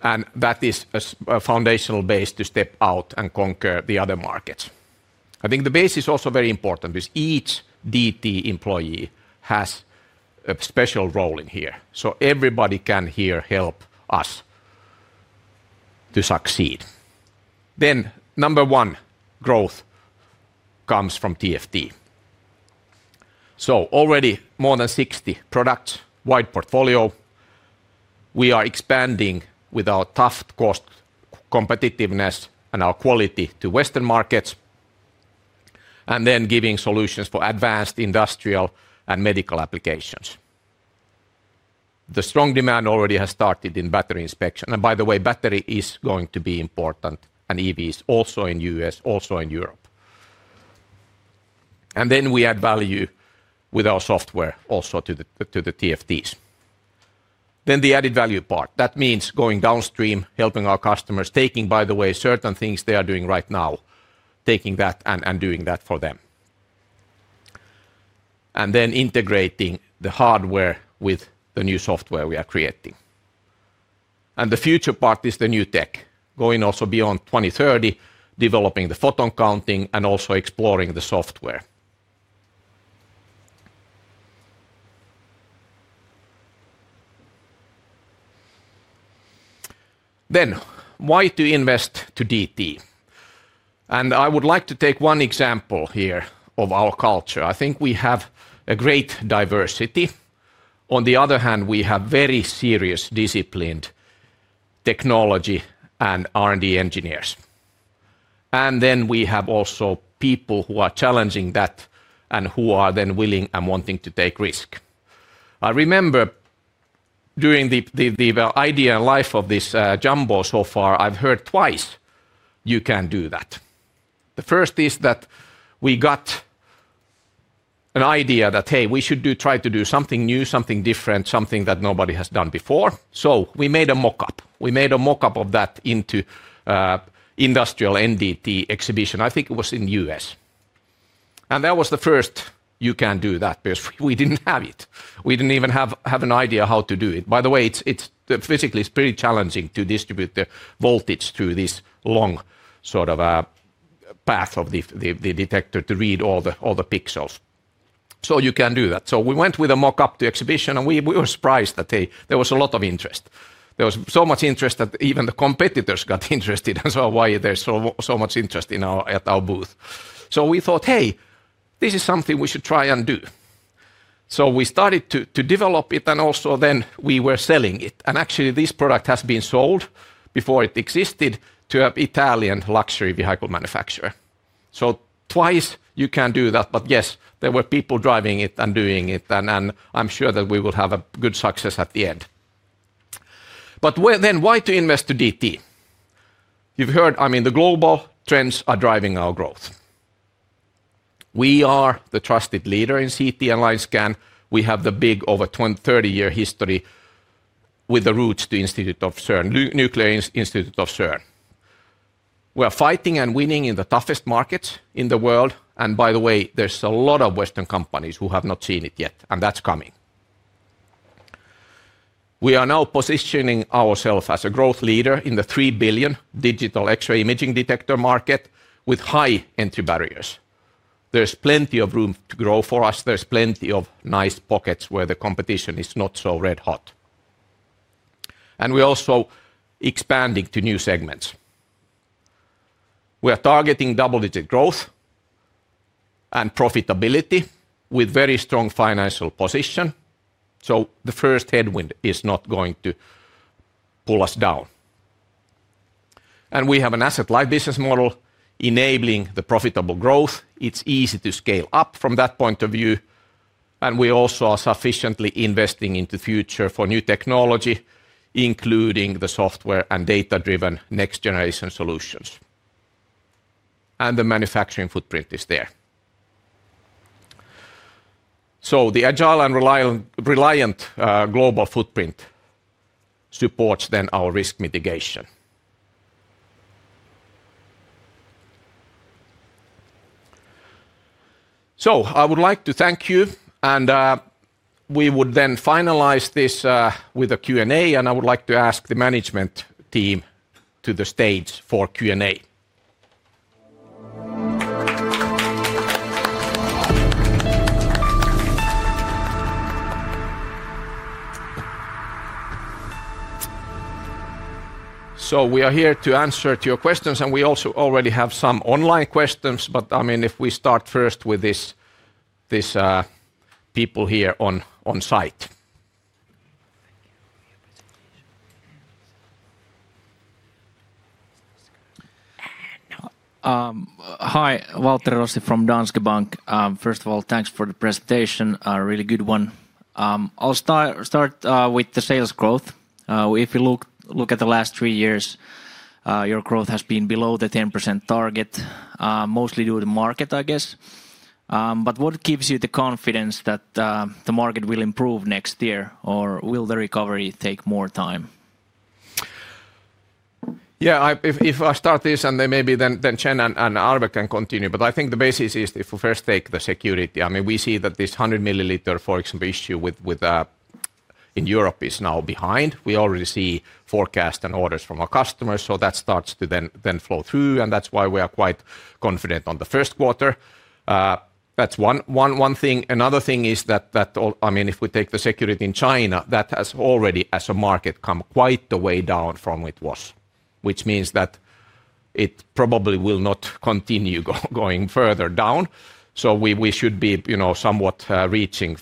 That is a foundational base to step out and conquer the other markets. I think the base is also very important because each DT employee has a special role in here. Everybody can here help us to succeed. Number one, growth comes from TFT. Already more than 60 products, wide portfolio. We are expanding with our tough cost competitiveness and our quality to Western markets. Giving solutions for advanced industrial and medical applications. The strong demand already has started in battery inspection. By the way, battery is going to be important. EV is also in the U.S., also in Europe. We add value with our software also to the TFTs. The added value part means going downstream, helping our customers, taking, by the way, certain things they are doing right now, taking that and doing that for them. Integrating the hardware with the new software we are creating. The future part is the new tech, going also beyond 2030, developing the photon counting and also exploring the software. Why invest in Detection Technology? I would like to take one example here of our culture. I think we have great diversity. On the other hand, we have very serious, disciplined technology and R&D engineers. We also have people who are challenging that and who are then willing and wanting to take risks. I remember during the idea and life of this Jumbo so far, I have heard twice you can do that. The first is that we got an idea that, hey, we should try to do something new, something different, something that nobody has done before. We made a mockup. We made a mockup of that into an industrial NDT exhibition. I think it was in the U.S. That was the first you can do that because we did not have it. We did not even have an idea how to do it. By the way, physically, it is pretty challenging to distribute the voltage through this long sort of path of the detector to read all the pixels. You can do that. We went with a mockup to exhibition and we were surprised that there was a lot of interest. There was so much interest that even the competitors got interested and saw why there is so much interest at our booth. We thought, hey, this is something we should try and do. We started to develop it and also then we were selling it. Actually, this product has been sold before it existed to an Italian luxury vehicle manufacturer. Twice you can do that, but yes, there were people driving it and doing it, and I'm sure that we will have good success at the end. Why invest in Detection Technology? You've heard, I mean, the global trends are driving our growth. We are the trusted leader in CT and line scan. We have the big over 30-year history with the roots to the Institute of CERN, Nuclear Institute of CERN. We are fighting and winning in the toughest markets in the world, and by the way, there's a lot of Western companies who have not seen it yet, and that's coming. We are now positioning ourselves as a growth leader in the 3 billion digital X-ray imaging detector market with high entry barriers. There's plenty of room to grow for us. There's plenty of nice pockets where the competition is not so red hot. We are also expanding to new segments. We are targeting double-digit growth and profitability with a very strong financial position. The first headwind is not going to pull us down. We have an asset-light business model enabling profitable growth. It is easy to scale up from that point of view. We also are sufficiently investing into the future for new technology, including software and data-driven next-generation solutions. The manufacturing footprint is there. The agile and reliable global footprint supports our risk mitigation. I would like to thank you, and we would then finalize this with a Q&A. I would like to ask the management team to the stage for Q&A. We are here to answer your questions, and we also already have some online questions. I mean, if we start first with these people here on site. Hi, Waltteri Rossi from Danske Bank. First of all, thanks for the presentation. A really good one. I'll start with the sales growth. If you look at the last three years, your growth has been below the 10% target, mostly due to the market, I guess. What gives you the confidence that the market will improve next year, or will the recovery take more time? Yeah, if I start this, and then maybe Chen and Arve can continue, but I think the basis is if we first take the security. I mean, we see that this 100 milliliter, for example, issue in Europe is now behind. We already see forecasts and orders from our customers, so that starts to then flow through, and that's why we are quite confident on the first quarter. That's one thing. Another thing is that, I mean, if we take the security in China, that has already, as a market, come quite the way down from it was, which means that it probably will not continue going further down. We should be somewhat reaching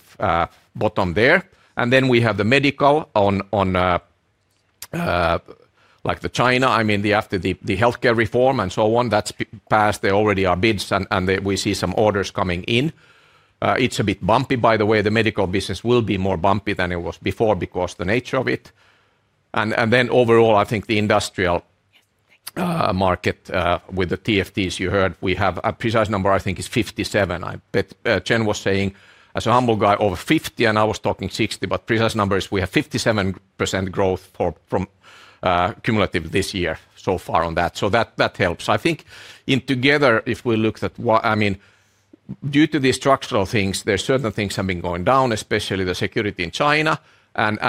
bottom there. Then we have the medical on like the China, I mean, after the healthcare reform and so on, that's passed. There already are bids, and we see some orders coming in. It's a bit bumpy, by the way. The medical business will be more bumpy than it was before because of the nature of it. Overall, I think the industrial market with the TFTs, you heard, we have a precise number, I think it's 57. Chen was saying, as a humble guy, over 50, and I was talking 60, but precise number is we have 57% growth from cumulative this year so far on that. That helps. I think together, if we looked at, I mean, due to these structural things, there are certain things have been going down, especially the security in China.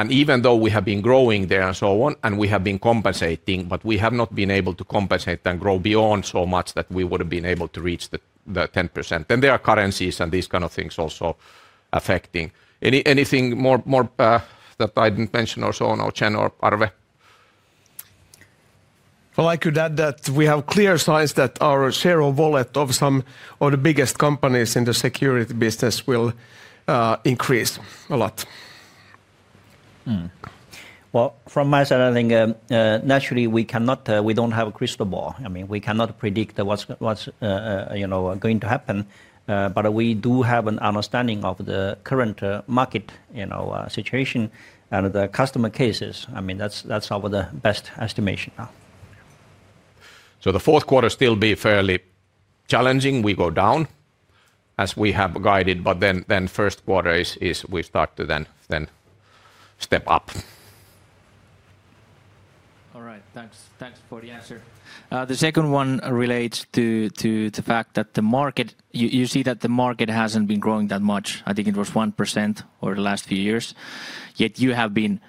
Even though we have been growing there and so on, and we have been compensating, we have not been able to compensate and grow beyond so much that we would have been able to reach the 10%. There are currencies and these kind of things also affecting. Anything more that I did not mention or so on, or Chen or Arve? I could add that we have clear signs that our share of wallet of some of the biggest companies in the security business will increase a lot. From my side, I think naturally we cannot, we do not have a crystal ball. I mean, we cannot predict what is going to happen, but we do have an understanding of the current market situation and the customer cases. I mean, that is our best estimation now. The fourth quarter will still be fairly challenging. We go down as we have guided, but then first quarter is we start to then step up. All right, thanks for the answer. The second one relates to the fact that the market, you see that the market has not been growing that much. I think it was 1% over the last few years. Yet you have been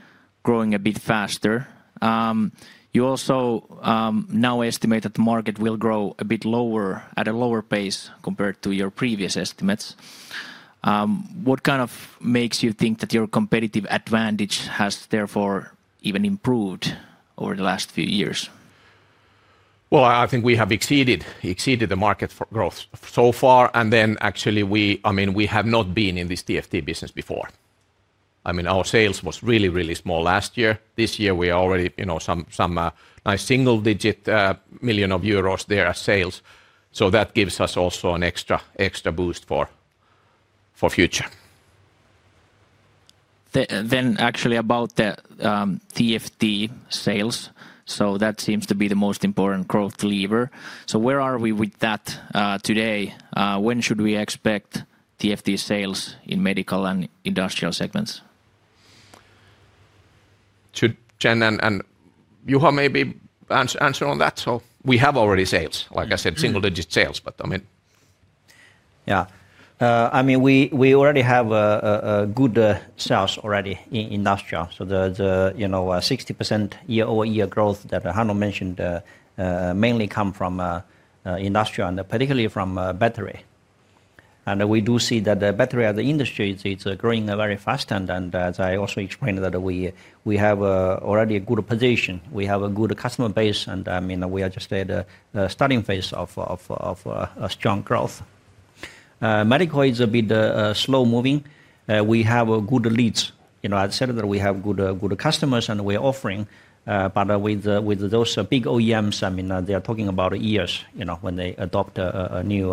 growing a bit faster. You also now estimate that the market will grow a bit lower at a lower pace compared to your previous estimates. What kind of makes you think that your competitive advantage has therefore even improved over the last few years? I think we have exceeded the market growth so far. I mean, we have not been in this TFT business before. I mean, our sales was really, really small last year. This year we are already some nice single-digit million of EUR there as sales. That gives us also an extra boost for future. Actually, about the TFT sales, that seems to be the most important growth lever. Where are we with that today? When should we expect TFT sales in medical and industrial segments? Should Chen and Juha maybe answer on that? We have already sales, like I said, single-digit sales, but I mean, yeah, I mean, we already have good sales already in industrial. The 60% year-over-year growth that Hannu mentioned mainly comes from industrial and particularly from battery. We do see that the battery as an industry is growing very fast. As I also explained, we have already a good position. We have a good customer base. I mean, we are just at the starting phase of strong growth. Medical is a bit slow-moving. We have good leads. I said that we have good customers and we are offering, but with those big OEMs, they are talking about years when they adopt a new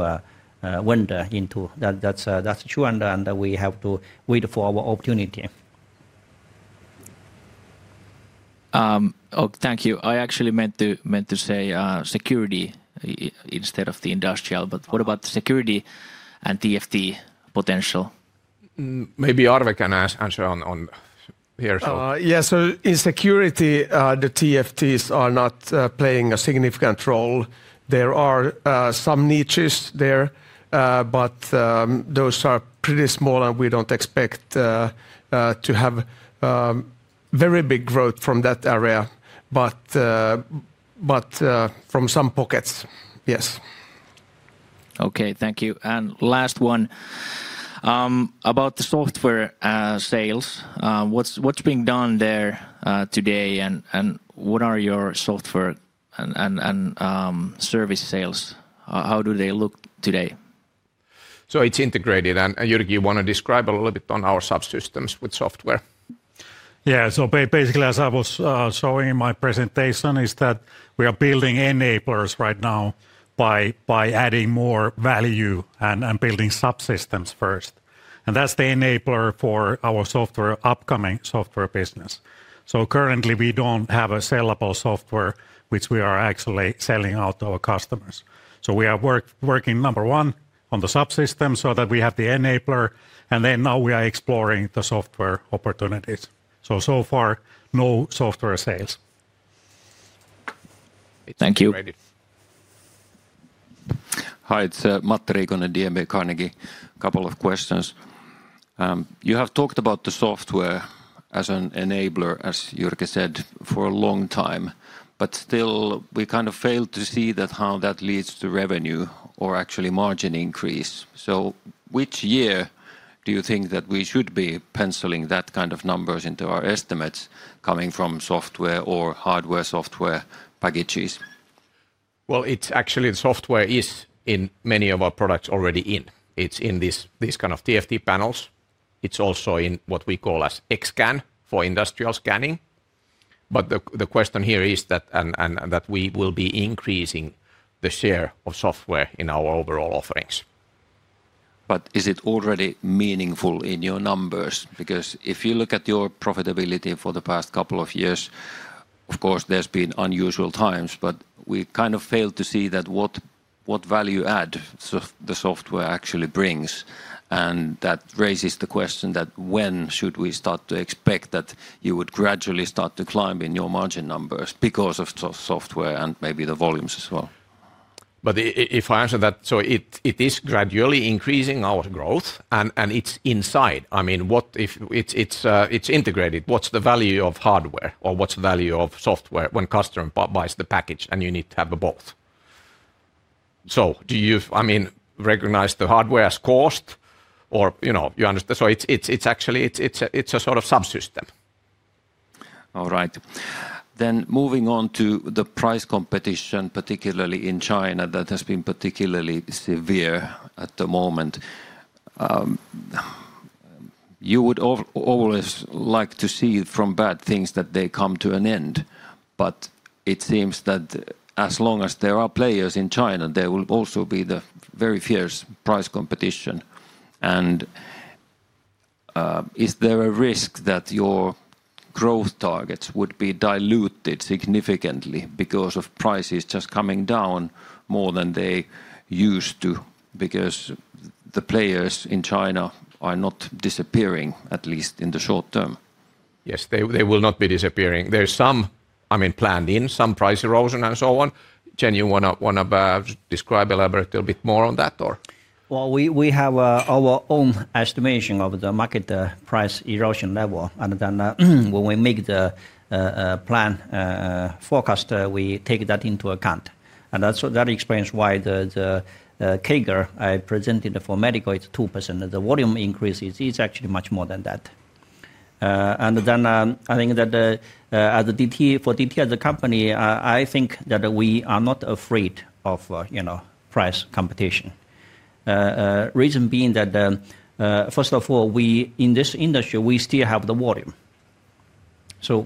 vendor into. That's true, and we have to wait for our opportunity. Oh, thank you. I actually meant to say security instead of the industrial. What about security and TFT potential? Maybe Arve can answer on here. Yeah, in security, the TFTs are not playing a significant role. There are some niches there, but those are pretty small and we do not expect to have very big growth from that area. From some pockets, yes. Thank you. Last one about the software sales. What is being done there today and what are your software and service sales? How do they look today? It is integrated. Jyrki, you want to describe a little bit on our subsystems with software? Yeah, basically as I was showing in my presentation, we are building enablers right now by adding more value and building subsystems first. That is the enabler for our upcoming software business. Currently we do not have a sellable software which we are actually selling out to our customers. We are working number one on the subsystem so that we have the enabler. Now we are exploring the software opportunities. So far, no software sales. Thank you. Hi, it's Matti Riikonen, DNB Carnegie. Couple of questions. You have talked about the software as an enabler, as Jyrki said, for a long time. Still, we kind of failed to see how that leads to revenue or actually margin increase. Which year do you think that we should be penciling that kind of numbers into our estimates coming from software or hardware software packages? Actually, the software is in many of our products already in. It's in these kind of TFT panels. It's also in what we call as X-Scan for industrial scanning. The question here is that we will be increasing the share of software in our overall offerings. Is it already meaningful in your numbers? Because if you look at your profitability for the past couple of years, of course there's been unusual times, but we kind of failed to see what value add the software actually brings. That raises the question, when should we start to expect that you would gradually start to climb in your margin numbers because of software and maybe the volumes as well? If I answer that, it is gradually increasing our growth and it's inside. I mean, it's integrated. What's the value of hardware or what's the value of software when a customer buys the package and you need to have both? Do you, I mean, recognize the hardware as cost or you understand? It's actually a sort of subsystem. All right. Moving on to the price competition, particularly in China, that has been particularly severe at the moment. You would always like to see from bad things that they come to an end. It seems that as long as there are players in China, there will also be the very fierce price competition. Is there a risk that your growth targets would be diluted significantly because of prices just coming down more than they used to? The players in China are not disappearing, at least in the short term. Yes, they will not be disappearing. There is some, I mean, planned in some price erosion and so on. Chen, you want to describe a little bit more on that or? We have our own estimation of the market price erosion level. When we make the plan forecast, we take that into account. That explains why the CAGR I presented for medical is 2%. The volume increase is actually much more than that. I think that for DT as a company, we are not afraid of price competition. Reason being that first of all, in this industry, we still have the volume.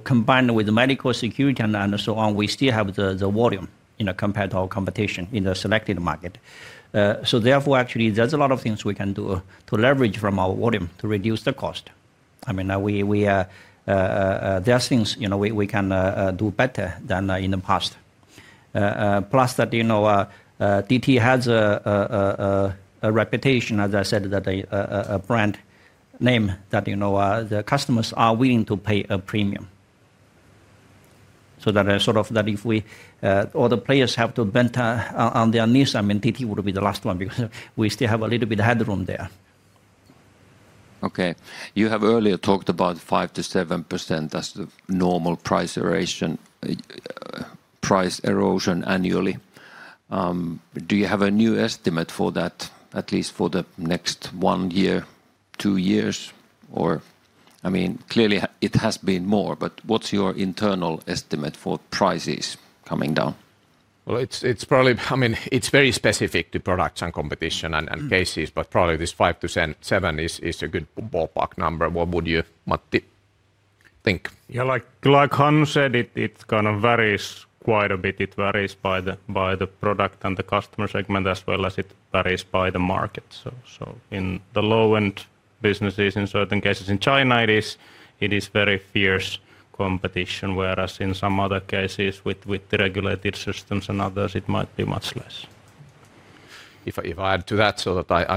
Combined with medical, security, and so on, we still have the volume compared to our competition in the selected market. Therefore, actually, there are a lot of things we can do to leverage from our volume to reduce the cost. I mean, there are things we can do better than in the past. Plus, DT has a reputation, as I said, a brand name that the customers are willing to pay a premium. That sort of that if we all the players have to bend on their knees, I mean, DT would be the last one because we still have a little bit of headroom there. Okay. You have earlier talked about 5%-7% as the normal price erosion annually. Do you have a new estimate for that, at least for the next one year, two years? I mean, clearly it has been more, but what's your internal estimate for prices coming down? It's probably, I mean, it's very specific to products and competition and cases, but probably this 5%-7% is a good ballpark number. What would you, Matti, think? Yeah, like Hannu said, it kind of varies quite a bit. It varies by the product and the customer segment as well as it varies by the market. In the low-end businesses, in certain cases in China, it is very fierce competition, whereas in some other cases with the regulated systems and others, it might be much less. If I add to that,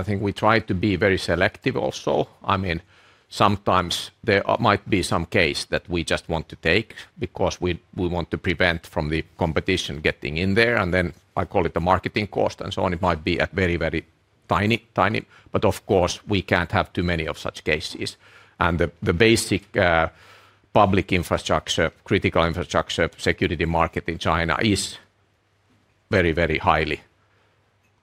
I think we try to be very selective also. I mean, sometimes there might be some case that we just want to take because we want to prevent the competition from getting in there. I call it the marketing cost and so on. It might be very, very tiny. Of course, we can't have too many of such cases. The basic public infrastructure, critical infrastructure, security market in China is very, very highly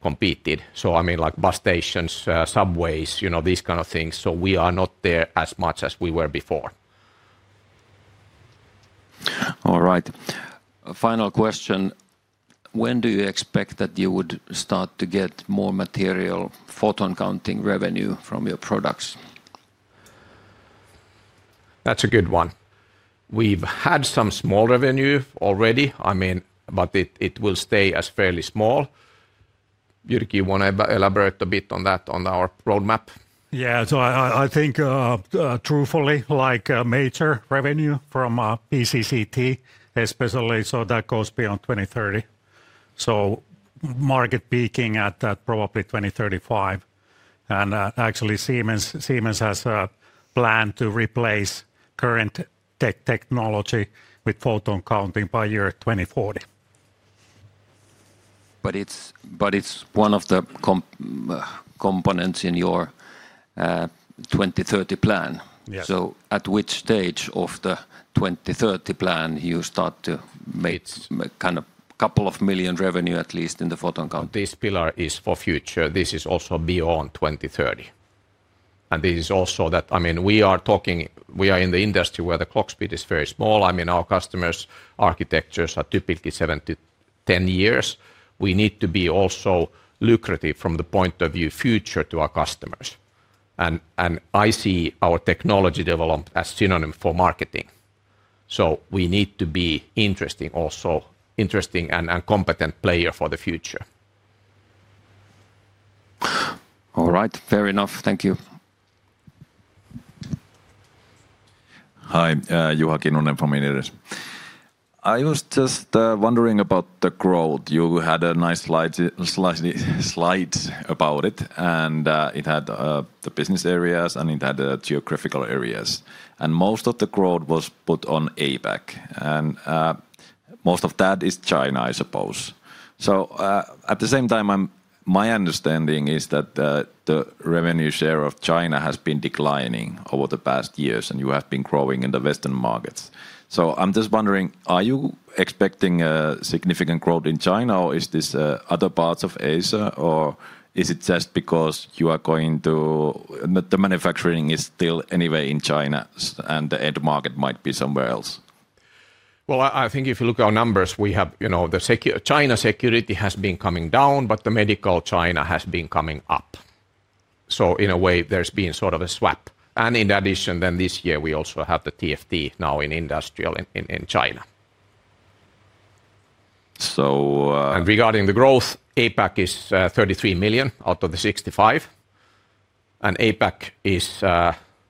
competed. I mean, like bus stations, subways, these kind of things. We are not there as much as we were before. All right. Final question. When do you expect that you would start to get more material photon counting revenue from your products? That's a good one. We've had some small revenue already, I mean, but it will stay as fairly small. Jyrki, you want to elaborate a bit on that on our roadmap? Yeah, so I think truthfully, like major revenue from PCCT, especially so that goes beyond 2030. Market peaking at that probably 2035. Actually, Siemens has a plan to replace current technology with photon counting by year 2040. It is one of the components in your 2030 plan. At which stage of the 2030 plan do you start to make kind of a couple of million revenue at least in the photon counting? This pillar is for future. This is also beyond 2030.This is also that, I mean, we are talking, we are in the industry where the clock speed is very small. I mean, our customers' architectures are typically seven to ten years. We need to be also lucrative from the point of view future to our customers. I see our technology developed as synonym for marketing. We need to be interesting also, interesting and competent player for the future. All right. Fair enough. Thank you. Hi, Juha Kinnunen from Inderes. I was just wondering about the growth. You had a nice slide about it. It had the business areas and it had the geographical areas. Most of the growth was put on APAC. Most of that is China, I suppose. At the same time, my understanding is that the revenue share of China has been declining over the past years and you have been growing in the Western markets. I'm just wondering, are you expecting significant growth in China or is this other parts of Asia or is it just because you are going to the manufacturing is still anyway in China and the end market might be somewhere else? I think if you look at our numbers, we have the China security has been coming down, but the medical China has been coming up. In a way, there's been sort of a swap. In addition, this year we also have the TFT now in industrial in China. Regarding the growth, APAC is 33 million out of the 65 million. APAC is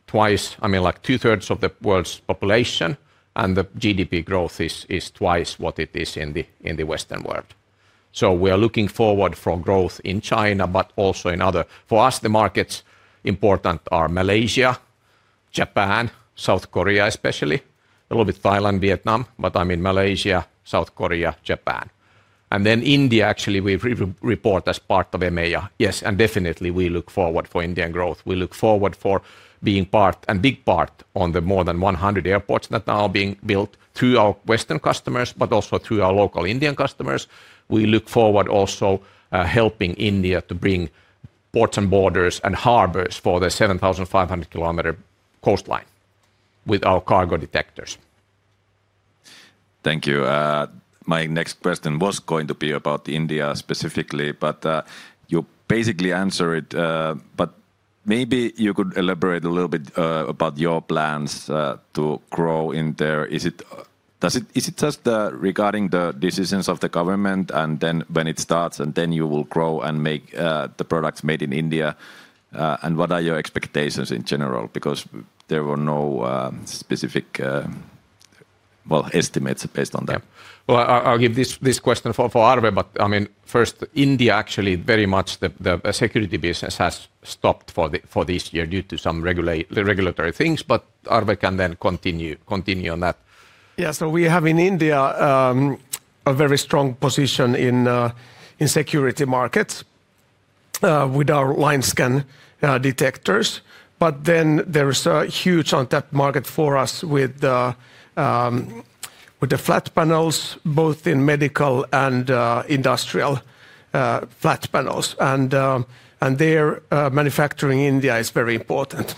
twice, I mean, like 2/3 of the world's population. The GDP growth is twice what it is in the Western world. We are looking forward for growth in China, but also in other, for us, the markets important are Malaysia, Japan, South Korea especially, a little bit Thailand, Vietnam, but I mean Malaysia, South Korea, Japan. India, actually we report as part of EMEA. Yes, and definitely we look forward for Indian growth. We look forward for being part and big part on the more than 100 airports that are now being built through our Western customers, but also through our local Indian customers. We look forward also to helping India to bring ports and borders and harbors for the 7,500 km coastline with our cargo detectors. Thank you. My next question was going to be about India specifically, but you basically answered it. Maybe you could elaborate a little bit about your plans to grow in there. Is it just regarding the decisions of the government and then when it starts and then you will grow and make the products made in India? What are your expectations in general? Because there were no specific, well, estimates based on that. I'll give this question for Arve, but I mean, first, India actually very much the security business has stopped for this year due to some regulatory things, but Arve can then continue on that. Yeah, we have in India a very strong position in security markets with our line scan detectors. There is a huge on that market for us with the flat panels, both in medical and industrial flat panels. Their manufacturing in India is very important.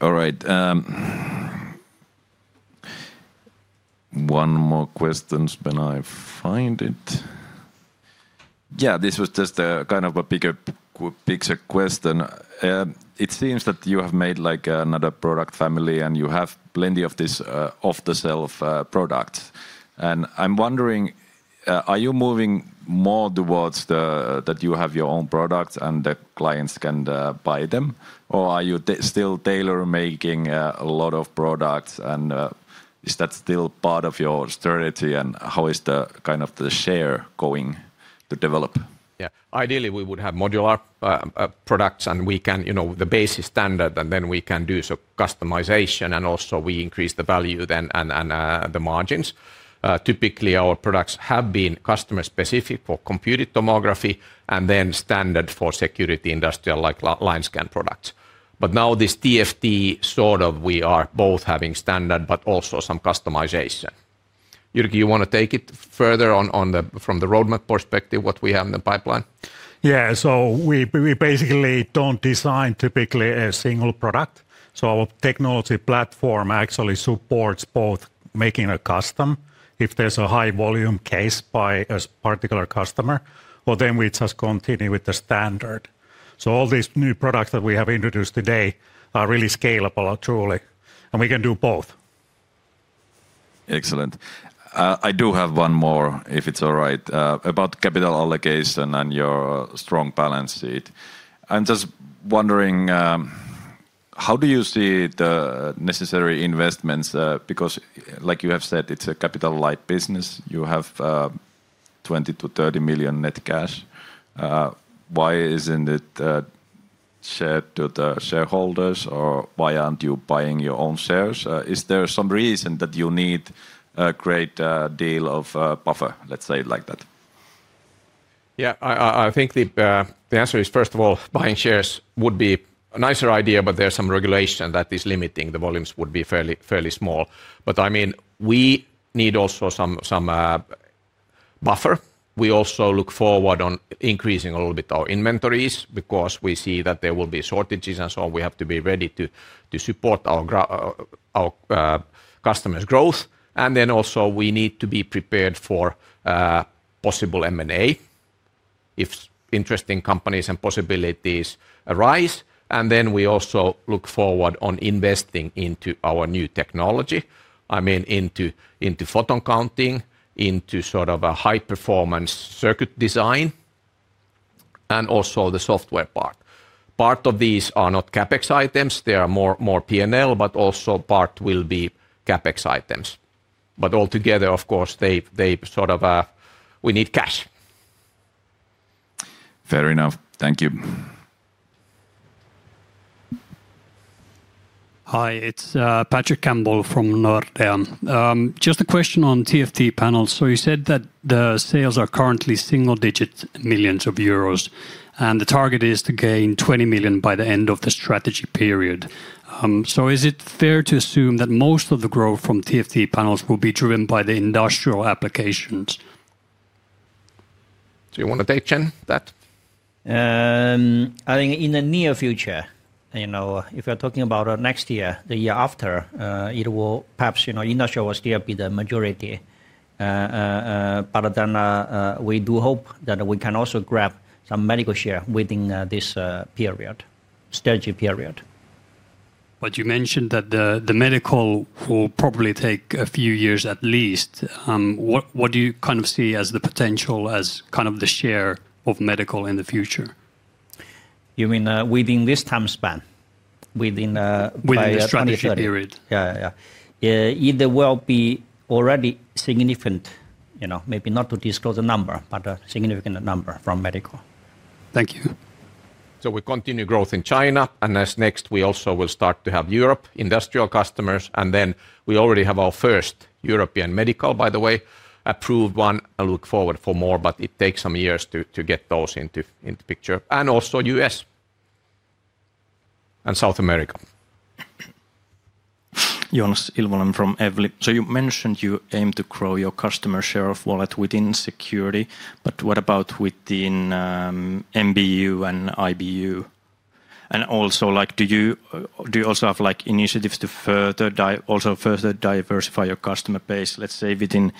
All right. One more question when I find it. Yeah, this was just a kind of a bigger question. It seems that you have made like another product family and you have plenty of these off-the-shelf products. I'm wondering, are you moving more towards that you have your own products and the clients can buy them? Or are you still tailor-making a lot of products and is that still part of your strategy and how is the kind of the share going to develop? Ideally we would have modular products and we can, you know, the basic standard and then we can do some customization and also we increase the value then and the margins. Typically, our products have been customer-specific for computed tomography and then standard for security industrial like line scan products. Now this TFT, sort of, we are both having standard but also some customization. Jyrki, you want to take it further on the roadmap perspective what we have in the pipeline? Yeah, so we basically do not design typically a single product. Our technology platform actually supports both making a custom if there is a high volume case by a particular customer, or we just continue with the standard. All these new products that we have introduced today are really scalable truly. We can do both. Excellent. I do have one more if it is all right about capital allocation and your strong balance sheet. I am just wondering, how do you see the necessary investments? Because like you have said, it is a capital-light business. You have 20 million-30 million net cash. Why is it not shared to the shareholders or why are you not buying your own shares? Is there some reason that you need a great deal of buffer, let's say it like that? Yeah, I think the answer is first of all, buying shares would be a nicer idea, but there's some regulation that is limiting the volumes would be fairly small. I mean, we need also some buffer. We also look forward on increasing a little bit our inventories because we see that there will be shortages and so on. We have to be ready to support our customers' growth. We need to be prepared for possible M&A if interesting companies and possibilities arise. We also look forward on investing into our new technology. I mean, into photon counting, into sort of a high-performance circuit design, and also the software part. Part of these are not CapEx items. They are more P&L, but also part will be CapEx items. Altogether, of course, they sort of we need cash. Fair enough. Thank you. Hi, it's Patrick Campbell from Nordea. Just a question on TFT panels. You said that the sales are currently single-digit millions of euros and the target is to gain 20 million by the end of the strategy period. Is it fair to assume that most of the growth from TFT panels will be driven by the industrial applications? Do you want to take Chen that? I think in the near future, you know, if we're talking about next year, the year after, it will perhaps industrial will still be the majority. We do hope that we can also grab some medical share within this period, strategy period. You mentioned that the medical will probably take a few years at least. What do you kind of see as the potential as kind of the share of medical in the future? You mean within this time span, within the strategy period? Yeah, yeah, yeah. It will be already significant, you know, maybe not to disclose a number, but a significant number from medical. Thank you. We continue growth in China. Next, we also will start to have Europe industrial customers. We already have our first European medical, by the way, approved one. I look forward for more, but it takes some years to get those into picture. Also U.S. and South America. Joonas Ilvonen from Evli. You mentioned you aim to grow your customer share of wallet within security. What about within MBU and IBU? Also, do you have initiatives to further diversify your customer base, let's say within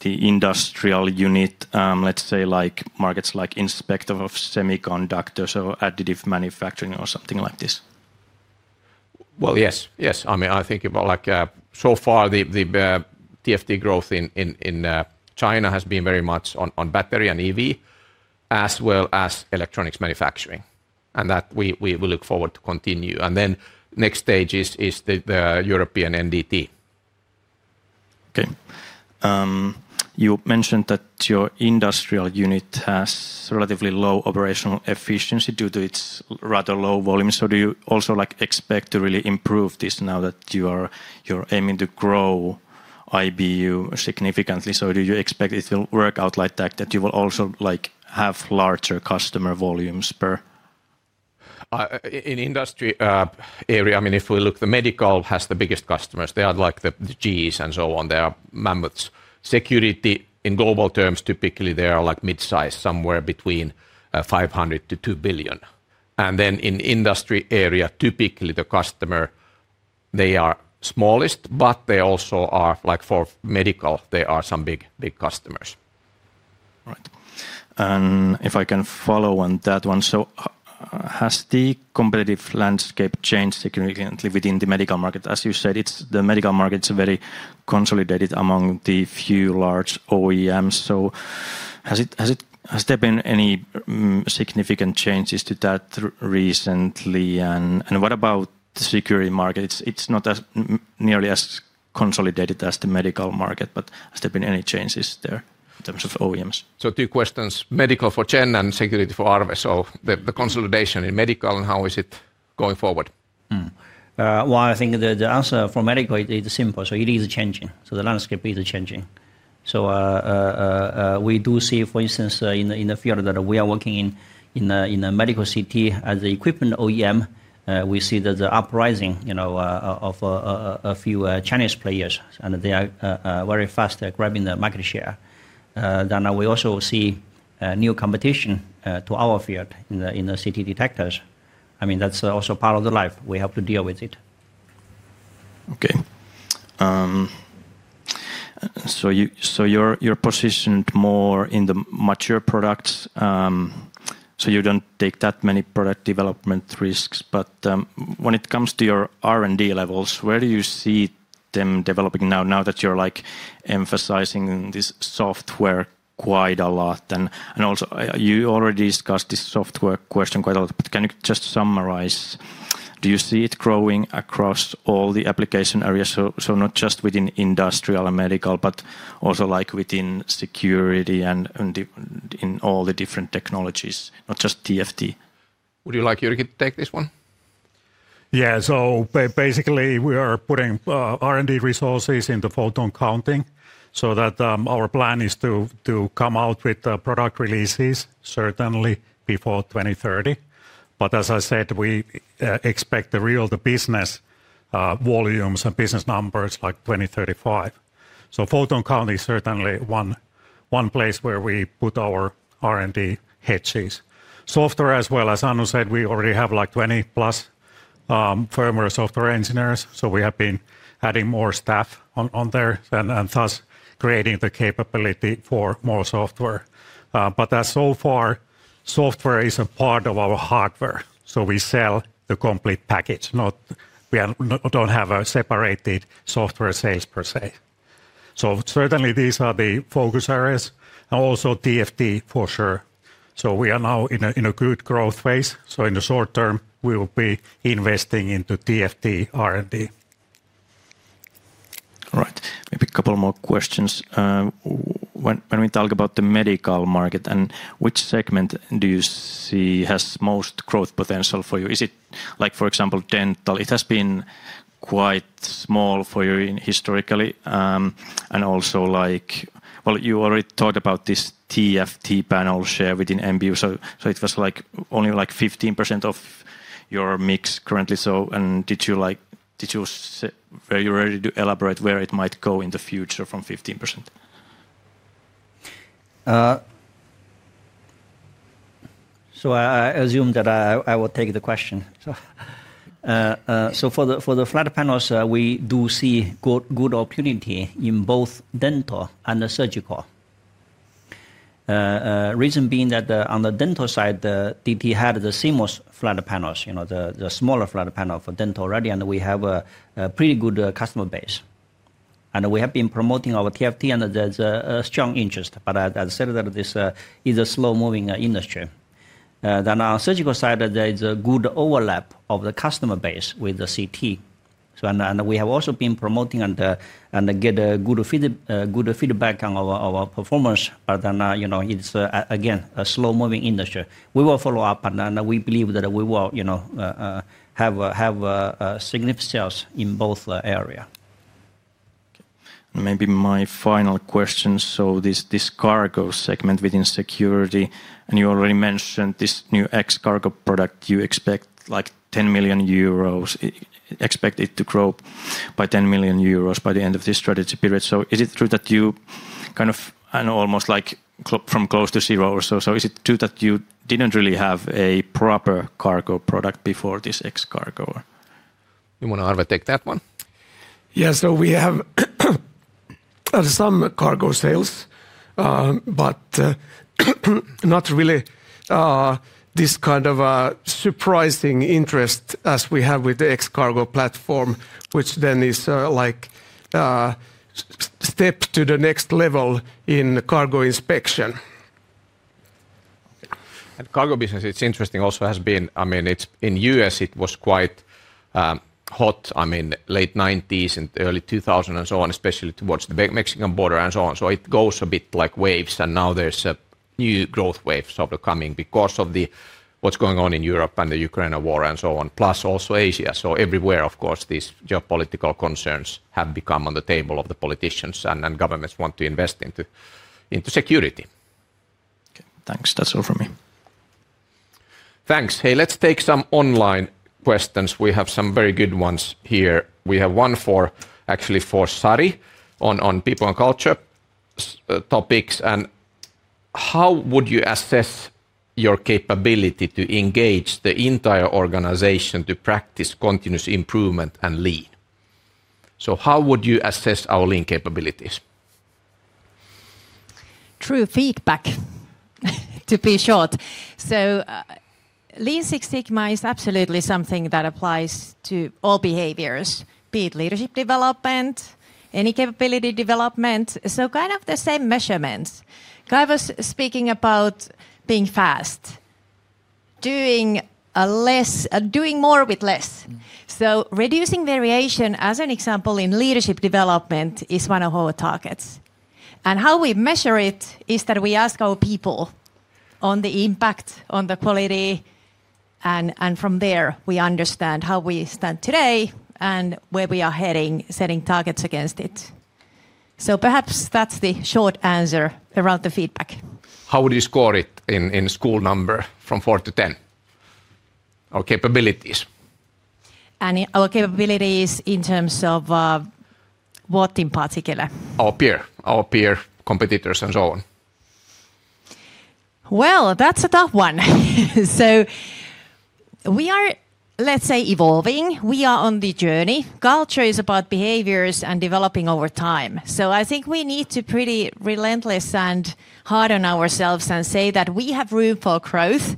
the industrial unit, like markets such as inspection of semiconductors or additive manufacturing or something like this? Yes, yes. I mean, I think about so far the TFT growth in China has been very much on battery and EV as well as electronics manufacturing. That we look forward to continue. The next stage is the European NDT. Okay. You mentioned that your industrial unit has relatively low operational efficiency due to its rather low volume. Do you also expect to really improve this now that you're aiming to grow IBU significantly? Do you expect it will work out like that, that you will also have larger customer volumes per? In industry area, I mean, if we look, the medical has the biggest customers. They are like the GEs and so on. They are mammoths. Security in global terms, typically they are like mid-size, somewhere between 500 million-2 billion. And then in industry area, typically the customer, they are smallest, but they also are like for medical, they are some big customers. Right. If I can follow on that one, has the competitive landscape changed significantly within the medical market? As you said, the medical market is very consolidated among the few large OEMs. Has there been any significant changes to that recently? What about the security market? It's not nearly as consolidated as the medical market, but has there been any changes there in terms of OEMs? Two questions. Medical for Chen and security for Arve. The consolidation in medical and how is it going forward? I think the answer for medical is simple. It is changing. The landscape is changing. We do see, for instance, in the field that we are working in, a medical city as an equipment OEM, we see the uprising, you know, of a few Chinese players and they are very fast grabbing the market share. We also see new competition to our field in the CT detectors. I mean, that's also part of the life. We have to deal with it. Okay. You are positioned more in the mature products, so you do not take that many product development risks. When it comes to your R&D levels, where do you see them developing now, now that you are emphasizing this software quite a lot? You already discussed this software question quite a lot, but can you just summarize? Do you see it growing across all the application areas? Not just within industrial and medical, but also within security and in all the different technologies, not just TFT. Would you like Jyrki to take this one? Yeah, basically we are putting R&D resources into photon counting. Our plan is to come out with product releases certainly before 2030. As I said, we expect the real business volumes and business numbers like 2035. Photon counting is certainly one place where we put our R&D head cheese. Software, as well as Hannu said, we already have like 20 plus firmware software engineers. We have been adding more staff on there and thus creating the capability for more software. So far, software is a part of our hardware. We sell the complete package. We do not have a separated software sales per se. Certainly these are the focus areas. Also TFT for sure. We are now in a good growth phase. In the short term, we will be investing into TFT R&D. All right. Maybe a couple more questions. When we talk about the medical market, which segment do you see has most growth potential for you? Is it, for example, dental? It has been quite small for you historically. Also, you already talked about this TFT panel share within MBU. It was only 15% of your mix currently. Did you, or are you ready to elaborate where it might go in the future from 15%? I assume that I will take the question. For the flat panels, we do see good opportunity in both dental and the surgical. Reason being that on the dental side, DT had the same flat panels, you know, the smaller flat panel for dental already, and we have a pretty good customer base. And we have been promoting our TFT and there's a strong interest. But as I said, that is a slow-moving industry. Then on the surgical side, there is a good overlap of the customer base with the CT. So and we have also been promoting and get a good feedback on our performance. But then, you know, it's again a slow-moving industry. We will follow up and we believe that we will, you know, have significant sales in both areas. Maybe my final question. So this cargo segment within security, and you already mentioned this new X-Cargo product, you expect like 10 million euros, expect it to grow by 10 million euros by the end of this strategy period. Is it true that you kind of, I know, almost like from close to zero or so? Is it true that you did not really have a proper cargo product before this X-Cargo? You want to take that one? Yeah, we have some cargo sales, but not really this kind of surprising interest as we have with the X-Cargo platform, which then is like a step to the next level in cargo inspection. Cargo business, it's interesting, also has been, I mean, it's in the U.S., it was quite hot, I mean, late 1990s and early 2000s and so on, especially towards the Mexican border and so on. It goes a bit like waves. Now there's a new growth wave sort of coming because of what's going on in Europe and the Ukraine war and so on, plus also Asia. Everywhere, of course, these geopolitical concerns have become on the table of the politicians and governments want to invest into security. Thanks. That's all from me. Thanks. Hey, let's take some online questions. We have some very good ones here. We have one for actually for Sari on people and culture topics. How would you assess your capability to engage the entire organization to practice continuous improvement and lean? How would you assess our lean capabilities? True feedback, to be short. Lean Six Sigma is absolutely something that applies to all behaviors, be it leadership development, any capability development. Kind of the same measurements. Guy was speaking about being fast, doing more with less. Reducing variation, as an example, in leadership development is one of our targets. How we measure it is that we ask our people on the impact on the quality. From there, we understand how we stand today and where we are heading, setting targets against it. Perhaps that's the short answer around the feedback. How would you score it in school, number from 4-10? Our capabilities. Our capabilities in terms of what in particular? Our peer, our peer competitors and so on. That's a tough one. We are, let's say, evolving. We are on the journey. Culture is about behaviors and developing over time. I think we need to be pretty relentless and hard on ourselves and say that we have room for growth.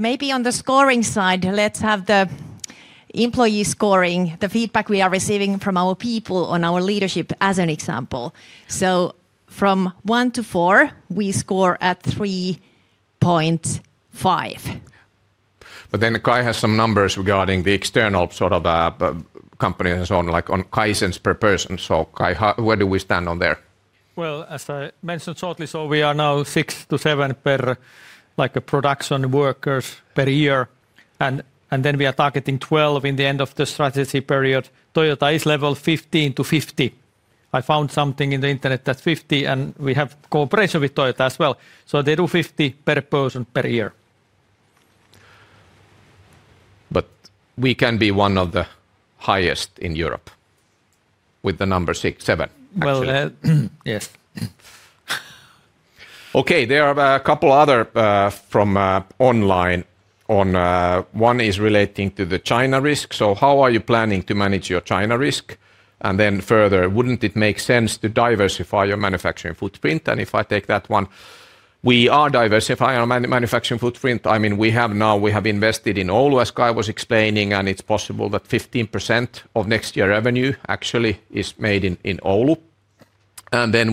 Maybe on the scoring side, let's have the employee scoring, the feedback we are receiving from our people on our leadership as an example. From 1-4, we score at 3.5. But then Kai has some numbers regarding the external sort of companies and so on, like on Kaizens per person. Kai, where do we stand on there? As I mentioned shortly, we are now 6-7 per production workers per year. We are targeting 12 in the end of the strategy period. Toyota is level 15-50. I found something in the internet that's 50, and we have cooperation with Toyota as well. They do 50 per person per year. We can be one of the highest in Europe with the number seven. Yes. There are a couple other from online. One is relating to the China risk. How are you planning to manage your China risk? Further, wouldn't it make sense to diversify your manufacturing footprint? If I take that one, we are diversifying our manufacturing footprint. I mean, we have now, we have invested in Oulu, as Kai was explaining, and it's possible that 15% of next year's revenue actually is made in Oulu.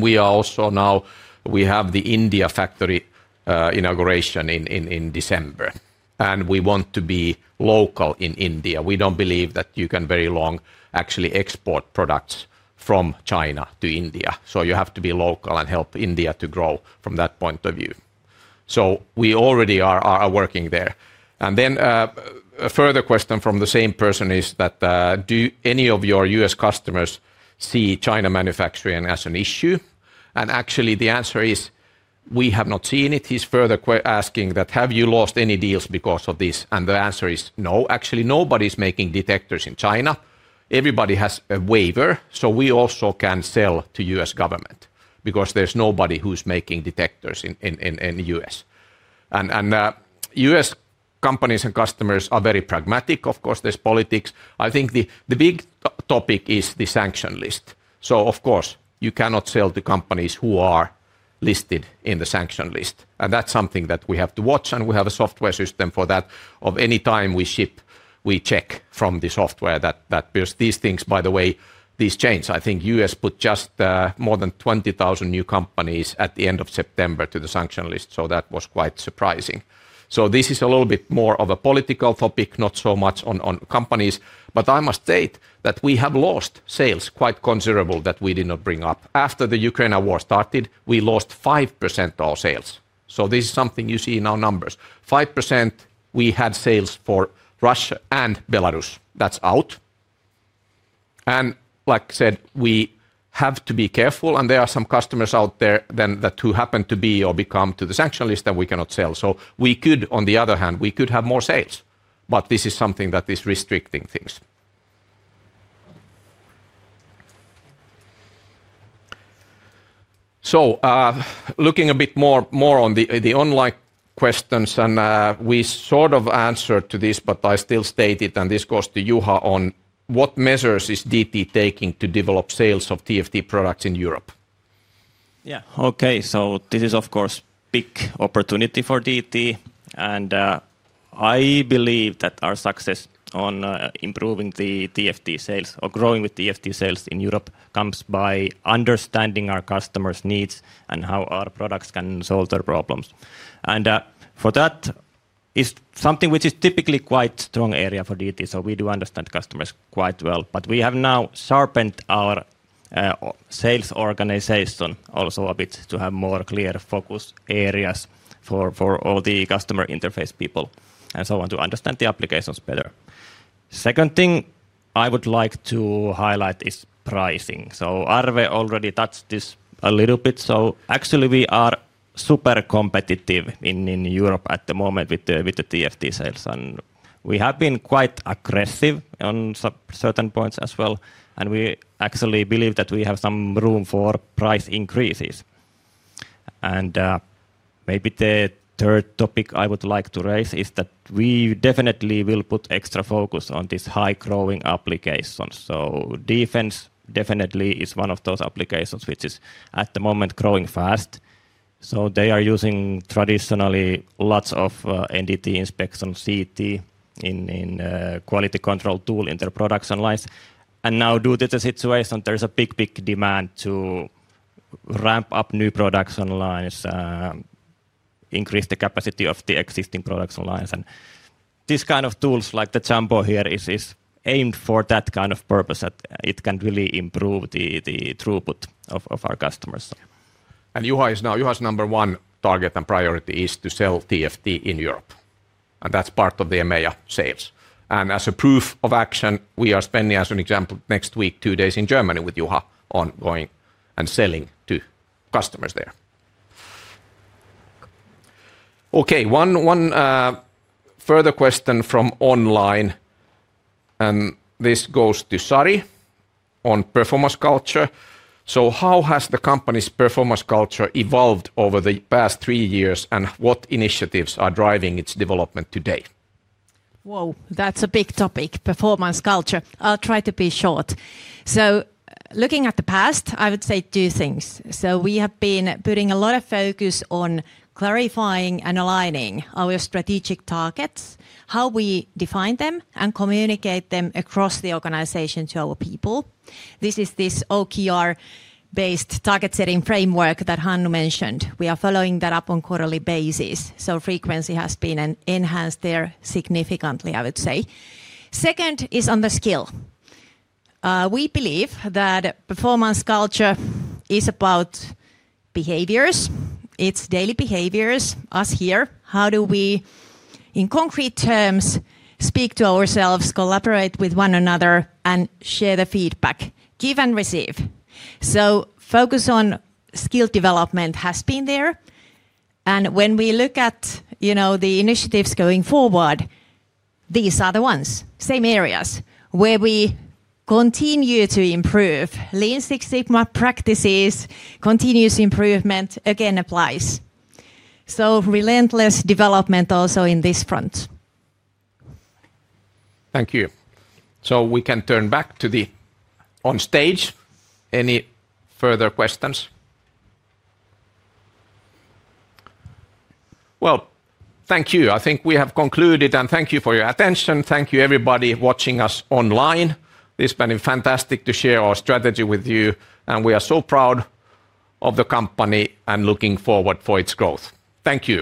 We are also now, we have the India factory inauguration in December. We want to be local in India. We don't believe that you can very long actually export products from China to India. You have to be local and help India to grow from that point of view. We already are working there. A further question from the same person is that do any of your U.S. customers see China manufacturing as an issue? Actually the answer is we have not seen it. He's further asking that have you lost any deals because of this? The answer is no. Actually, nobody's making detectors in China. Everybody has a waiver. We also can sell to U.S. government because there's nobody who's making detectors in the U.S. U.S. companies and customers are very pragmatic. Of course, there's politics. I think the big topic is the sanction list. You cannot sell to companies who are listed in the sanction list. That's something that we have to watch. We have a software system for that. Any time we ship, we check from the software because these things, by the way, these change. I think U.S. put just more than 20,000 new companies at the end of September to the sanction list. That was quite surprising. This is a little bit more of a political topic, not so much on companies. I must state that we have lost sales quite considerable that we did not bring up. After the Ukraine war started, we lost 5% of our sales. This is something you see in our numbers. 5% we had sales for Russia and Belarus. That's out. Like I said, we have to be careful. There are some customers out there who happen to be or become to the sanction list that we cannot sell. On the other hand, we could have more sales. This is something that is restricting things. Looking a bit more on the online questions, and we sort of answered to this, but I still state it, and this goes to Juha on what measures is DT taking to develop sales of TFT products in Europe. Yeah, okay. This is of course a big opportunity for DT. I believe that our success on improving the TFT sales or growing with TFT sales in Europe comes by understanding our customers' needs and how our products can solve their problems. For that is something which is typically quite a strong area for DT. We do understand customers quite well. We have now sharpened our sales organization also a bit to have more clear focus areas for all the customer interface people and so on to understand the applications better. The second thing I would like to highlight is pricing. Arve already touched this a little bit. Actually we are super competitive in Europe at the moment with the TFT sales. We have been quite aggressive on certain points as well. We actually believe that we have some room for price increases. Maybe the third topic I would like to raise is that we definitely will put extra focus on these high growing applications. Defense definitely is one of those applications which is at the moment growing fast. They are using traditionally lots of NDT inspection CT in quality control tool in their production lines. Now, due to the situation, there is a big, big demand to ramp up new production lines and increase the capacity of the existing production lines. This kind of tools like the Jumbo here is aimed for that kind of purpose, that it can really improve the throughput of our customers. Juha is now, Juha's number one target and priority is to sell TFT in Europe. That is part of the EMEA sales. As a proof of action, we are spending as an example next week two days in Germany with Juha on going and selling to customers there. Okay, one further question from online. This goes to Sari on performance culture. How has the company's performance culture evolved over the past three years and what initiatives are driving its development today? Whoa, that's a big topic, performance culture. I'll try to be short. Looking at the past, I would say two things. We have been putting a lot of focus on clarifying and aligning our strategic targets, how we define them and communicate them across the organization to our people. This is this OKR-based target-setting framework that Hannu mentioned. We are following that up on a quarterly basis. Frequency has been enhanced there significantly, I would say. Second is on the skill. We believe that performance culture is about behaviors. It's daily behaviors, us here. How do we in concrete terms speak to ourselves, collaborate with one another, and share the feedback, give and receive? So focus on skill development has been there. And when we look at, you know, the initiatives going forward, these are the ones, same areas where we continue to improve. Lean Six Sigma practices, continuous improvement again applies. So relentless development also in this front. Thank you. We can turn back to the on stage. Any further questions? Thank you. I think we have concluded and thank you for your attention. Thank you everybody watching us online. It's been fantastic to share our strategy with you. And we are so proud of the company and looking forward for its growth. Thank you.